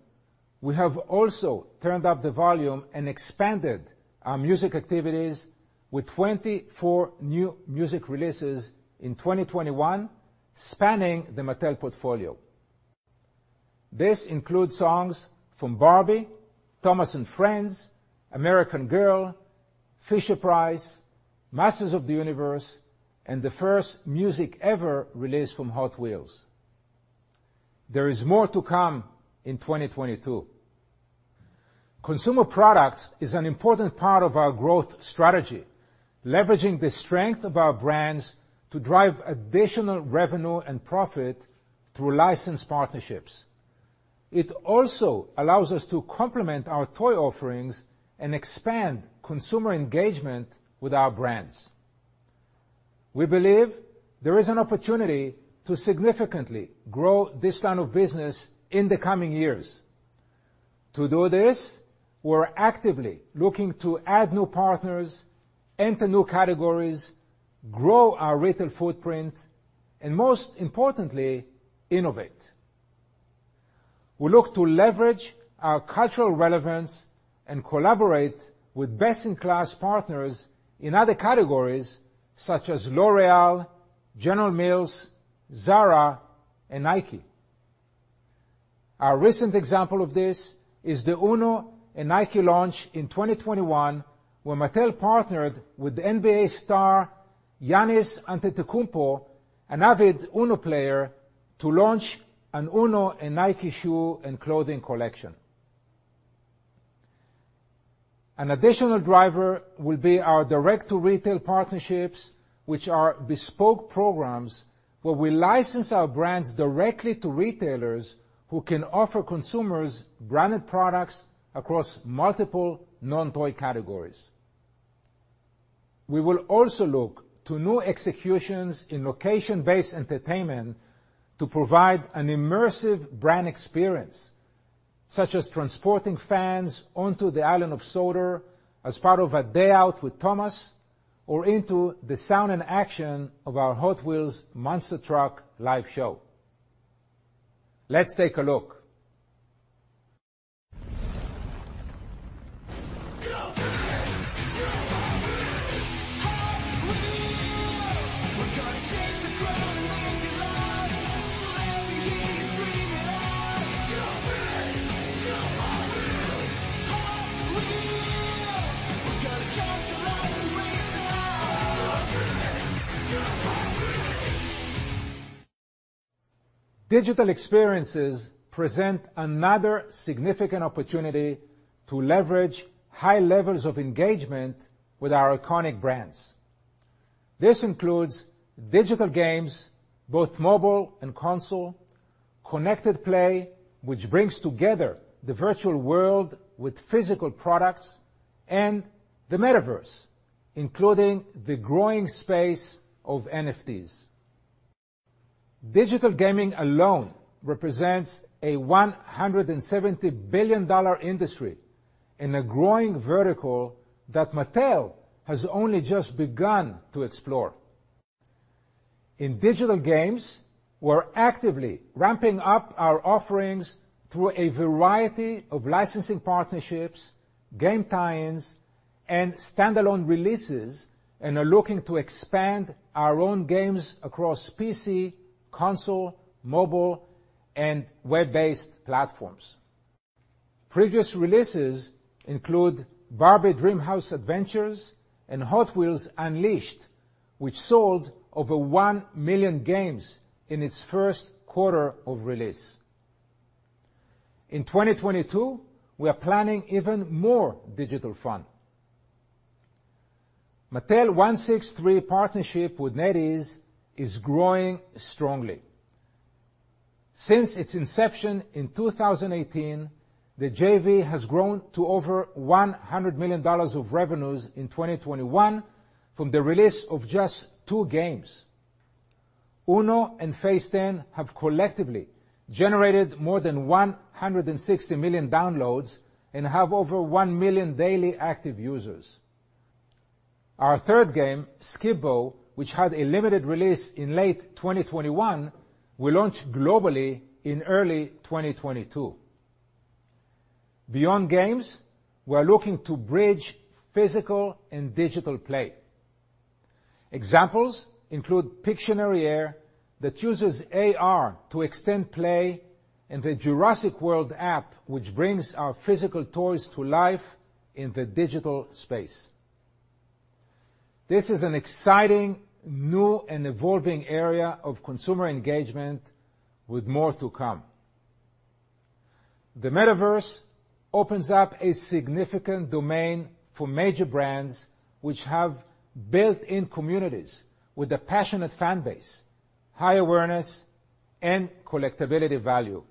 we have also turned up the volume and expanded our music activities with 24 new music releases in 2021, spanning the Mattel portfolio. This includes songs from Barbie, Thomas & Friends, American Girl, Fisher-Price, Masters of the Universe, and the first music ever released from Hot Wheels. There is more to come in 2022. Consumer products is an important part of our growth strategy, leveraging the strength of our brands to drive additional revenue and profit through licensed partnerships. It also allows us to complement our toy offerings and expand consumer engagement with our brands. We believe there is an opportunity to significantly grow this line of business in the coming years. To do this, we're actively looking to add new partners, enter new categories, grow our retail footprint, and most importantly, innovate. We look to leverage our cultural relevance and collaborate with best-in-class partners in other categories such as L'Oréal, General Mills, ZARA, and Nike. Our recent example of this is the UNO and Nike launch in 2021, where Mattel partnered with the NBA star Giannis Antetokounmpo, an avid UNO player, to launch an UNO and Nike shoe and clothing collection. An additional driver will be our direct-to-retail partnerships, which are bespoke programs where we license our brands directly to retailers who can offer consumers branded products across multiple non-toy categories. We will also look to new executions in location-based entertainment to provide an immersive brand experience, such as transporting fans onto the island of Sodor as part of a day out with Thomas, or into the sound and action of our Hot Wheels Monster Truck live show. Let's take a look. Hot Wheels, we're gonna shake the ground and make it live. Let me hear you scream it out. Hot Wheels, Hot Wheels. We're gonna come to life and raise them up. Hot Wheels, Hot Wheels. Digital experiences present another significant opportunity to leverage high levels of engagement with our iconic brands. This includes digital games, both mobile and console, connected play, which brings together the virtual world with physical products, and the metaverse, including the growing space of NFTs. Digital gaming alone represents a $170 billion industry in a growing vertical that Mattel has only just begun to explore. In digital games, we're actively ramping up our offerings through a variety of licensing partnerships, game tie-ins, and standalone releases, and are looking to expand our own games across PC, console, mobile, and web-based platforms. Previous releases include Barbie: Dreamhouse Adventures and Hot Wheels Unleashed, which sold over 1 million games in its first quarter of release. In 2022, we are planning even more digital fun. Mattel163 partnership with NetEase is growing strongly. Since its inception in 2018, the JV has grown to over $100 million of revenues in 2021 from the release of just two games. UNO and Phase 10 have collectively generated more than 160 million downloads and have over 1 million daily active users. Our third game, Skip Bo, which had a limited release in late 2021, will launch globally in early 2022. Beyond games, we're looking to bridge physical and digital play. Examples include Pictionary Air, that uses AR to extend play, and the Jurassic World app, which brings our physical toys to life in the digital space. This is an exciting new and evolving area of consumer engagement with more to come. The metaverse opens up a significant domain for major brands, which have built-in communities with a passionate fan base, high awareness, and collectibility value.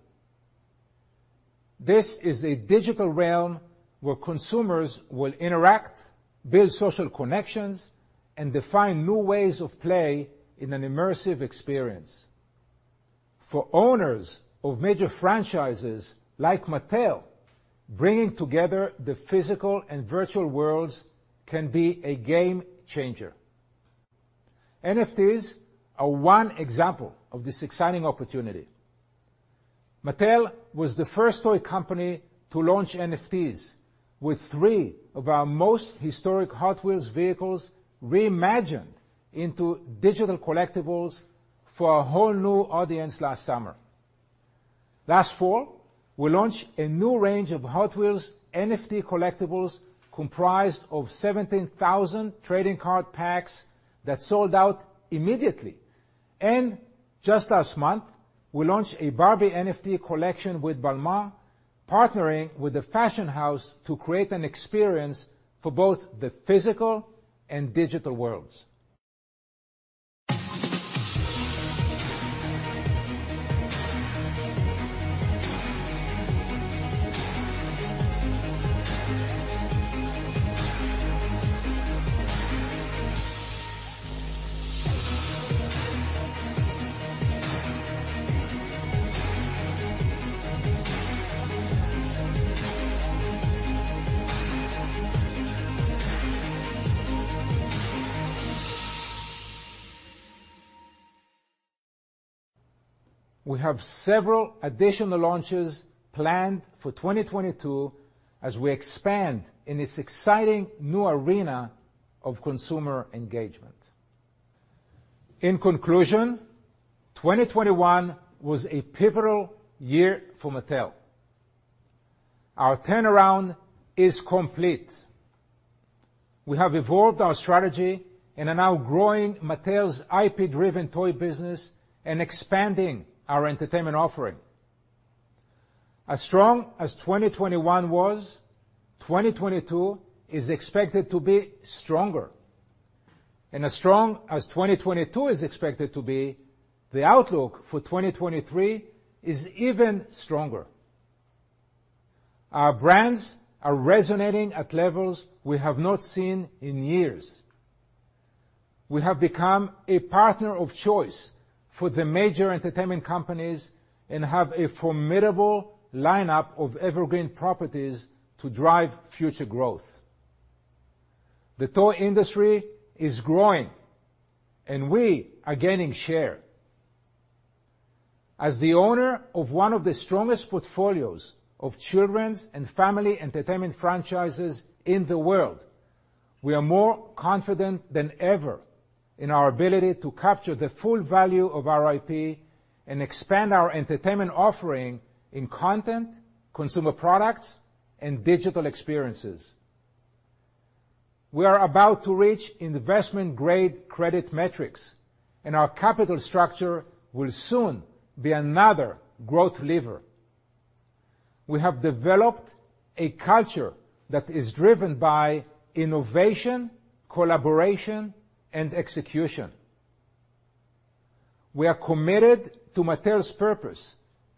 This is a digital realm where consumers will interact, build social connections, and define new ways of play in an immersive experience. For owners of major franchises like Mattel, bringing together the physical and virtual worlds can be a game changer. NFTs are one example of this exciting opportunity. Mattel was the first toy company to launch NFTs, with three of our most historic Hot Wheels vehicles reimagined into digital collectibles for a whole new audience last summer. Last fall, we launched a new range of Hot Wheels NFT collectibles comprised of 17,000 trading card packs that sold out immediately. Just last month, we launched a Barbie NFT collection with Balmain, partnering with a fashion house to create an experience for both the physical and digital worlds. We have several additional launches planned for 2022 as we expand in this exciting new arena of consumer engagement. In conclusion, 2021 was a pivotal year for Mattel. Our turnaround is complete. We have evolved our strategy in our now growing Mattel's IP-driven toy business and expanding our entertainment offering. As strong as 2021 was, 2022 is expected to be stronger. As strong as 2022 is expected to be, the outlook for 2023 is even stronger. Our brands are resonating at levels we have not seen in years. We have become a partner of choice for the major entertainment companies and have a formidable lineup of evergreen properties to drive future growth. The toy industry is growing, and we are gaining share. As the owner of one of the strongest portfolios of children's and family entertainment franchises in the world, we are more confident than ever in our ability to capture the full value of our IP and expand our entertainment offering in content, consumer products, and digital experiences. We are about to reach investment-grade credit metrics, and our capital structure will soon be another growth lever. We have developed a culture that is driven by innovation, collaboration, and execution. We are committed to Mattel's purpose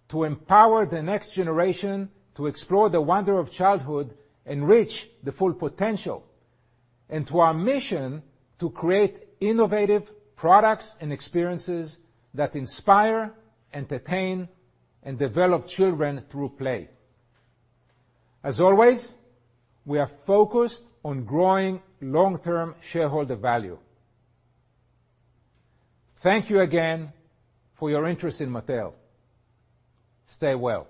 to empower the next generation to explore the wonder of childhood and reach the full potential, and to our mission to create innovative products and experiences that inspire, entertain, and develop children through play. As always, we are focused on growing long-term shareholder value. Thank you again for your interest in Mattel. Stay well.